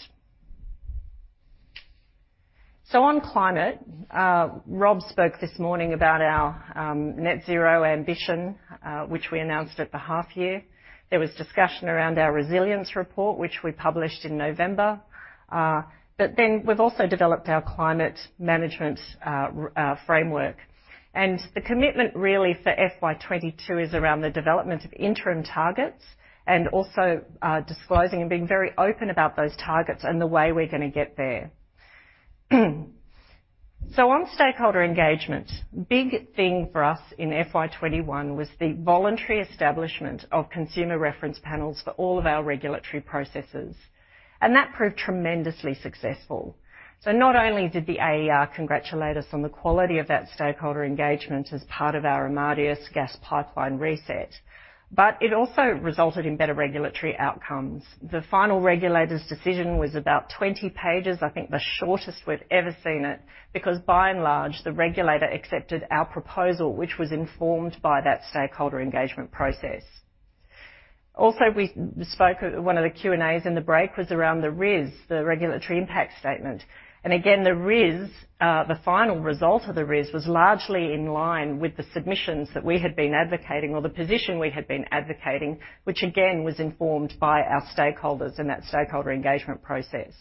I: On climate, Rob spoke this morning about our net zero ambition, which we announced at the half year. There was discussion around our resilience report, which we published in November. We've also developed our Climate Management Framework, and the commitment really for FY 2022 is around the development of interim targets and also disclosing and being very open about those targets and the way we're going to get there. On stakeholder engagement, big thing for us in FY 2021 was the voluntary establishment of consumer reference panels for all of our regulatory processes, and that proved tremendously successful. Not only did the AER congratulate us on the quality of that stakeholder engagement as part of our Amadeus Gas Pipeline reset, but it also resulted in better regulatory outcomes. The final regulator's decision was about 20 pages, I think the shortest we've ever seen it, because by and large, the regulator accepted our proposal, which was informed by that stakeholder engagement process. We spoke at one of the Q&As in the break was around the RIS, the Regulatory Impact Statement. Again, the final result of the RIS was largely in line with the submissions that we had been advocating or the position we had been advocating, which again, was informed by our stakeholders and that stakeholder engagement process.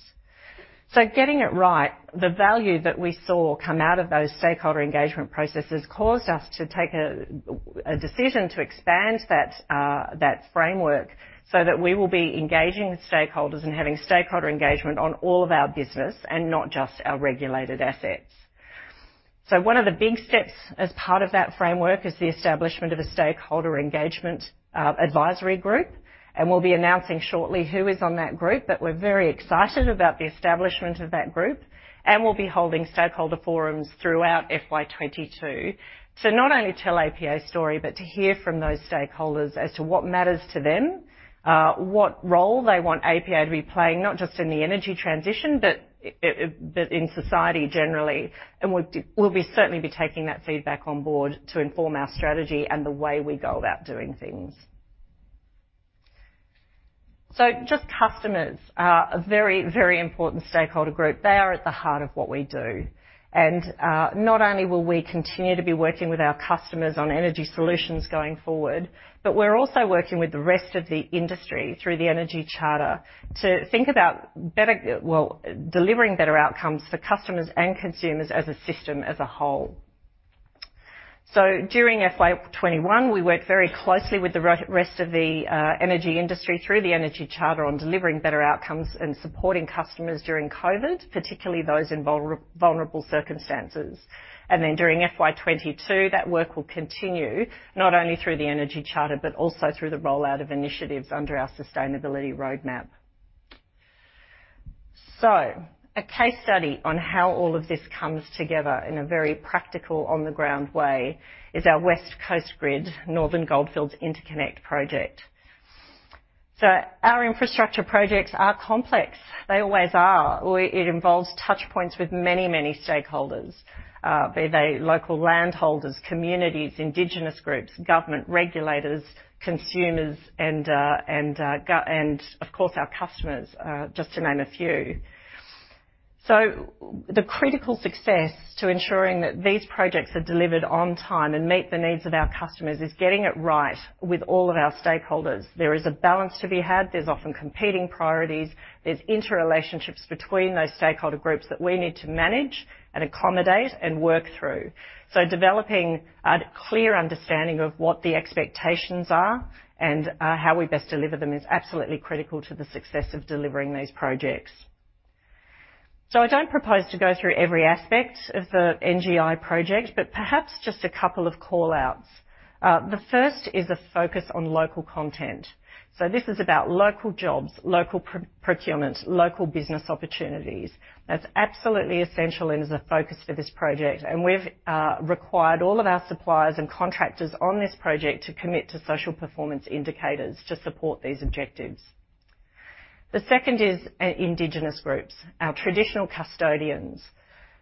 I: Getting it right, the value that we saw come out of those stakeholder engagement processes caused us to take a decision to expand that framework so that we will be engaging with stakeholders and having stakeholder engagement on all of our business and not just our regulated assets. One of the big steps as part of that framework is the establishment of a stakeholder engagement advisory group, and we'll be announcing shortly who is on that group. We're very excited about the establishment of that group, and we'll be holding stakeholder forums throughout FY 2022 to not only tell APA's story, but to hear from those stakeholders as to what matters to them, what role they want APA to be playing, not just in the energy transition, but in society generally. We'll certainly be taking that feedback on board to inform our strategy and the way we go about doing things. Just customers are a very important stakeholder group. They are at the heart of what we do. Not only will we continue to be working with our customers on energy solutions going forward, but we're also working with the rest of the industry through the Energy Charter to think about delivering better outcomes for customers and consumers as a system as a whole. During FY 2021, we worked very closely with the rest of the energy industry through the Energy Charter on delivering better outcomes and supporting customers during COVID, particularly those in vulnerable circumstances. During FY 2022, that work will continue not only through the Energy Charter, but also through the rollout of initiatives under our sustainability roadmap. A case study on how all of this comes together in a very practical, on-the-ground way is our West Coast Grid Northern Goldfields Interconnect project. Our infrastructure projects are complex. They always are. It involves touch points with many, many stakeholders, be they local land holders, communities, indigenous groups, government regulators, consumers and, of course, our customers, just to name a few. The critical success to ensuring that these projects are delivered on time and meet the needs of our customers is getting it right with all of our stakeholders. There is a balance to be had. There's often competing priorities. There's interrelationships between those stakeholder groups that we need to manage and accommodate and work through. Developing a clear understanding of what the expectations are and how we best deliver them is absolutely critical to the success of delivering these projects. I don't propose to go through every aspect of the NGI project, but perhaps just a couple of call-outs. The first is a focus on local content. This is about local jobs, local procurement, local business opportunities. That's absolutely essential. It is a focus for this project, and we've required all of our suppliers and contractors on this project to commit to social performance indicators to support these objectives. The second is indigenous groups, our traditional custodians.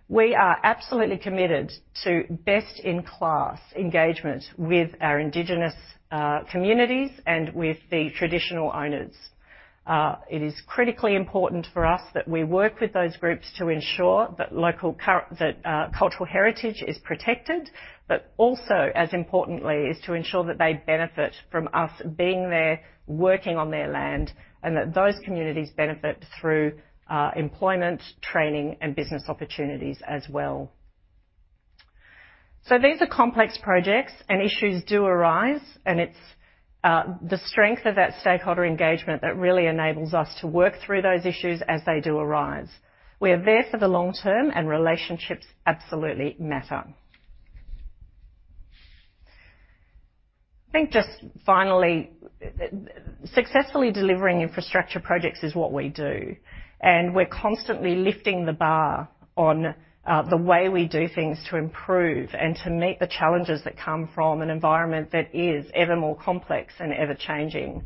I: We are absolutely committed to best-in-class engagement with our indigenous communities and with the traditional owners. It is critically important for us that we work with those groups to ensure that cultural heritage is protected, but also, as importantly, is to ensure that they benefit from us being there, working on their land, and that those communities benefit through employment, training, and business opportunities as well. These are complex projects, and issues do arise, and it's the strength of that stakeholder engagement that really enables us to work through those issues as they do arise. We are there for the long term, and relationships absolutely matter. I think just finally, successfully delivering infrastructure projects is what we do, and we're constantly lifting the bar on the way we do things to improve and to meet the challenges that come from an environment that is ever more complex and ever-changing.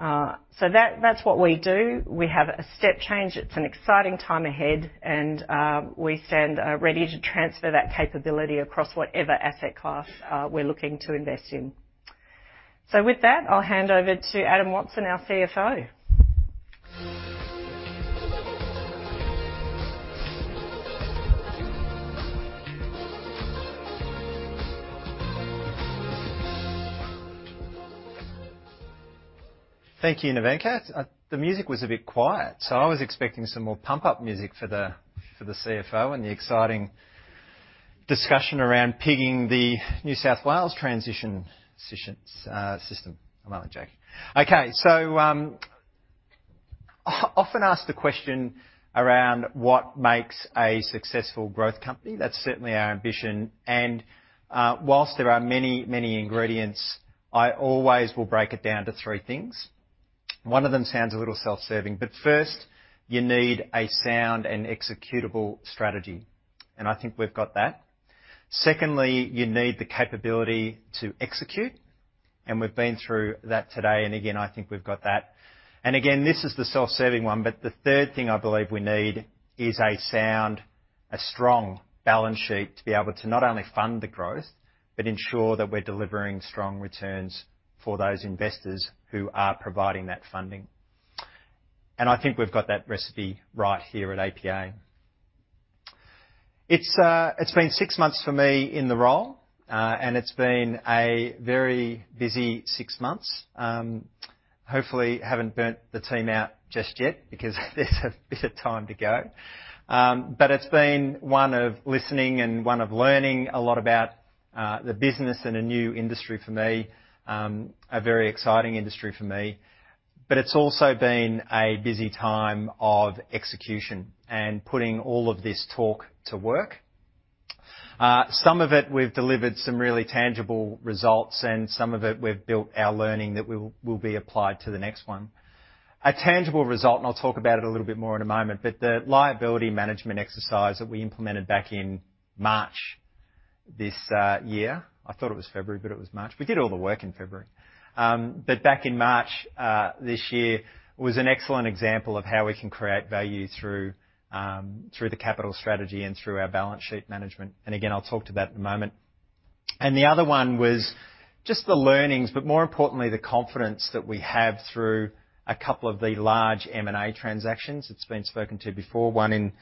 I: That's what we do. We have a step change. It's an exciting time ahead, and we stand ready to transfer that capability across whatever asset class we're looking to invest in. With that, I'll hand over to Adam Watson, our CFO.
O: Thank you, Nevenka. The music was a bit quiet. I was expecting some more pump-up music for the CFO and the exciting discussion around pigging the New South Wales transition system. Well, okay. I'm often asked the question around what makes a successful growth company. That's certainly our ambition, and whilst there are many, many ingredients, I always will break it down to three things. One of them sounds a little self-serving, but first, you need a sound and executable strategy, and I think we've got that. Secondly, you need the capability to execute, and we've been through that today, and again, I think we've got that. Again, this is the self-serving one, but the third thing I believe we need is a sound, a strong balance sheet to be able to not only fund the growth but ensure that we're delivering strong returns for those investors who are providing that funding. I think we've got that recipe right here at APA. It's been six months for me in the role, and it's been a very busy six months. Hopefully, haven't burnt the team out just yet because there's a bit of time to go. It's been one of listening and one of learning a lot about the business and a new industry for me, a very exciting industry for me. It's also been a busy time of execution and putting all of this talk to work. Some of it we've delivered some really tangible results, some of it we've built our learning that will be applied to the next one. A tangible result, I'll talk about it a little bit more in a moment, but the liability management exercise that we implemented back in March this year. I thought it was February, but it was March. We did all the work in February. Back in March this year was an excellent example of how we can create value through the capital strategy and through our balance sheet management. Again, I'll talk to that in a moment. The other one was just the learnings, but more importantly, the confidence that we have through a couple of the large M&A transactions that's been spoken to before, one in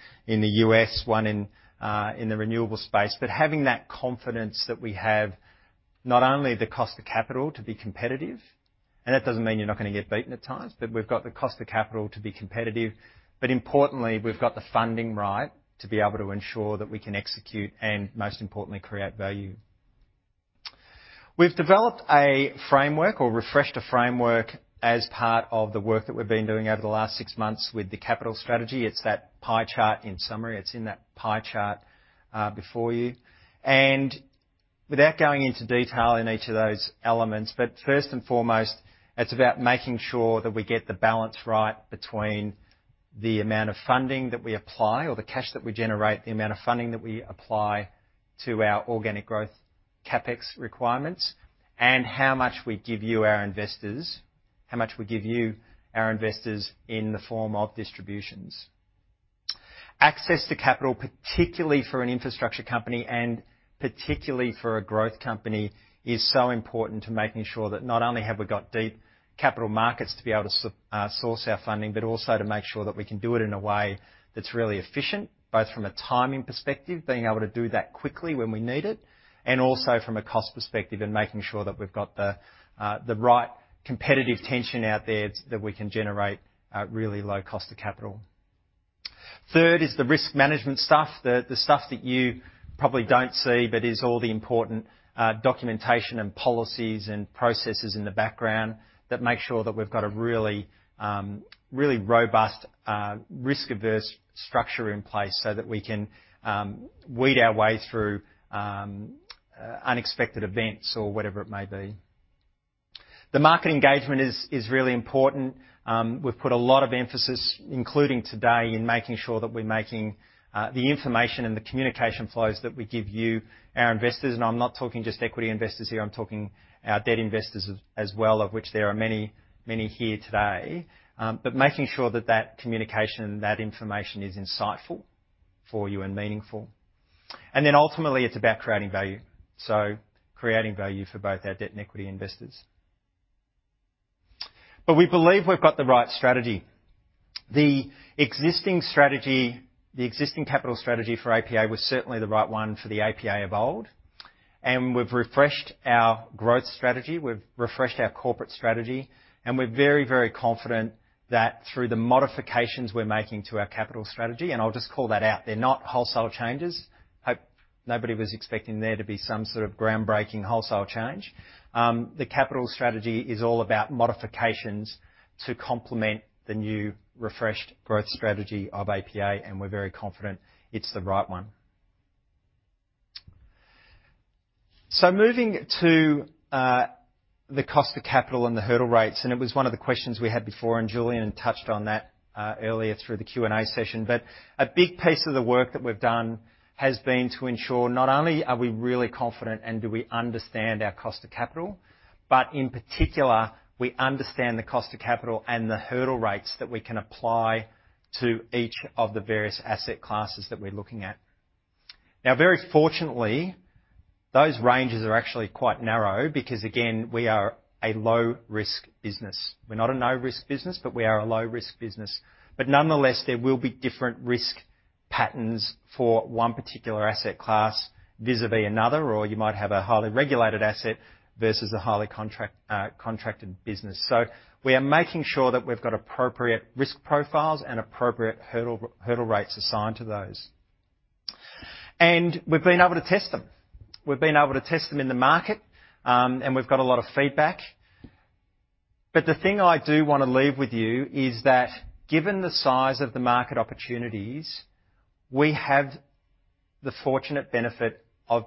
O: the U.S., one in the renewable space. Having that confidence that we have not only the cost of capital to be competitive, and it doesn't mean you're not going to get beaten at times, but we've got the cost of capital to be competitive. Importantly, we've got the funding right to be able to ensure that we can execute and most importantly, create value. We've developed a framework or refreshed a framework as part of the work that we've been doing over the last six months with the capital strategy. It's that pie chart. In summary, it's in that pie chart before you. Without going into detail in each of those elements, first and foremost, it's about making sure that we get the balance right between the amount of funding that we apply or the cash that we generate, the amount of funding that we apply to our organic growth CapEx requirements, and how much we give you, our investors, in the form of distributions. Access to capital, particularly for an infrastructure company and particularly for a growth company, is so important to making sure that not only have we got deep capital markets to be able to source our funding, but also to make sure that we can do it in a way that's really efficient, both from a timing perspective, being able to do that quickly when we need it, and also from a cost perspective and making sure that we've got the right competitive tension out there that we can generate at really low cost of capital. Third is the risk management stuff, the stuff that you probably don't see, but is all the important documentation and policies and processes in the background that make sure that we've got a really robust, risk-averse structure in place so that we can weed our way through unexpected events or whatever it may be. The market engagement is really important. We've put a lot of emphasis, including today, in making sure that we're making the information and the communication flows that we give you, our investors. I'm not talking just equity investors here, I'm talking our debt investors as well, of which there are many here today. Making sure that communication and that information is insightful for you and meaningful. Ultimately, it's about creating value. Creating value for both our debt and equity investors. We believe we've got the right strategy. The existing capital strategy for APA was certainly the right one for the APA of old, and we've refreshed our growth strategy, we've refreshed our corporate strategy, and we're very confident that through the modifications we're making to our capital strategy, and I'll just call that out. They're not wholesale changes. Nobody was expecting there to be some sort of groundbreaking wholesale change. The capital strategy is all about modifications to complement the new refreshed growth strategy of APA. We're very confident it's the right one. Moving to the cost of capital and the hurdle rates, it was one of the questions we had before. Julian touched on that earlier through the Q&A session. A big piece of the work that we've done has been to ensure not only are we really confident and do we understand our cost of capital, but in particular, we understand the cost of capital and the hurdle rates that we can apply to each of the various asset classes that we're looking at. Very fortunately, those ranges are actually quite narrow because, again, we are a low-risk business. We're not a no-risk business. We are a low-risk business. Nonetheless, there will be different risk patterns for one particular asset class vis-à-vis another, or you might have a highly regulated asset versus a highly contracted business. We are making sure that we've got appropriate risk profiles and appropriate hurdle rates assigned to those. We've been able to test them. We've been able to test them in the market, and we've got a lot of feedback. The thing I do want to leave with you is that given the size of the market opportunities, we have the fortunate benefit of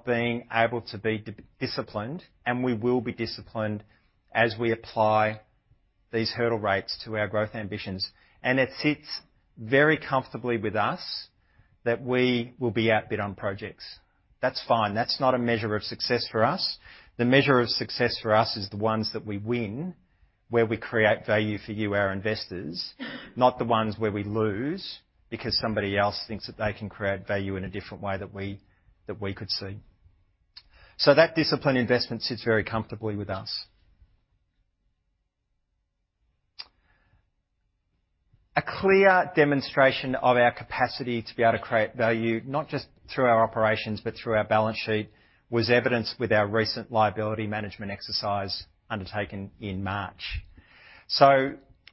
O: being able to be disciplined, and we will be disciplined as we apply these hurdle rates to our growth ambitions. It sits very comfortably with us that we will be outbid on projects. That's fine. That's not a measure of success for us. The measure of success for us is the ones that we win, where we create value for you, our investors, not the ones where we lose because somebody else thinks that they can create value in a different way that we could see. That disciplined investment sits very comfortably with us. A clear demonstration of our capacity to be able to create value, not just through our operations, but through our balance sheet, was evidenced with our recent liability management exercise undertaken in March.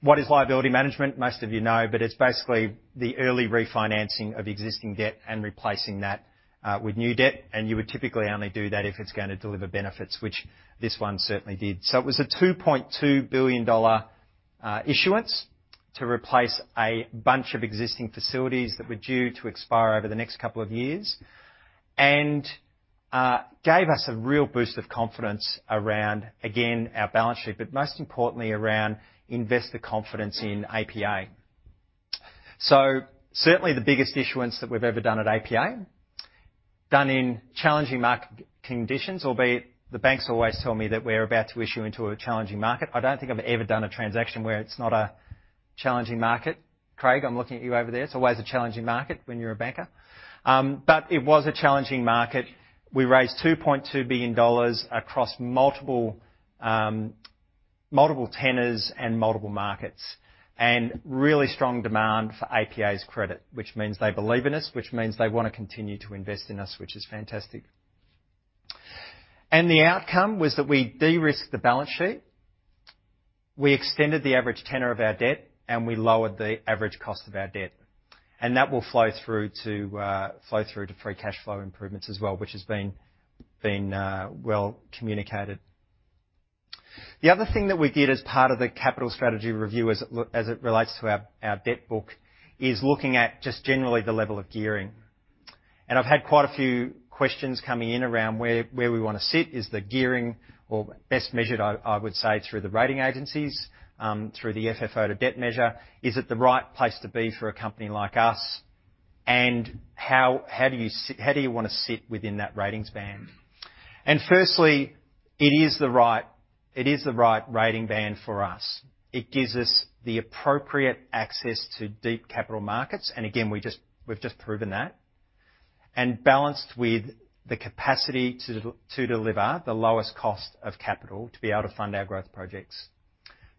O: What is liability management? Most of you know, but it's basically the early refinancing of existing debt and replacing that with new debt. You would typically only do that if it's going to deliver benefits, which this one certainly did. It was a 2.2 billion dollar issuance to replace a bunch of existing facilities that were due to expire over the next couple of years and gave us a real boost of confidence around, again, our balance sheet, but most importantly around investor confidence in APA. Certainly the biggest issuance that we've ever done at APA, done in challenging market conditions, albeit the banks always tell me that we're about to issue into a challenging market. I don't think I've ever done a transaction where it's not a challenging market. Craig, I'm looking at you over there. It's always a challenging market when you're a banker. It was a challenging market. We raised 2.2 billion dollars across multiple tenors and multiple markets, and really strong demand for APA's credit, which means they believe in us, which means they want to continue to invest in us, which is fantastic. The outcome was that we de-risked the balance sheet, we extended the average tenor of our debt, and we lowered the average cost of our debt. That will flow through to free cash flow improvements as well, which has been well communicated. The other thing that we did as part of the capital strategy review as it relates to our debt book is looking at just generally the level of gearing. I've had quite a few questions coming in around where we want to sit. Is the gearing, or best measured, I would say, through the rating agencies, through the FFO to debt measure? How do you want to sit within that ratings band? Firstly, it is the right rating band for us. It gives us the appropriate access to deep capital markets. We've just proven that. Balanced with the capacity to deliver the lowest cost of capital to be able to fund our growth projects.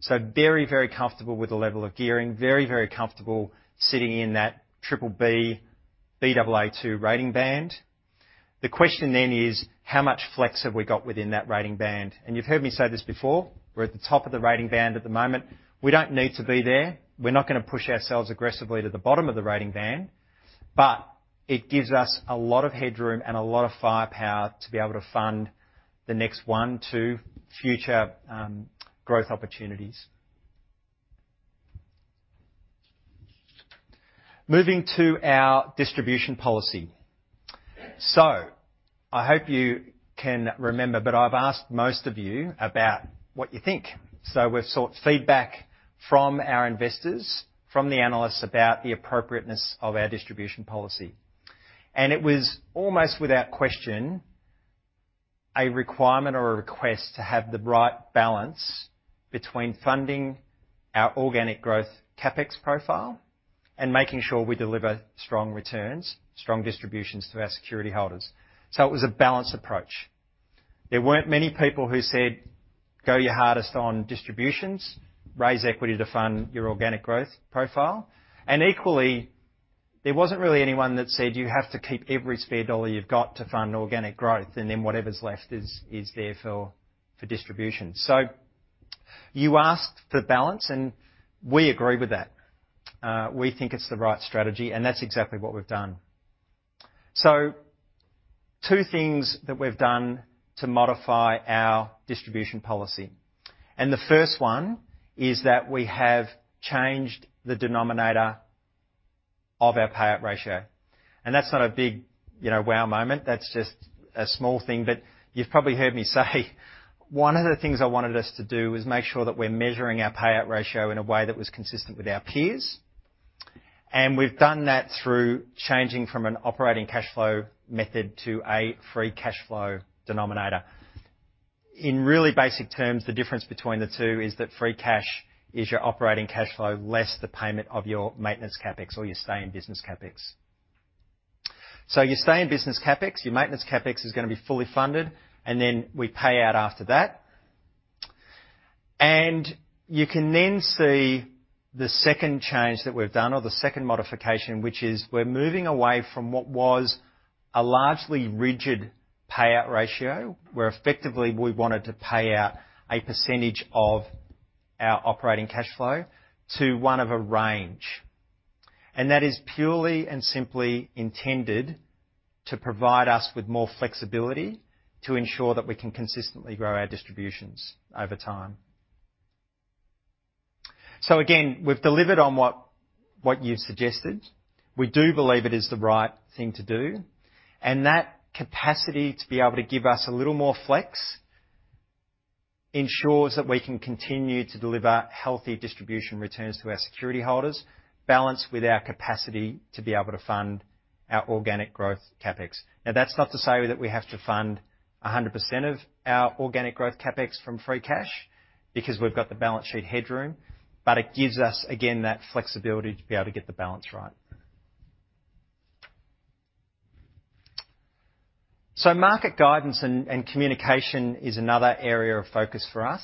O: Very comfortable with the level of gearing, very comfortable sitting in that BBB, Baa2 rating band. The question is how much flex have we got within that rating band? You've heard me say this before, we're at the top of the rating band at the moment. We don't need to be there. We're not going to push ourselves aggressively to the bottom of the rating band. But it gives us a lot of headroom and a lot of firepower to be able to fund the next one, two future growth opportunities. Moving to our distribution policy. I hope you can remember, but I've asked most of you about what you think. We've sought feedback from our investors, from the analysts about the appropriateness of our distribution policy. It was almost without question, a requirement or a request to have the right balance between funding our organic growth CapEx profile and making sure we deliver strong returns, strong distributions to our security holders. It was a balanced approach. There weren't many people who said, "Go your hardest on distributions, raise equity to fund your organic growth profile." Equally, there wasn't really anyone that said, "You have to keep every spare dollar you've got to fund organic growth, and then whatever's left is there for distribution." You asked for balance, and we agree with that. We think it's the right strategy, and that's exactly what we've done. Two things that we've done to modify our distribution policy. The first one is that we have changed the denominator of our payout ratio. That's not a big wow moment. That's just a small thing. You've probably heard me say, one of the things I wanted us to do was make sure that we're measuring our payout ratio in a way that was consistent with our peers. We've done that through changing from an operating cash flow method to a free cash flow denominator. In really basic terms, the difference between the two is that free cash is your operating cash flow less the payment of your maintenance CapEx or your stay in business CapEx. Your stay in business CapEx, your maintenance CapEx is going to be fully funded, and then we pay out after that. You can then see the second change that we've done, or the second modification, which is we're moving away from what was a largely rigid payout ratio, where effectively we wanted to pay out a percentage of our operating cash flow to one of a range. That is purely and simply intended to provide us with more flexibility to ensure that we can consistently grow our distributions over time. Again, we've delivered on what you've suggested. We do believe it is the right thing to do, and that capacity to be able to give us a little more flex ensures that we can continue to deliver healthy distribution returns to our security holders, balanced with our capacity to be able to fund our organic growth CapEx. That's not to say that we have to fund 100% of our organic growth CapEx from free cash because we've got the balance sheet headroom, but it gives us, again, that flexibility to be able to get the balance right. Market guidance and communication is another area of focus for us.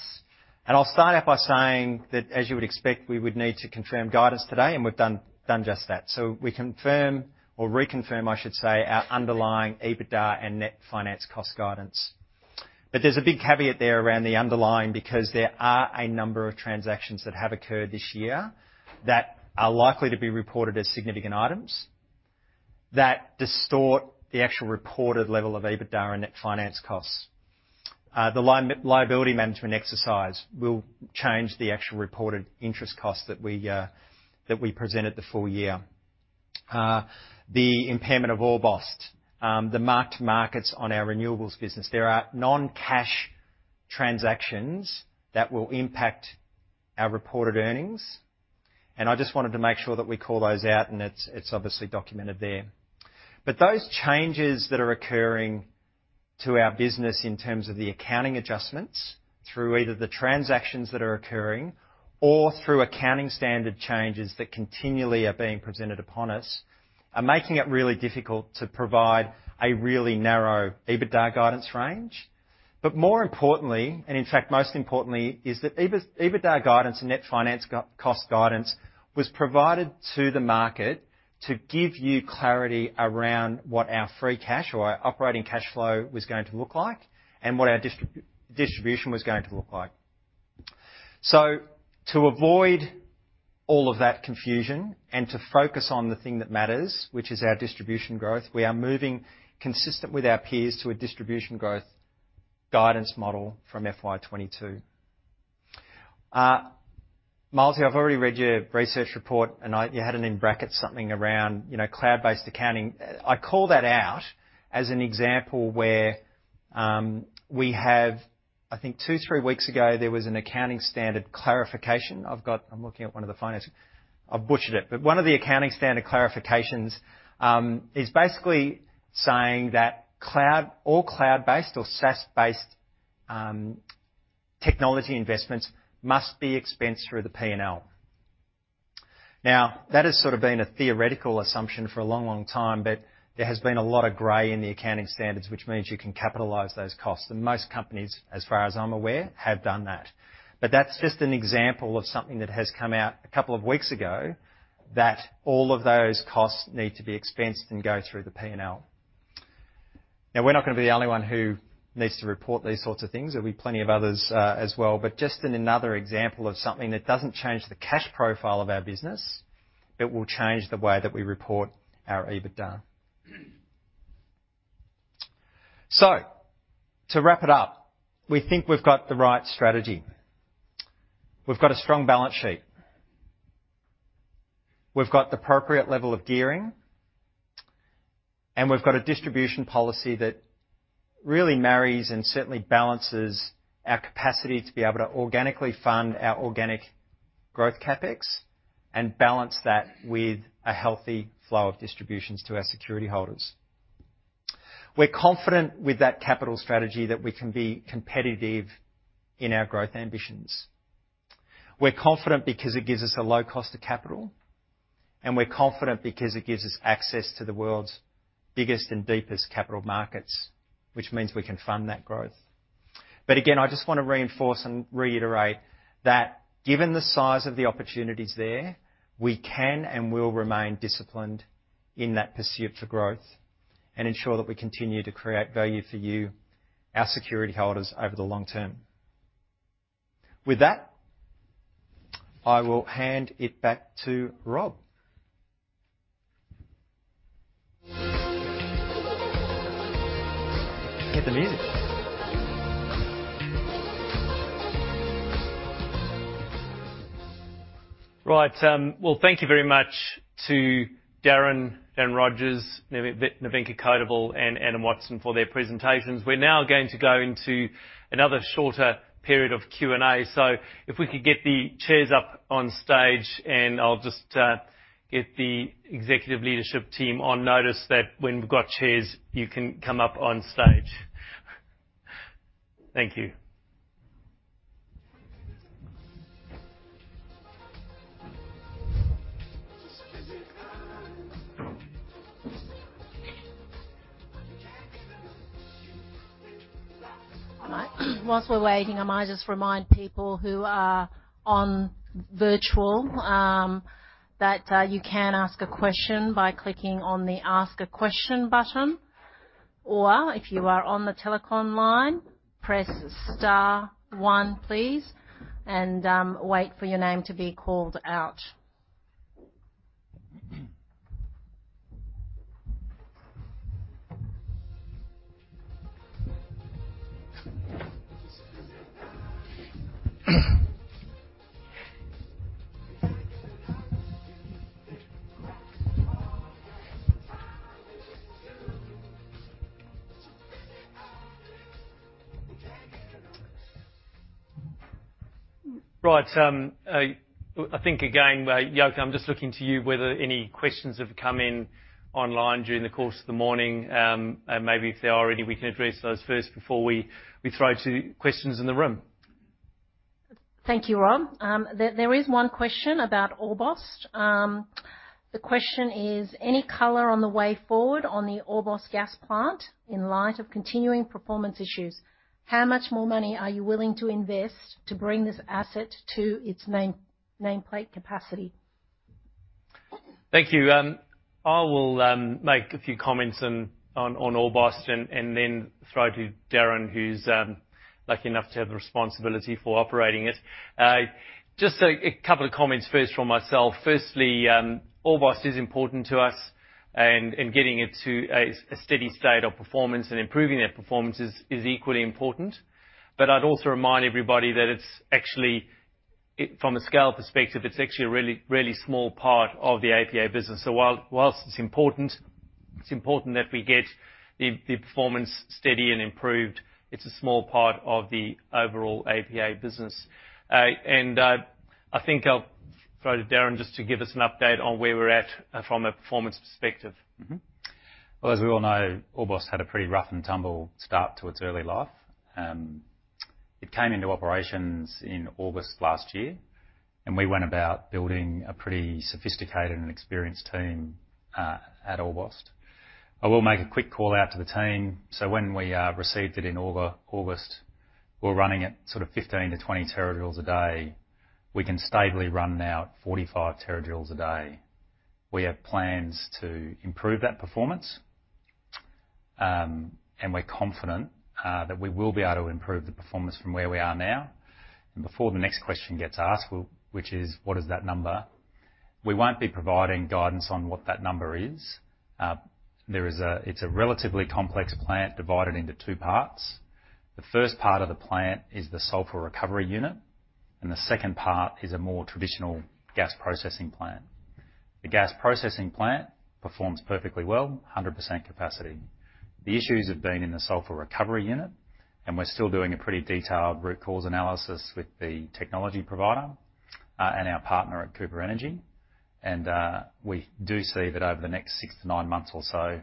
O: I'll start by saying that, as you would expect, we would need to confirm guidance today, and we've done just that. We confirm or reconfirm, I should say, our underlying EBITDA and net finance cost guidance. There's a big caveat there around the underlying, because there are a number of transactions that have occurred this year that are likely to be reported as significant items that distort the actual reported level of EBITDA and net finance costs. The liability management exercise will change the actual reported interest cost that we present at the full year. The impairment of Orbost, the marked-to-markets on our renewables business. There are non-cash transactions that will impact our reported earnings, and I just wanted to make sure that we call those out, and it's obviously documented there. Those changes that are occurring to our business in terms of the accounting adjustments, through either the transactions that are occurring or through accounting standard changes that continually are being presented upon us, are making it really difficult to provide a really narrow EBITDA guidance range. More importantly, and in fact most importantly, is that EBITDA guidance and net finance cost guidance was provided to the market to give you clarity around what our free cash or our operating cash flow was going to look like and what our distribution was going to look like. To avoid all of that confusion and to focus on the thing that matters, which is our distribution growth, we are moving consistent with our peers to a distribution growth guidance model from FY 2022. Mark, I've already read your research report, and you had it in brackets, something around cloud-based accounting. I call that out as an example where we have, I think two, three weeks ago, there was an accounting standard clarification. I'm looking at one of the finance. I've butchered it. One of the accounting standard clarifications is basically saying that all cloud-based or SaaS-based technology investments must be expensed through the P&L. That has sort of been a theoretical assumption for a long time, but there has been a lot of gray in the accounting standards, which means you can capitalize those costs. Most companies, as far as I'm aware, have done that. That's just an example of something that has come out a couple of weeks ago, that all of those costs need to be expensed and go through the P&L. We're not going to be the only one who needs to report these sorts of things. There'll be plenty of others as well. Just another example of something that doesn't change the cash profile of our business, but will change the way that we report our EBITDA. To wrap it up, we think we've got the right strategy. We've got a strong balance sheet. We've got the appropriate level of gearing, and we've got a distribution policy that really marries and certainly balances our capacity to be able to organically fund our organic growth CapEx and balance that with a healthy flow of distributions to our security holders. We're confident with that capital strategy that we can be competitive in our growth ambitions. We're confident because it gives us a low cost of capital. We're confident because it gives us access to the world's biggest and deepest capital markets, which means we can fund that growth. Again, I just want to reinforce and reiterate that given the size of the opportunities there, we can and will remain disciplined in that pursuit for growth and ensure that we continue to create value for you, our security holders, over the long term. With that, I will hand it back to Rob. Get the music.
B: Right. Thank you very much to Darren Rogers, Nevenka Codevelle, and Adam Watson for their presentations. We're now going to go into another shorter period of Q&A. If we could get the chairs up on stage, and I'll just get the executive leadership team on notice that when we've got chairs, you can come up on stage. Thank you.
A: Whilst we're waiting, I might just remind people who are on virtual, that you can ask a question by clicking on the Ask a Question button, or if you are on the telecom line, press star one, please, and wait for your name to be called out.
B: Right. I think again, Yoko, I'm just looking to you whether any questions have come in online during the course of the morning, and maybe if they are ready, we can address those first before we throw to questions in the room.
A: Thank you, Rob. There is one question about Orbost. The question is: any color on the way forward on the Orbost gas plant in light of continuing performance issues? How much more money are you willing to invest to bring this asset to its nameplate capacity?
B: Thank you. I will make a few comments on Orbost and then throw to Darren, who's lucky enough to have responsibility for operating it. Just a couple of comments first from myself. Firstly, Orbost is important to us, and getting it to a steady state of performance and improving that performance is equally important. I'd also remind everybody that from a scale perspective, it's actually a really small part of the APA business. Whilst it's important that we get the performance steady and improved, it's a small part of the overall APA business. I think I'll throw to Darren just to give us an update on where we're at from a performance perspective.
N: Mm-hmm. Well, as we all know, Orbost had a pretty rough and tumble start to its early life. It came into operations in August last year. We went about building a pretty sophisticated and experienced team at Orbost. I will make a quick call out to the team. When we received it in August, we were running at 15 to 20 terajoules a day. We can stably run now at 45 terajoules a day. We have plans to improve that performance. We're confident that we will be able to improve the performance from where we are now. Before the next question gets asked, which is, what is that number? We won't be providing guidance on what that number is. It's a relatively complex plant divided into two parts. The first part of the plant is the sulfur recovery unit, and the second part is a more traditional gas processing plant. The gas processing plant performs perfectly well, 100% capacity. The issues have been in the sulfur recovery unit, and we're still doing a pretty detailed root cause analysis with the technology provider and our partner at Cooper Energy. We do see that over the next six to nine months or so,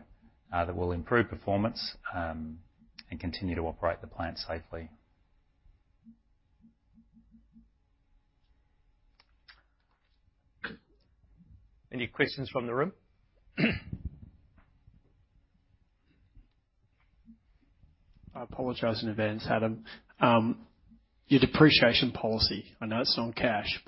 N: that we'll improve performance and continue to operate the plant safely.
B: Any questions from the room?
F: I apologize in advance, Adam. Your depreciation policy, I know it's on cash,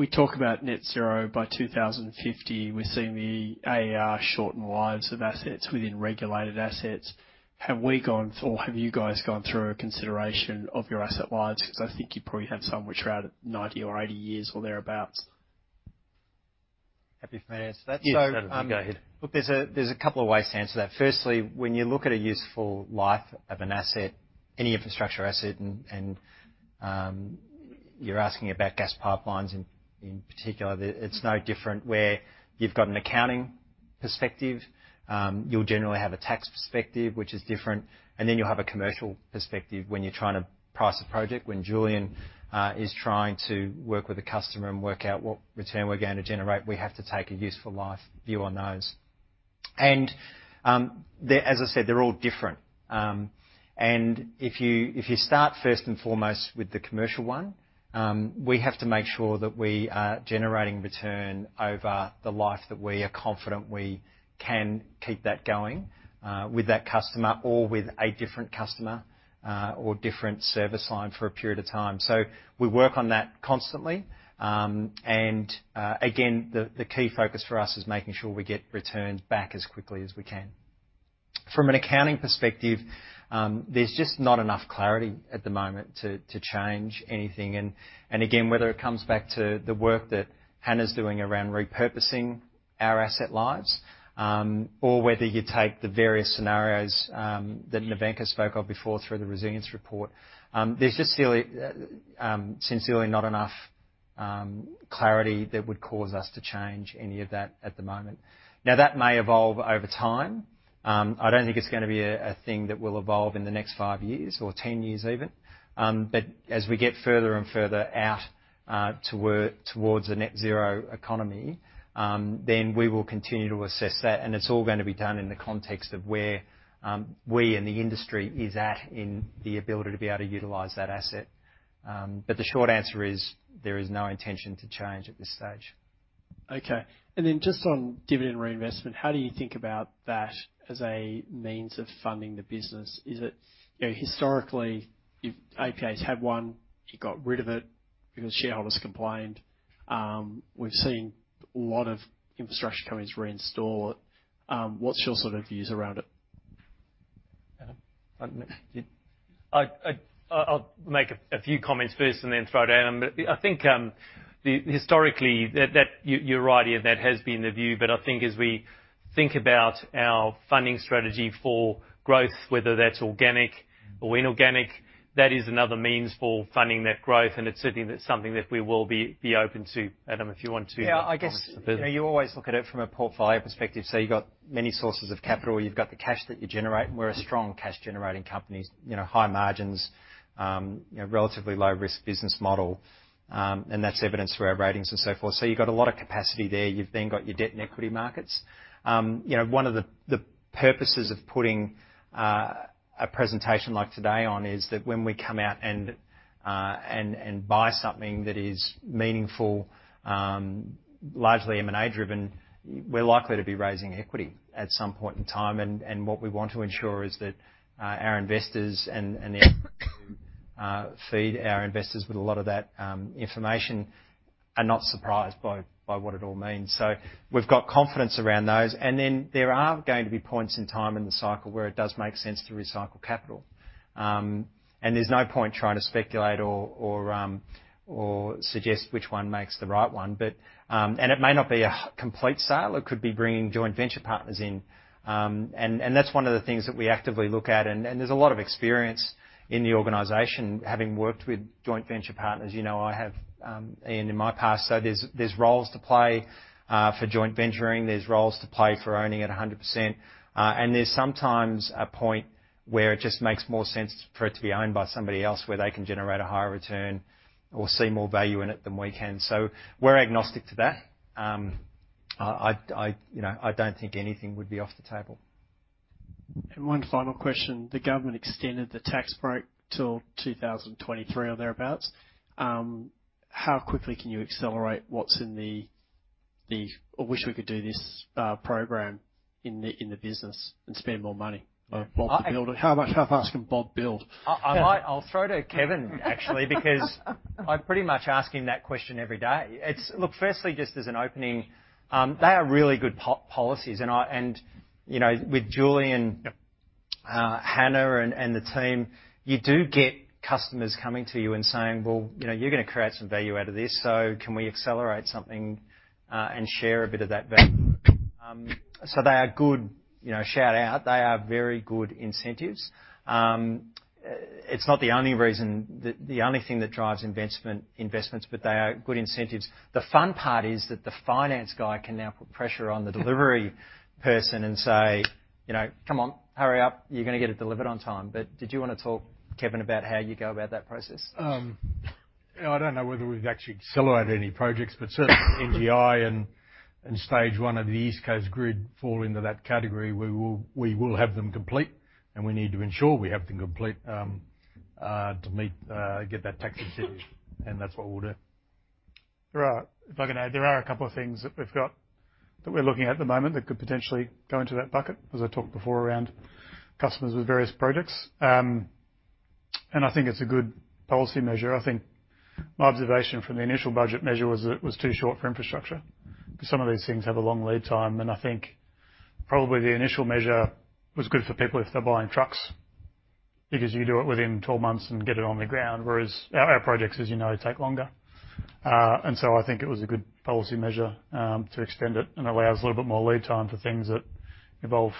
F: we talk about net zero by 2050. We're seeing the AER shorten lives of assets within regulated assets. Have you guys gone through a consideration of your asset lives? I think you probably have some which are out at 90 or 80 years or thereabouts.
O: Happy for me to answer that?
F: Yeah. Go ahead.
O: There's a couple of ways to answer that. Firstly, when you look at a useful life of an asset, any infrastructure asset, and you're asking about gas pipelines in particular, it's no different where you've got an accounting perspective, you'll generally have a tax perspective, which is different, and then you'll have a commercial perspective when you're trying to price a project. When Julian is trying to work with a customer and work out what return we're going to generate, we have to take a useful life view on those. As I said, they're all different. If you start first and foremost with the commercial one, we have to make sure that we are generating return over the life that we are confident we can keep that going with that customer or with a different customer, or a different service line for a period of time. We work on that constantly. Again, the key focus for us is making sure we get returns back as quickly as we can. From an accounting perspective, there's just not enough clarity at the moment to change anything. Again, whether it comes back to the work that Hannah's doing around repurposing our asset lives, or whether you take the various scenarios that Nevenka spoke of before through the resilience report, there's just sincerely not enough clarity that would cause us to change any of that at the moment. That may evolve over time. I don't think it's going to be a thing that will evolve in the next five years or 10 years even. As we get further and further out towards a net zero economy, then we will continue to assess that, and it's all going to be done in the context of where we in the industry is at in the ability to be able to utilize that asset. The short answer is, there is no intention to change at this stage.
F: Okay. Just on dividend reinvestment, how do you think about that as a means of funding the business? Historically, if APA had one, you got rid of it because shareholders complained. We've seen a lot of infrastructure companies reinstall it. What's your views around it, Adam?
B: I'll make a few comments first and then throw to Adam. I think historically, you're right, Ian, that has been the view. I think as we think about our funding strategy for growth, whether that's organic or inorganic, that is another means for funding that growth, and it's certainly something that we will be open to. Adam, if you want to-
O: Yeah, I guess you always look at it from a portfolio perspective. You've got many sources of capital. You've got the cash that you generate. We're a strong cash-generating company, high margins, relatively low-risk business model, and that's evidenced for our ratings and so forth. You've got a lot of capacity there. You've got your debt and equity markets. One of the purposes of putting. A presentation like today on is that when we come out and buy something that is meaningful, largely M&A-driven, we're likely to be raising equity at some point in time. What we want to ensure is that our investors and the equity we feed our investors with a lot of that information are not surprised by what it all means. We've got confidence around those. There are going to be points in time in the cycle where it does make sense to recycle capital. There's no point trying to speculate or suggest which one makes the right one. It may not be a complete sale. It could be bringing joint venture partners in. That's one of the things that we actively look at. There's a lot of experience in the organization having worked with joint venture partners. I have, Ian, in my past. There's roles to play for joint venturing, there's roles to play for owning at 100%, there's sometimes a point where it just makes more sense for it to be owned by somebody else, where they can generate a higher return or see more value in it than we can. We're agnostic to that. I don't think anything would be off the table.
F: One final question. The government extended the tax break till 2023 or thereabouts. How quickly can you accelerate? I wish we could do this program in the business and spend more money. How much can Bob build?
O: I'll throw to Kevin, actually, because I'm pretty much asking that question every day. Look, firstly, just as an opening, they are really good policies and with Julian and Hannah and the team, you do get customers coming to you and saying, "Well, you're going to create some value out of this, so can we accelerate something and share a bit of that value?" They are good. Shout out. They are very good incentives. It's not the only reason, the only thing that drives investments, they are good incentives. The fun part is that the finance guy can now put pressure on the delivery person and say, "Come on, hurry up. You're going to get it delivered on time." Did you want to talk, Kevin, about how you go about that process?
P: I don't know whether we've actually accelerated any projects, but certainly NGI and stage one of the East Coast Grid fall into that category. We will have them complete, and we need to ensure we have them complete to get that tax incentive, and that's what we'll do.
C: If I can add, there are a couple of things that we're looking at the moment that could potentially go into that bucket, as I talked before, around customers with various products. I think it's a good policy measure. I think my observation from the initial budget measure was it was too short for infrastructure. Some of these things have a long lead time, and I think probably the initial measure was good for people if they're buying trucks because you do it within 12 months and get it on the ground, whereas our projects, as you know, take longer. I think it was a good policy measure to extend it and allows a little bit more lead time for things that involve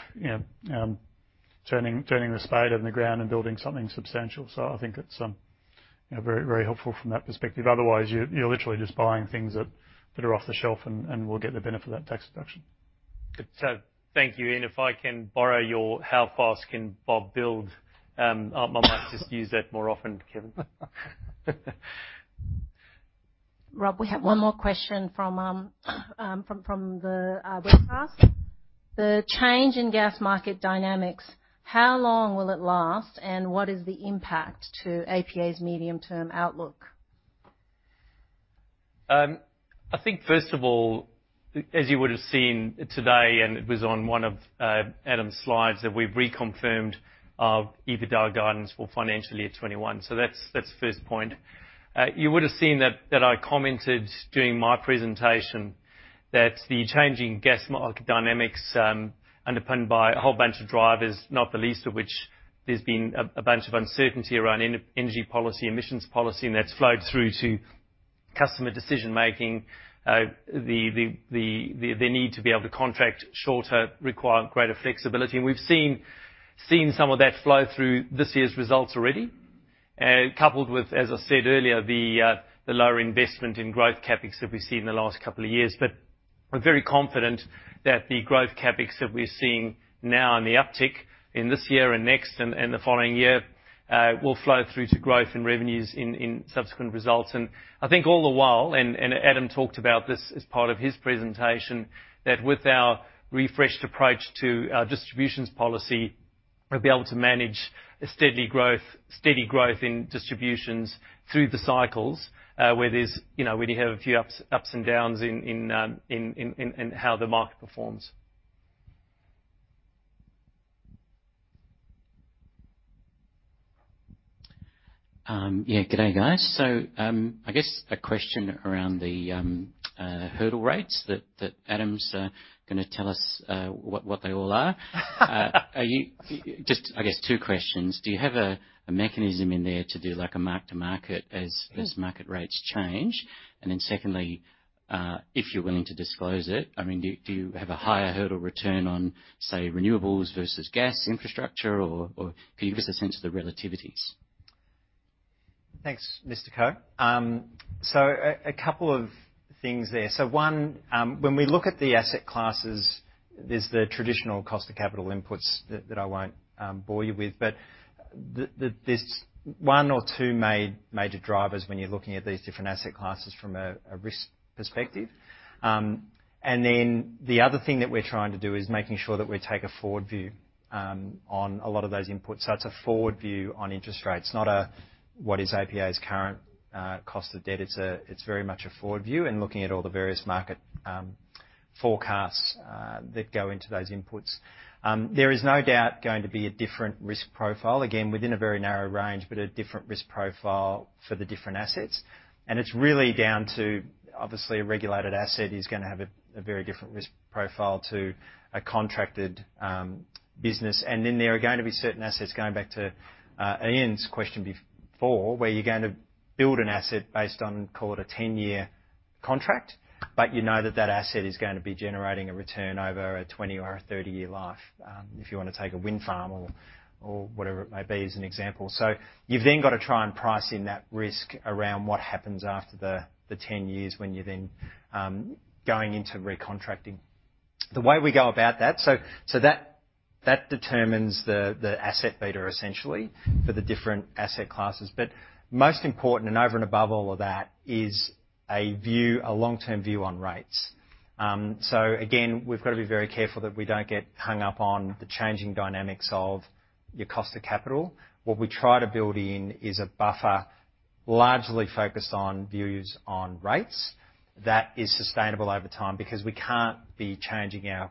C: turning the spade in the ground and building something substantial. I think it's very helpful from that perspective. Otherwise, you're literally just buying things that are off the shelf and will get the benefit of that tax deduction.
B: Good. Thank you, Ian. If I can borrow your how fast can Bob build, I might just use that more often, Kevin.
A: Rob, we have one more question from the webcast. The change in gas market dynamics, how long will it last and what is the impact to APA's medium-term outlook?
B: I think first of all, as you would've seen today, and it was on one of Adam's slides, that we've reconfirmed our EBITDA guidance for financial year 2021. That's the first point. You would've seen that I commented during my presentation that the changing gas market dynamics underpinned by a whole bunch of drivers, not the least of which there's been a bunch of uncertainty around energy policy, emissions policy, and that's flowed through to customer decision-making, the need to be able to contract shorter, require greater flexibility. We've seen some of that flow through this year's results already, coupled with, as I said earlier, the lower investment in growth CapEx that we've seen in the last couple of years. We're very confident that the growth CapEx that we're seeing now and the uptick in this year and next and the following year will flow through to growth in revenues in subsequent results. I think all the while, and Adam talked about this as part of his presentation, that with our refreshed approach to our distributions policy, we'll be able to manage a steady growth in distributions through the cycles where we have a few ups and downs in how the market performs.
K: Good day, guys. I guess a question around the hurdle rates that Adam's going to tell us what they all are. Just I guess two questions. Do you have a mechanism in there to do like a mark to market as market rates change? Secondly, if you're willing to disclose it, do you have a higher hurdle return on, say, renewables versus gas infrastructure, or can you just attend to the relativities?
O: Thanks, Mr. Coe. A couple of things there. One, when we look at the asset classes, there's the traditional cost of capital inputs that I won't bore you with. There's one or two major drivers when you're looking at these different asset classes from a risk perspective. The other thing that we're trying to do is making sure that we take a forward view on a lot of those inputs. It's a forward view on interest rates, not a what is APA's current cost of debt. It's very much a forward view and looking at all the various market forecasts that go into those inputs. There is no doubt going to be a different risk profile, again, within a very narrow range, but a different risk profile for the different assets. It's really down to, obviously, a regulated asset is going to have a very different risk profile to a contracted business. Then there are going to be certain assets, going back to Ian's question before, where you're going to build an asset based on call it a 10-year contract, but you know that asset is going to be generating a return over a 20 or a 30-year life, if you want to take a wind farm or whatever it may be as an example. You've then got to try and price in that risk around what happens after the 10 years when you're then going into recontracting. The way we go about that, so that determines the asset beta, essentially, for the different asset classes. Most important, and over and above all of that, is a long-term view on rates. Again, we've got to be very careful that we don't get hung up on the changing dynamics of your cost of capital. What we try to build in is a buffer largely focused on views on rates that is sustainable over time, because we can't be changing our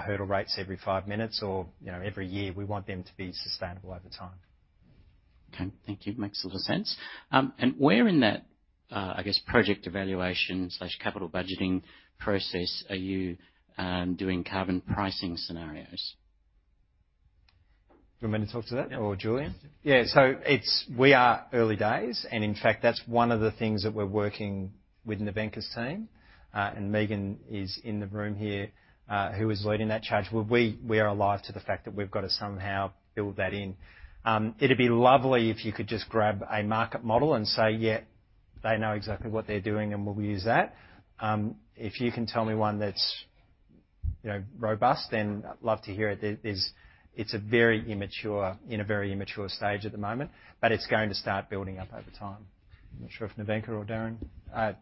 O: hurdle rates every five minutes or every year. We want them to be sustainable over time.
K: Okay, thank you. Makes a lot of sense. Where in that, I guess, project evaluation/capital budgeting process are you doing carbon pricing scenarios?
O: Do you want me to talk to that or Julian? We are early days, and in fact, that's one of the things that we're working with Nevenka's team, and Megan is in the room here, who is leading that charge, where we are alive to the fact that we've got to somehow build that in. It'd be lovely if you could just grab a market model and say, they know exactly what they're doing and we'll use that. If you can tell me one that's robust, I'd love to hear it. It's in a very immature stage at the moment, it's going to start building up over time. I'm not sure if Nevenka or Darren,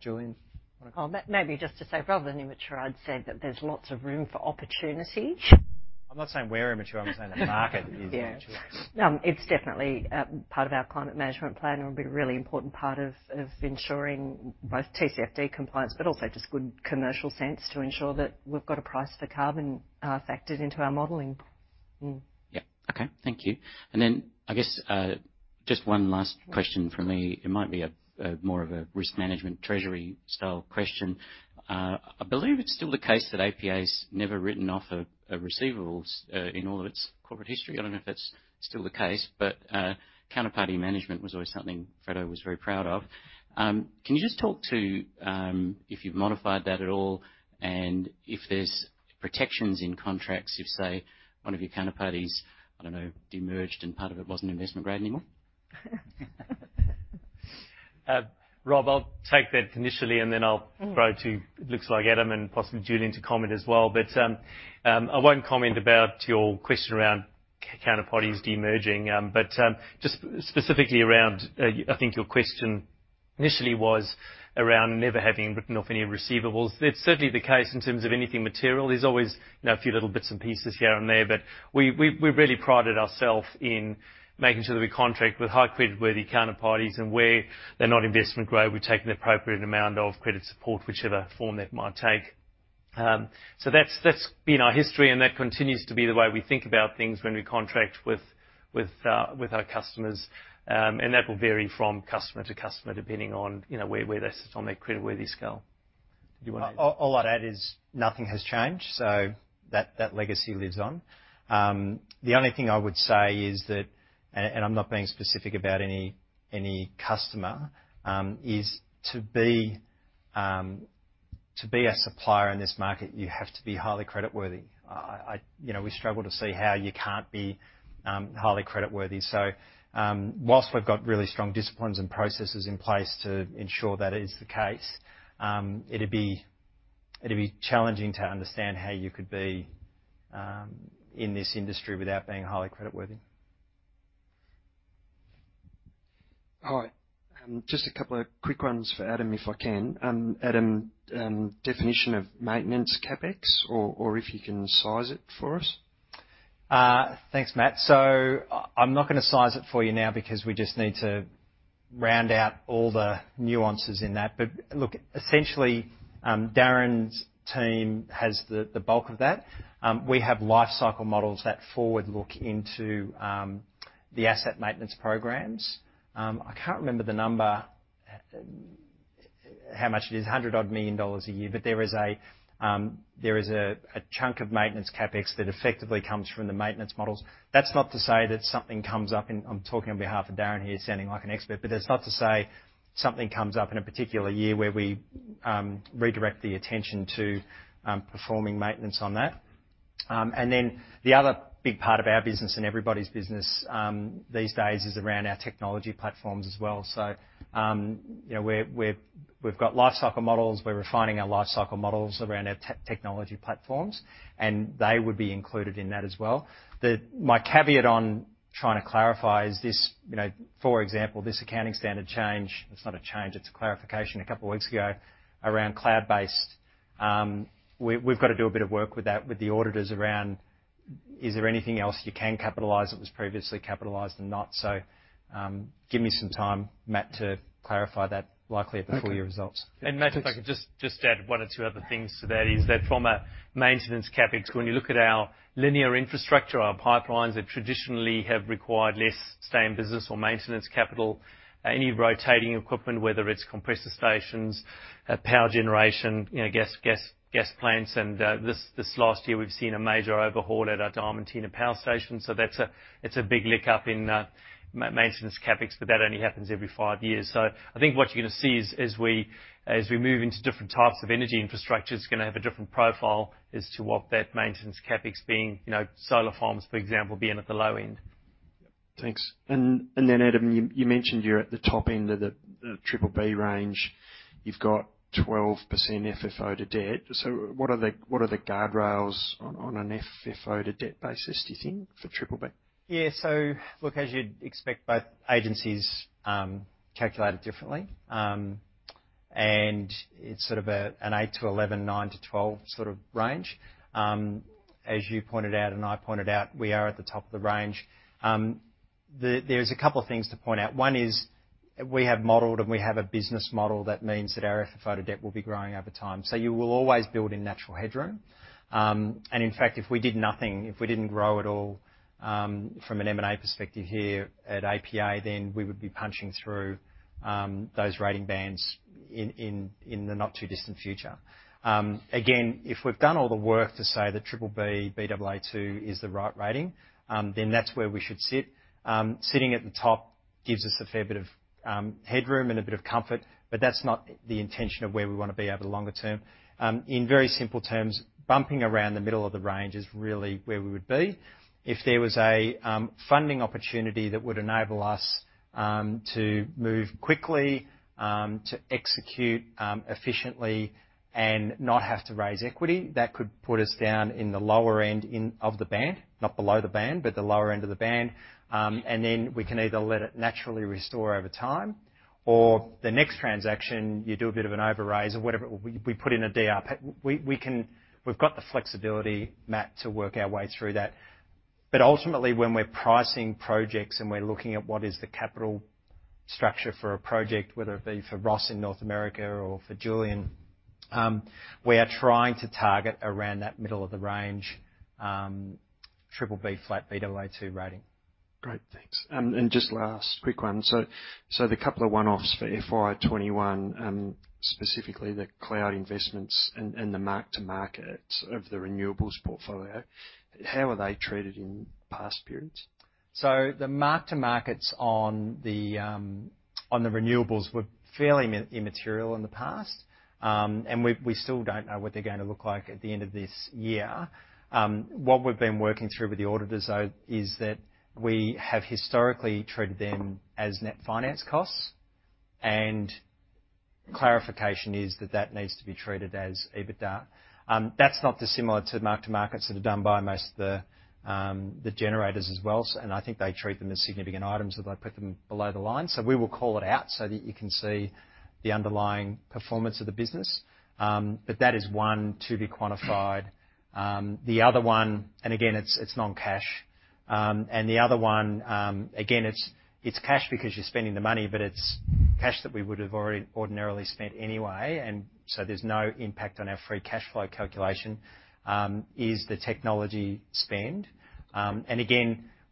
O: Julian want to comment.
I: Maybe just to say, rather than immature, I'd say that there's lots of room for opportunity.
O: I'm not saying we're immature, I'm saying the market is immature.
I: Yeah. It's definitely part of our climate measurement plan. It would be a really important part of ensuring both TCFD compliance, but also just good commercial sense to ensure that we've got a price for carbon factored into our modeling.
K: Yeah. Okay. Thank you. I guess, just one last question from me. It might be more of a risk management treasury style question. I believe it's still the case that APA's never written off a receivables in all its corporate history. I don't know if that's still the case, counterparty management was always something Freddo was very proud of. Can you just talk to if you've modified that at all, and if there's protections in contracts, if, say, one of your counterparties, I don't know, demerged and part of it wasn't investment grade anymore?
B: Rob, I'll take that initially, and then I'll throw to, looks like Adam, and possibly Julian to comment as well. I won't comment about your question around counterparties demerging. Just specifically around, I think your question initially was around never having written off any receivables. It's certainly the case in terms of anything material. There's always a few little bits and pieces here and there, but we've really prided ourselves in making sure that we contract with high creditworthy counterparties, and where they're not investment grade, we take an appropriate amount of credit support, whichever form that might take. That's been our history, and that continues to be the way we think about things when we contract with our customers, and that will vary from customer to customer, depending on where they sit on their creditworthy scale. You want to-
O: All I'd add is nothing has changed, so that legacy lives on. The only thing I would say is that, and I'm not being specific about any customer, is to be a supplier in this market, you have to be highly creditworthy. We struggle to see how you can't be highly creditworthy. Whilst we've got really strong disciplines and processes in place to ensure that is the case, it'd be challenging to understand how you could be in this industry without being highly creditworthy.
Q: All right. Just a couple of quick ones for Adam, if I can. Adam, definition of maintenance CapEx, or if you can size it for us.
O: Thanks, Matt. I'm not going to size it for you now because we just need to round out all the nuances in that. Look, essentially, Darren's team has the bulk of that. We have life cycle models that forward look into the asset maintenance programs. I can't remember the number, how much it is, 100 million dollars a year, there is a chunk of maintenance CapEx that effectively comes from the maintenance models. That's not to say that something comes up, and I'm talking on behalf of Darren here, sounding like an expert, that's not to say something comes up in a particular year where we redirect the attention to performing maintenance on that. The other big part of our business and everybody's business these days is around our technology platforms as well. We've got life cycle models. We're refining our life cycle models around our technology platforms, and they would be included in that as well. My caveat on trying to clarify is this, for example, this accounting standard change, it's not a change, it's a clarification a couple of weeks ago, around cloud-based. We've got to do a bit of work with that, with the auditors around is there anything else you can capitalize that was previously capitalized and not? Give me some time, Matt, to clarify that likely before your results.
Q: Okay.
O: Matt, if I could just add one or two other things to that is that from a maintenance CapEx, when you look at our linear infrastructure, our pipelines that traditionally have required less same business or maintenance capital, any rotating equipment, whether it's compressor stations, power generation, gas plants, and this last year we've seen a major overhaul at our Diamantina Power Station. That's a big lick up in maintenance CapEx, but that only happens every five years. I think what you're going to see is, as we move into different types of energy infrastructure, it's going to have a different profile as to what that maintenance CapEx being, solar farms, for example, being at the low end.
Q: Thanks. Then Adam, you mentioned you're at the top end of the BBB range. You've got 12% FFO to debt. What are the guardrails on an FFO to debt basis, do you think, for BBB?
O: Look, as you'd expect, both agencies calculate it differently. It's an 8 to 11, 9 to 12 range. As you pointed out and I pointed out, we are at the top of the range. There's a couple of things to point out. One is we have modeled and we have a business model that means that our FFO to debt will be growing over time. You will always build in natural headroom. In fact, if we did nothing, if we didn't grow at all, from an M&A perspective here at APA, then we would be punching through those rating bands in the not too distant future. Again, if we've done all the work to say that BBB, Baa2 is the right rating, then that's where we should sit. Sitting at the top gives us a fair bit of headroom and a bit of comfort, that's not the intention of where we want to be over the longer term. In very simple terms, bumping around the middle of the range is really where we would be. If there was a funding opportunity that would enable us to move quickly, to execute efficiently, and not have to raise equity, that could put us down in the lower end of the band, not below the band, but the lower end of the band. Then we can either let it naturally restore over time, or the next transaction, you do a bit of an over raise or whatever, we put in a DRP. We've got the flexibility, Matt, to work our way through that. Ultimately, when we're pricing projects and we're looking at what is the capital structure for a project, whether it be for Ross in North America or for Julian, we are trying to target around that middle of the range, BBB, flat Baa2 rating.
Q: Great. Thanks. Just last quick one. The couple of one-offs for FY 2021, specifically the cloud investments and the mark-to-market of the renewables portfolio, how are they treated in past periods?
O: The mark-to-markets on the renewables were fairly immaterial in the past. We still don't know what they're going to look like at the end of this year. What we've been working through with the auditors, though, is that we have historically treated them as net finance costs and clarification is that that needs to be treated as EBITDA. That's not dissimilar to mark-to-markets that are done by most of the generators as well. I think they treat them as significant items, so they put them below the line. We will call it out so that you can see the underlying performance of the business. That is one to be quantified. The other one, and again, it's non-cash. The other one, again, it's cash because you're spending the money, but it's cash that we would have ordinarily spent anyway. There's no impact on our free cash flow calculation, is the technology spend.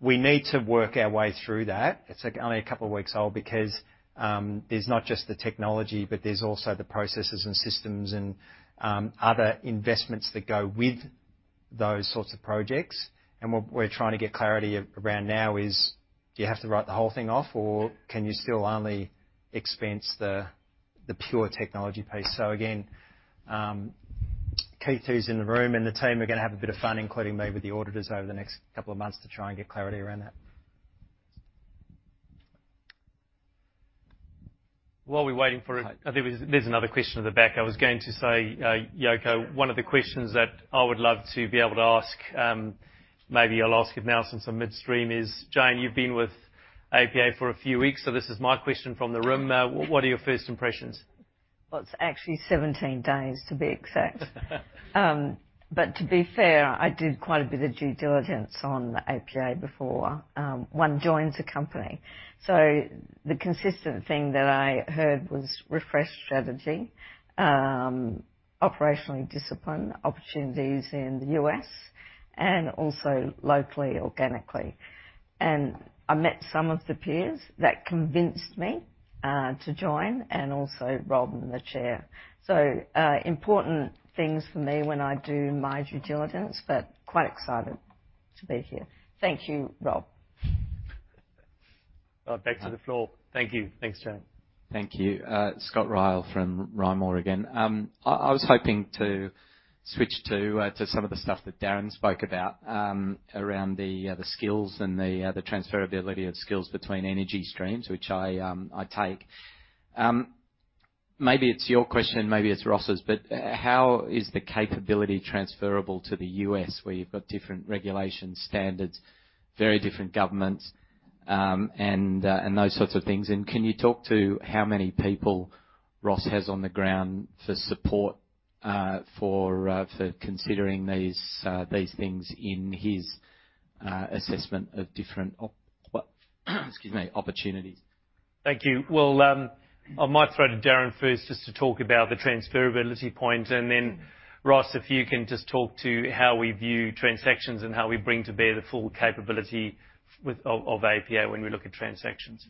O: We need to work our way through that. It's only a couple of weeks old because there's not just the technology, but there's also the processes and systems and other investments that go with those sorts of projects. What we're trying to get clarity around now is, do you have to write the whole thing off or can you still only expense the pure technology piece? Keith, who's in the room, and the team are going to have a bit of fun, including me with the auditors over the next couple of months to try and get clarity around that.
B: While we're waiting for it, there's another question at the back. I was going to say, Yoko, one of the questions that I would love to be able to ask, maybe I'll ask it now since I'm midstream is, Jane, you've been with APA for a few weeks, so this is my question from the room now. What are your first impressions?
R: It's actually 17 days, to be exact. To be fair, I did quite a bit of due diligence on APA before one joins a company. The consistent thing that I heard was refresh strategy, operational discipline, opportunities here in the U.S., and also locally, organically. I met some of the peers that convinced me to join, and also Rob in the chair. Important things for me when I do my due diligence, but quite excited to be here. Thank you, Rob.
B: Back to the floor. Thank you. Thanks, Jane.
J: Thank you. Scott Ryall from Rimor, again. I was hoping to switch to some of the stuff that Darren spoke about around the skills and the transferability of skills between energy streams, which I take. Maybe it's your question, maybe it's Ross's, how is the capability transferable to the U.S. where you've got different regulations, standards, very different governments, and those sorts of things? Can you talk to how many people Ross has on the ground for support for considering these things in his assessment of different excuse me, opportunities?
B: Thank you. Well, I might throw to Darren first just to talk about the transferability point, and then Ross, if you can just talk to how we view transactions and how we bring to bear the full capability of APA when we look at transactions.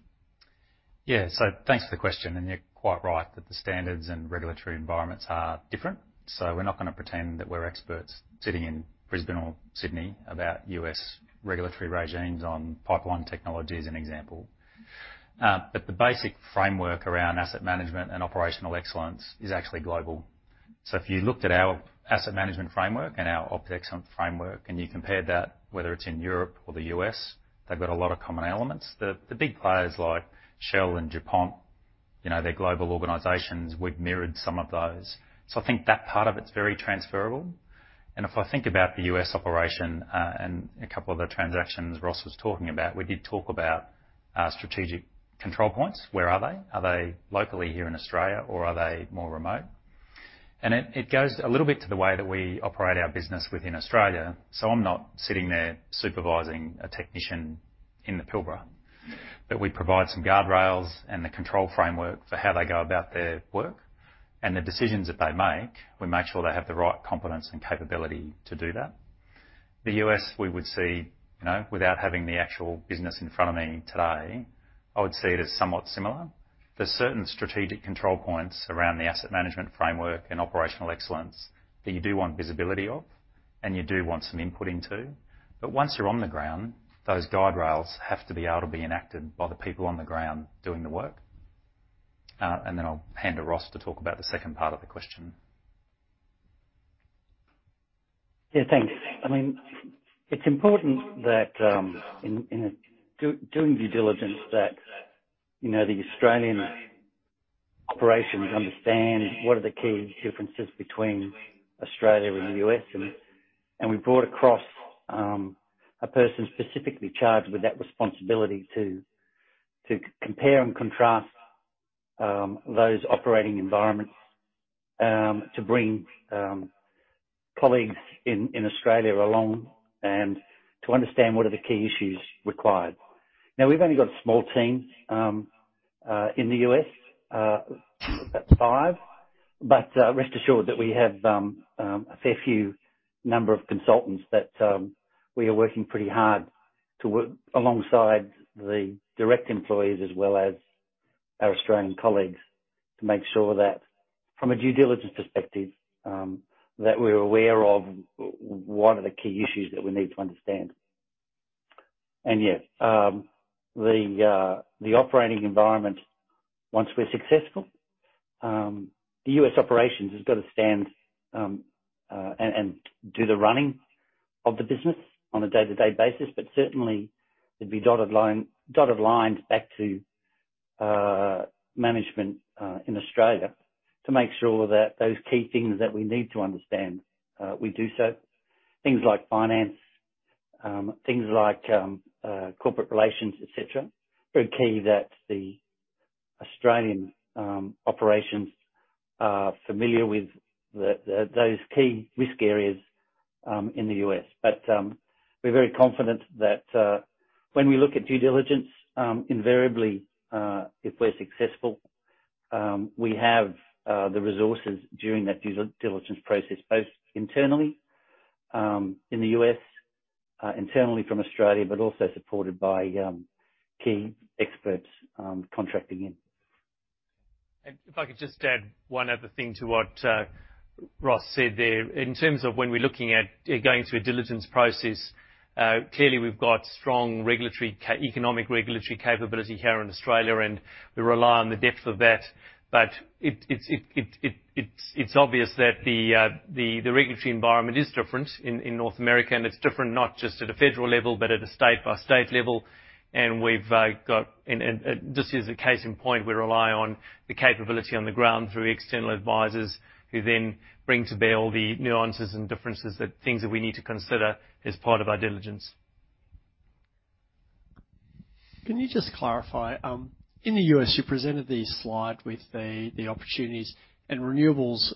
N: Thanks for the question, and you're quite right that the standards and regulatory environments are different. We're not going to pretend that we're experts sitting in Brisbane or Sydney about U.S. regulatory regimes on pipeline technology as an example. The basic framework around asset management and operational excellence is actually global. If you looked at our asset management framework and our OpEx framework, and you compare that whether it's in Europe or the U.S., they've got a lot of common elements. The big players like Shell and DuPont, they're global organizations. We've mirrored some of those. I think that part of it's very transferable. If I think about the U.S. operation and a couple of the transactions Ross was talking about, we did talk about strategic control points. Where are they? Are they locally here in Australia or are they more remote? It goes a little bit to the way that we operate our business within Australia. I'm not sitting there supervising a technician in the Pilbara, but we provide some guardrails and the control framework for how they go about their work and the decisions that they make. We make sure they have the right competence and capability to do that. The U.S., we would see, without having the actual business in front of me today, I would see it as somewhat similar. There's certain strategic control points around the asset management framework and operational excellence that you do want visibility of and you do want some input into. Once you're on the ground, those guardrails have to be able to be enacted by the people on the ground doing the work. Then I'll hand to Ross to talk about the second part of the question.
E: Yeah, thanks. It's important that in doing due diligence that the Australian operations understand what are the key differences between Australia and the U.S., and we brought across, a person specifically charged with that responsibility to compare and contrast those operating environments, to bring colleagues in Australia along and to understand what are the key issues required. Now, we've only got small teams in the U.S., about five, but rest assured that we have a fair few number of consultants that we are working pretty hard to work alongside the direct employees as well as our Australian colleagues to make sure that from a due diligence perspective, that we're aware of what are the key issues that we need to understand. Yeah, the operating environment, once we're successful, the U.S. operations has got to stand and do the running of the business on a day-to-day basis. Certainly, there'd be dotted lines back to management in Australia to make sure that those key things that we need to understand, we do so. Things like finance, things like corporate relations, et cetera. Very key that the Australian operations are familiar with those key risk areas in the U.S. We're very confident that when we look at due diligence, invariably, if we're successful, we have the resources during that due diligence process, both internally, in the U.S., internally from Australia, but also supported by key experts contracting in.
B: If I could just add one other thing to what Ross said there. In terms of when we're looking at going through a diligence process, clearly we've got strong economic regulatory capability here in Australia, and we rely on the depth of that. It's obvious that the regulatory environment is different in North America, and it's different not just at a federal level, but at a state-by-state level. Just as a case in point, we rely on the capability on the ground through external advisors who then bring to bear all the nuances and differences that things that we need to consider as part of our diligence.
J: Can you just clarify? In the U.S., you presented the slide with the opportunities and renewables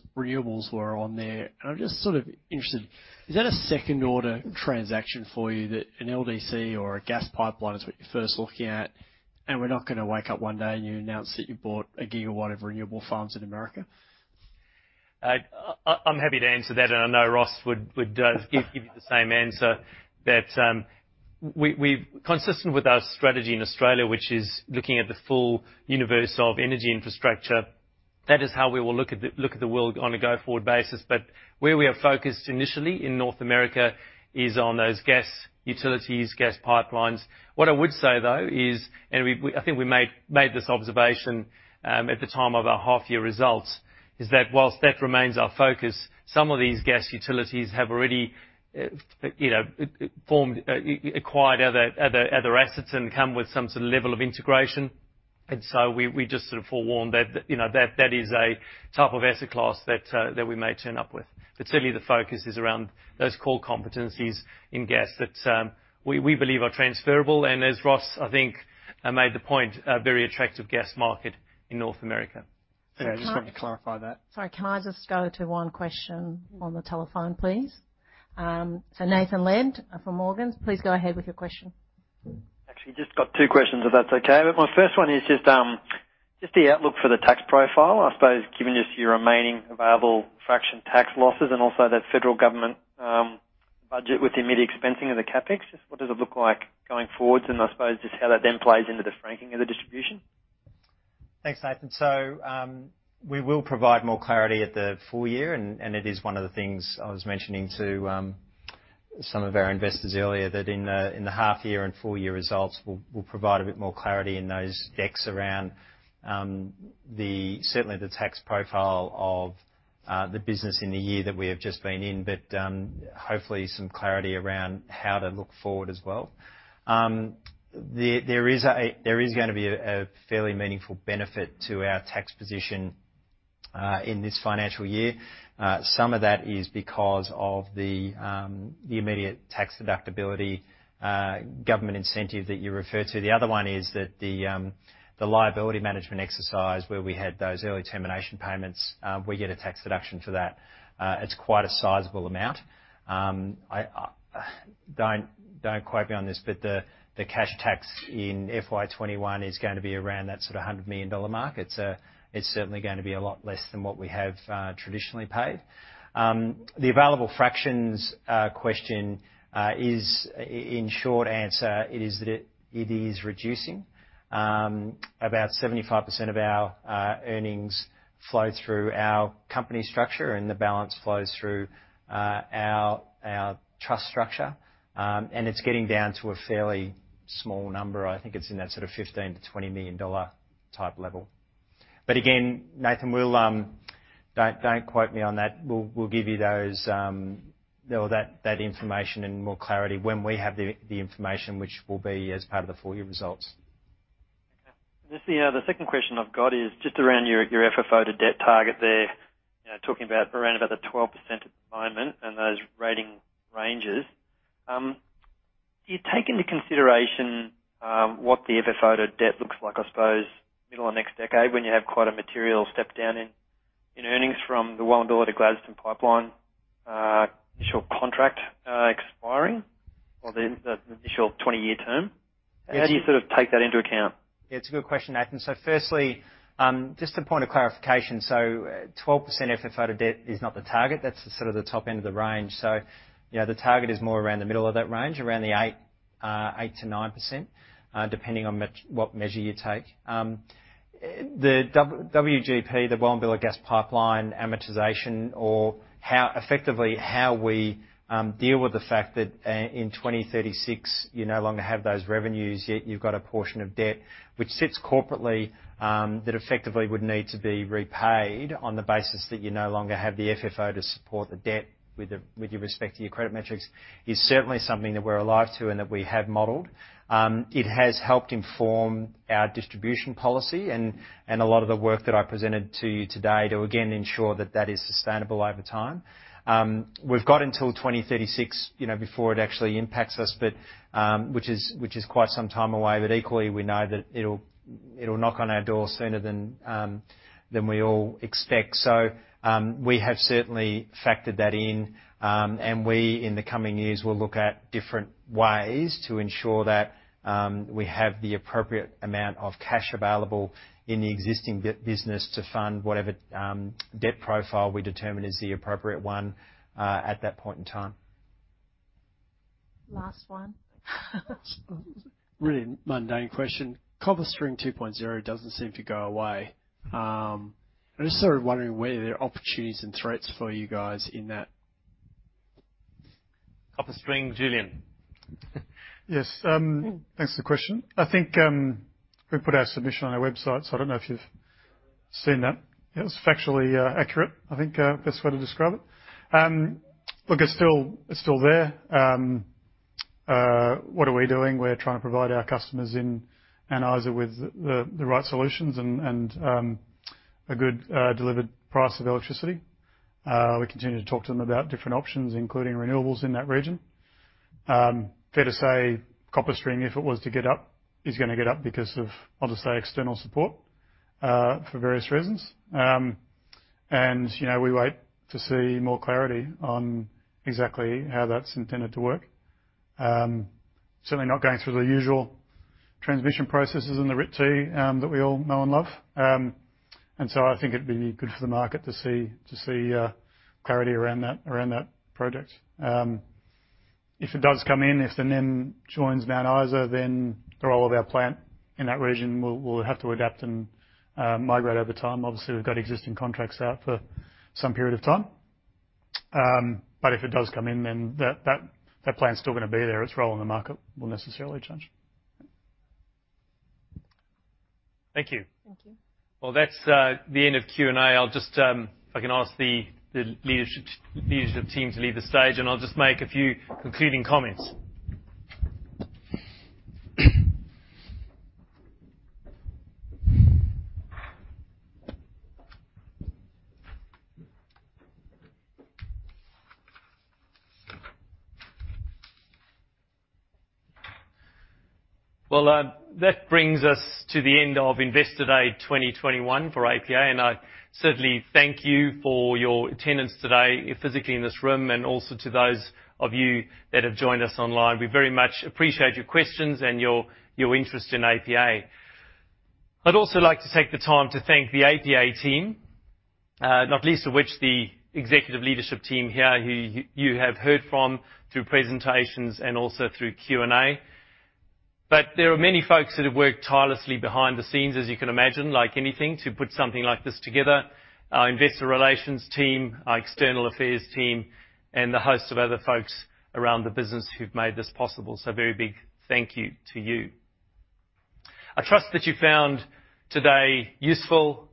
J: were on there. I'm just sort of interested, is that a second-order transaction for you that an LDC or a gas pipeline is what you're first looking at, and we're not going to wake up one day and you announce that you bought a gigawatt of renewable farms in America?
B: I'm happy to answer that, and I know Ross would give the same answer. That consistent with our strategy in Australia, which is looking at the full universe of energy infrastructure. That is how we will look at the world on a go-forward basis. Where we are focused initially in North America is on those gas utilities, gas pipelines. What I would say, though, and I think we made this observation at the time of our half-year results, is that whilst that remains our focus, some of these gas utilities have already acquired other assets and come with some level of integration. We just forewarn that is a type of asset class that we may turn up with. Certainly, the focus is around those core competencies in gas that we believe are transferable, and as Ross, I think, made the point, a very attractive gas market in North America. Just wanted to clarify that.
A: Sorry, can I just go to one question on the telephone, please? Nathan Lead from Morgans, please go ahead with your question.
M: Actually, just got two questions, if that's okay. My first one is just the outlook for the tax profile, I suppose, given just your remaining available fraction tax losses and also the federal government budget with immediate expensing of the CapEx. Just what does it look like going forward, and I suppose just how that then plays into the franking of the distribution?
O: Thanks, Nathan. We will provide more clarity at the full year, and it is one of the things I was mentioning to some of our investors earlier that in the half year and full-year results, we will provide a bit more clarity in those decks around certainly the tax profile of the business in the year that we have just been in, but hopefully some clarity around how to look forward as well. There is going to be a fairly meaningful benefit to our tax position in this financial year. Some of that is because of the immediate tax deductibility government incentive that you refer to. The other one is that the liability management exercise where we had those early termination payments, we get a tax deduction for that. It's quite a sizable amount. Don't quote me on this, but the cash tax in FY 2021 is going to be around that sort of 100 million dollar mark. It's certainly going to be a lot less than what we have traditionally paid. The available fractions question is, in short answer, is that it is reducing. About 75% of our earnings flow through our company structure and the balance flows through our trust structure. It's getting down to a fairly small number. I think it's in that sort of 15 million-20 million dollar type level. Again, Nathan, don't quote me on that. We'll give you that information and more clarity when we have the information, which will be as part of the full year results.
M: The second question I've got is just around your FFO to debt target there, talking about around about the 12% at the moment and those rating ranges. Do you take into consideration, what the FFO to debt looks like, I suppose, middle of next decade when you have quite a material step down in earnings from the Wallumbilla Gladstone Pipeline, initial contract expiring or the initial 20-year term? How do you take that into account?
O: It's a good question, Nathan. Firstly, just a point of clarification. 12% FFO to debt is not the target. That's the top end of the range. The target is more around the middle of that range, around the 8% to 9%, depending on what measure you take. The WGP, the Wallumbilla to Gladstone Pipeline amortization, or effectively how we deal with the fact that in 2036, you no longer have those revenues, yet you've got a portion of debt which sits corporately, that effectively would need to be repaid on the basis that you no longer have the FFO to support the debt with respect to your credit metrics, is certainly something that we're alive to and that we have modeled. It has helped inform our distribution policy and a lot of the work that I presented to you today to again ensure that is sustainable over time. We've got until 2036 before it actually impacts us, which is quite some time away, but equally, we know that it'll knock on our door sooner than we all expect. We have certainly factored that in, and we, in the coming years, will look at different ways to ensure that we have the appropriate amount of cash available in the existing debt business to fund whatever debt profile we determine is the appropriate one at that point in time.
A: Last one.
M: Really mundane question. CopperString 2.0 doesn't seem to go away. I'm just wondering where there are opportunities and threats for you guys in that.
B: CopperString, Julian.
C: Yes. Thanks for the question. I think we put our submission on our website, so I don't know if you've seen that. It's factually accurate, I think best way to describe it. Look, it's still there. What are we doing? We're trying to provide our customers in Isa with the right solutions and a good delivered price of electricity. We continue to talk to them about different options, including renewables in that region. Fair to say, CopperString, if it was to get up, is going to get up because of, I'll just say, external support for various reasons. We wait to see more clarity on exactly how that's intended to work. Certainly not going through the usual transmission processes and the RIT-T that we all know and love. I think it'd be good for the market to see clarity around that project. If it does come in, if and when joins Mount Isa, the role of our plant in that region will have to adapt and migrate over time. Obviously, we've got existing contracts out for some period of time. If it does come in, that plant's still going to be there. Its role in the market will necessarily change.
M: Thank you.
S: Thank you.
B: Well, that's the end of Q&A. If I can ask the leadership team to leave the stage, and I'll just make a few concluding comments. Well, that brings us to the end of Investor Day 2021 for APA, and I certainly thank you for your attendance today, physically in this room, and also to those of you that have joined us online. We very much appreciate your questions and your interest in APA. I'd also like to take the time to thank the APA team, not least of which the executive leadership team here who you have heard from through presentations and also through Q&A. There are many folks that have worked tirelessly behind the scenes, as you can imagine, like anything, to put something like this together, our investor relations team, our external affairs team, and a host of other folks around the business who've made this possible. Very big thank you to you. I trust that you found today useful,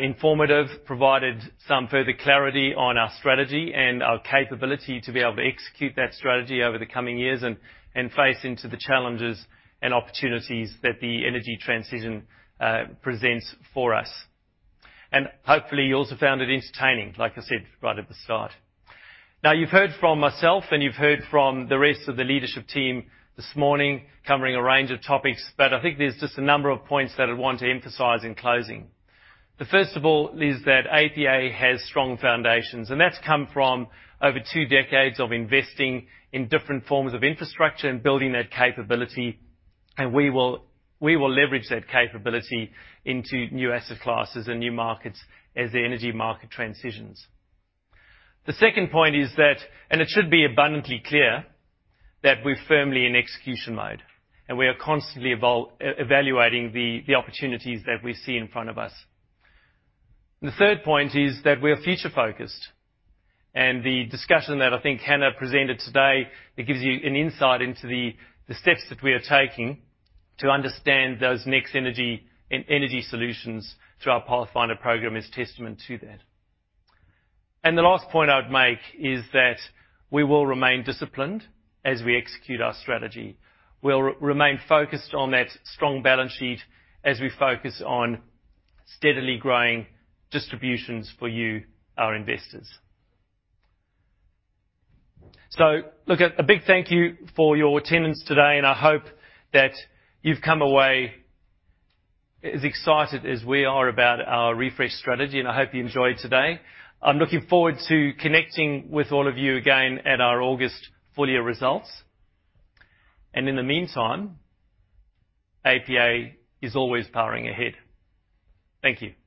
B: informative, provided some further clarity on our strategy and our capability to be able to execute that strategy over the coming years and face into the challenges and opportunities that the energy transition presents for us. Hopefully, you also found it entertaining, like I said right at the start. You've heard from myself and you've heard from the rest of the leadership team this morning covering a range of topics, but I think there's just a number of points that I want to emphasize in closing. The first of all is that APA has strong foundations, and that's come from over two decades of investing in different forms of infrastructure and building that capability, and we will leverage that capability into new asset classes and new markets as the energy market transitions. The second point is that, and it should be abundantly clear, that we're firmly in execution mode. We are constantly evaluating the opportunities that we see in front of us. The third point is that we are future-focused. The discussion that I think Hannah presented today, it gives you an insight into the steps that we are taking to understand those next energy and energy solutions to our Pathfinder Program is testament to that. The last point I'd make is that we will remain disciplined as we execute our strategy. We'll remain focused on that strong balance sheet as we focus on steadily growing distributions for you, our investors. Look, a big thank you for your attendance today. I hope that you've come away as excited as we are about our refreshed strategy. I hope you enjoyed today. I'm looking forward to connecting with all of you again at our August full year results. In the meantime, APA is always powering ahead. Thank you.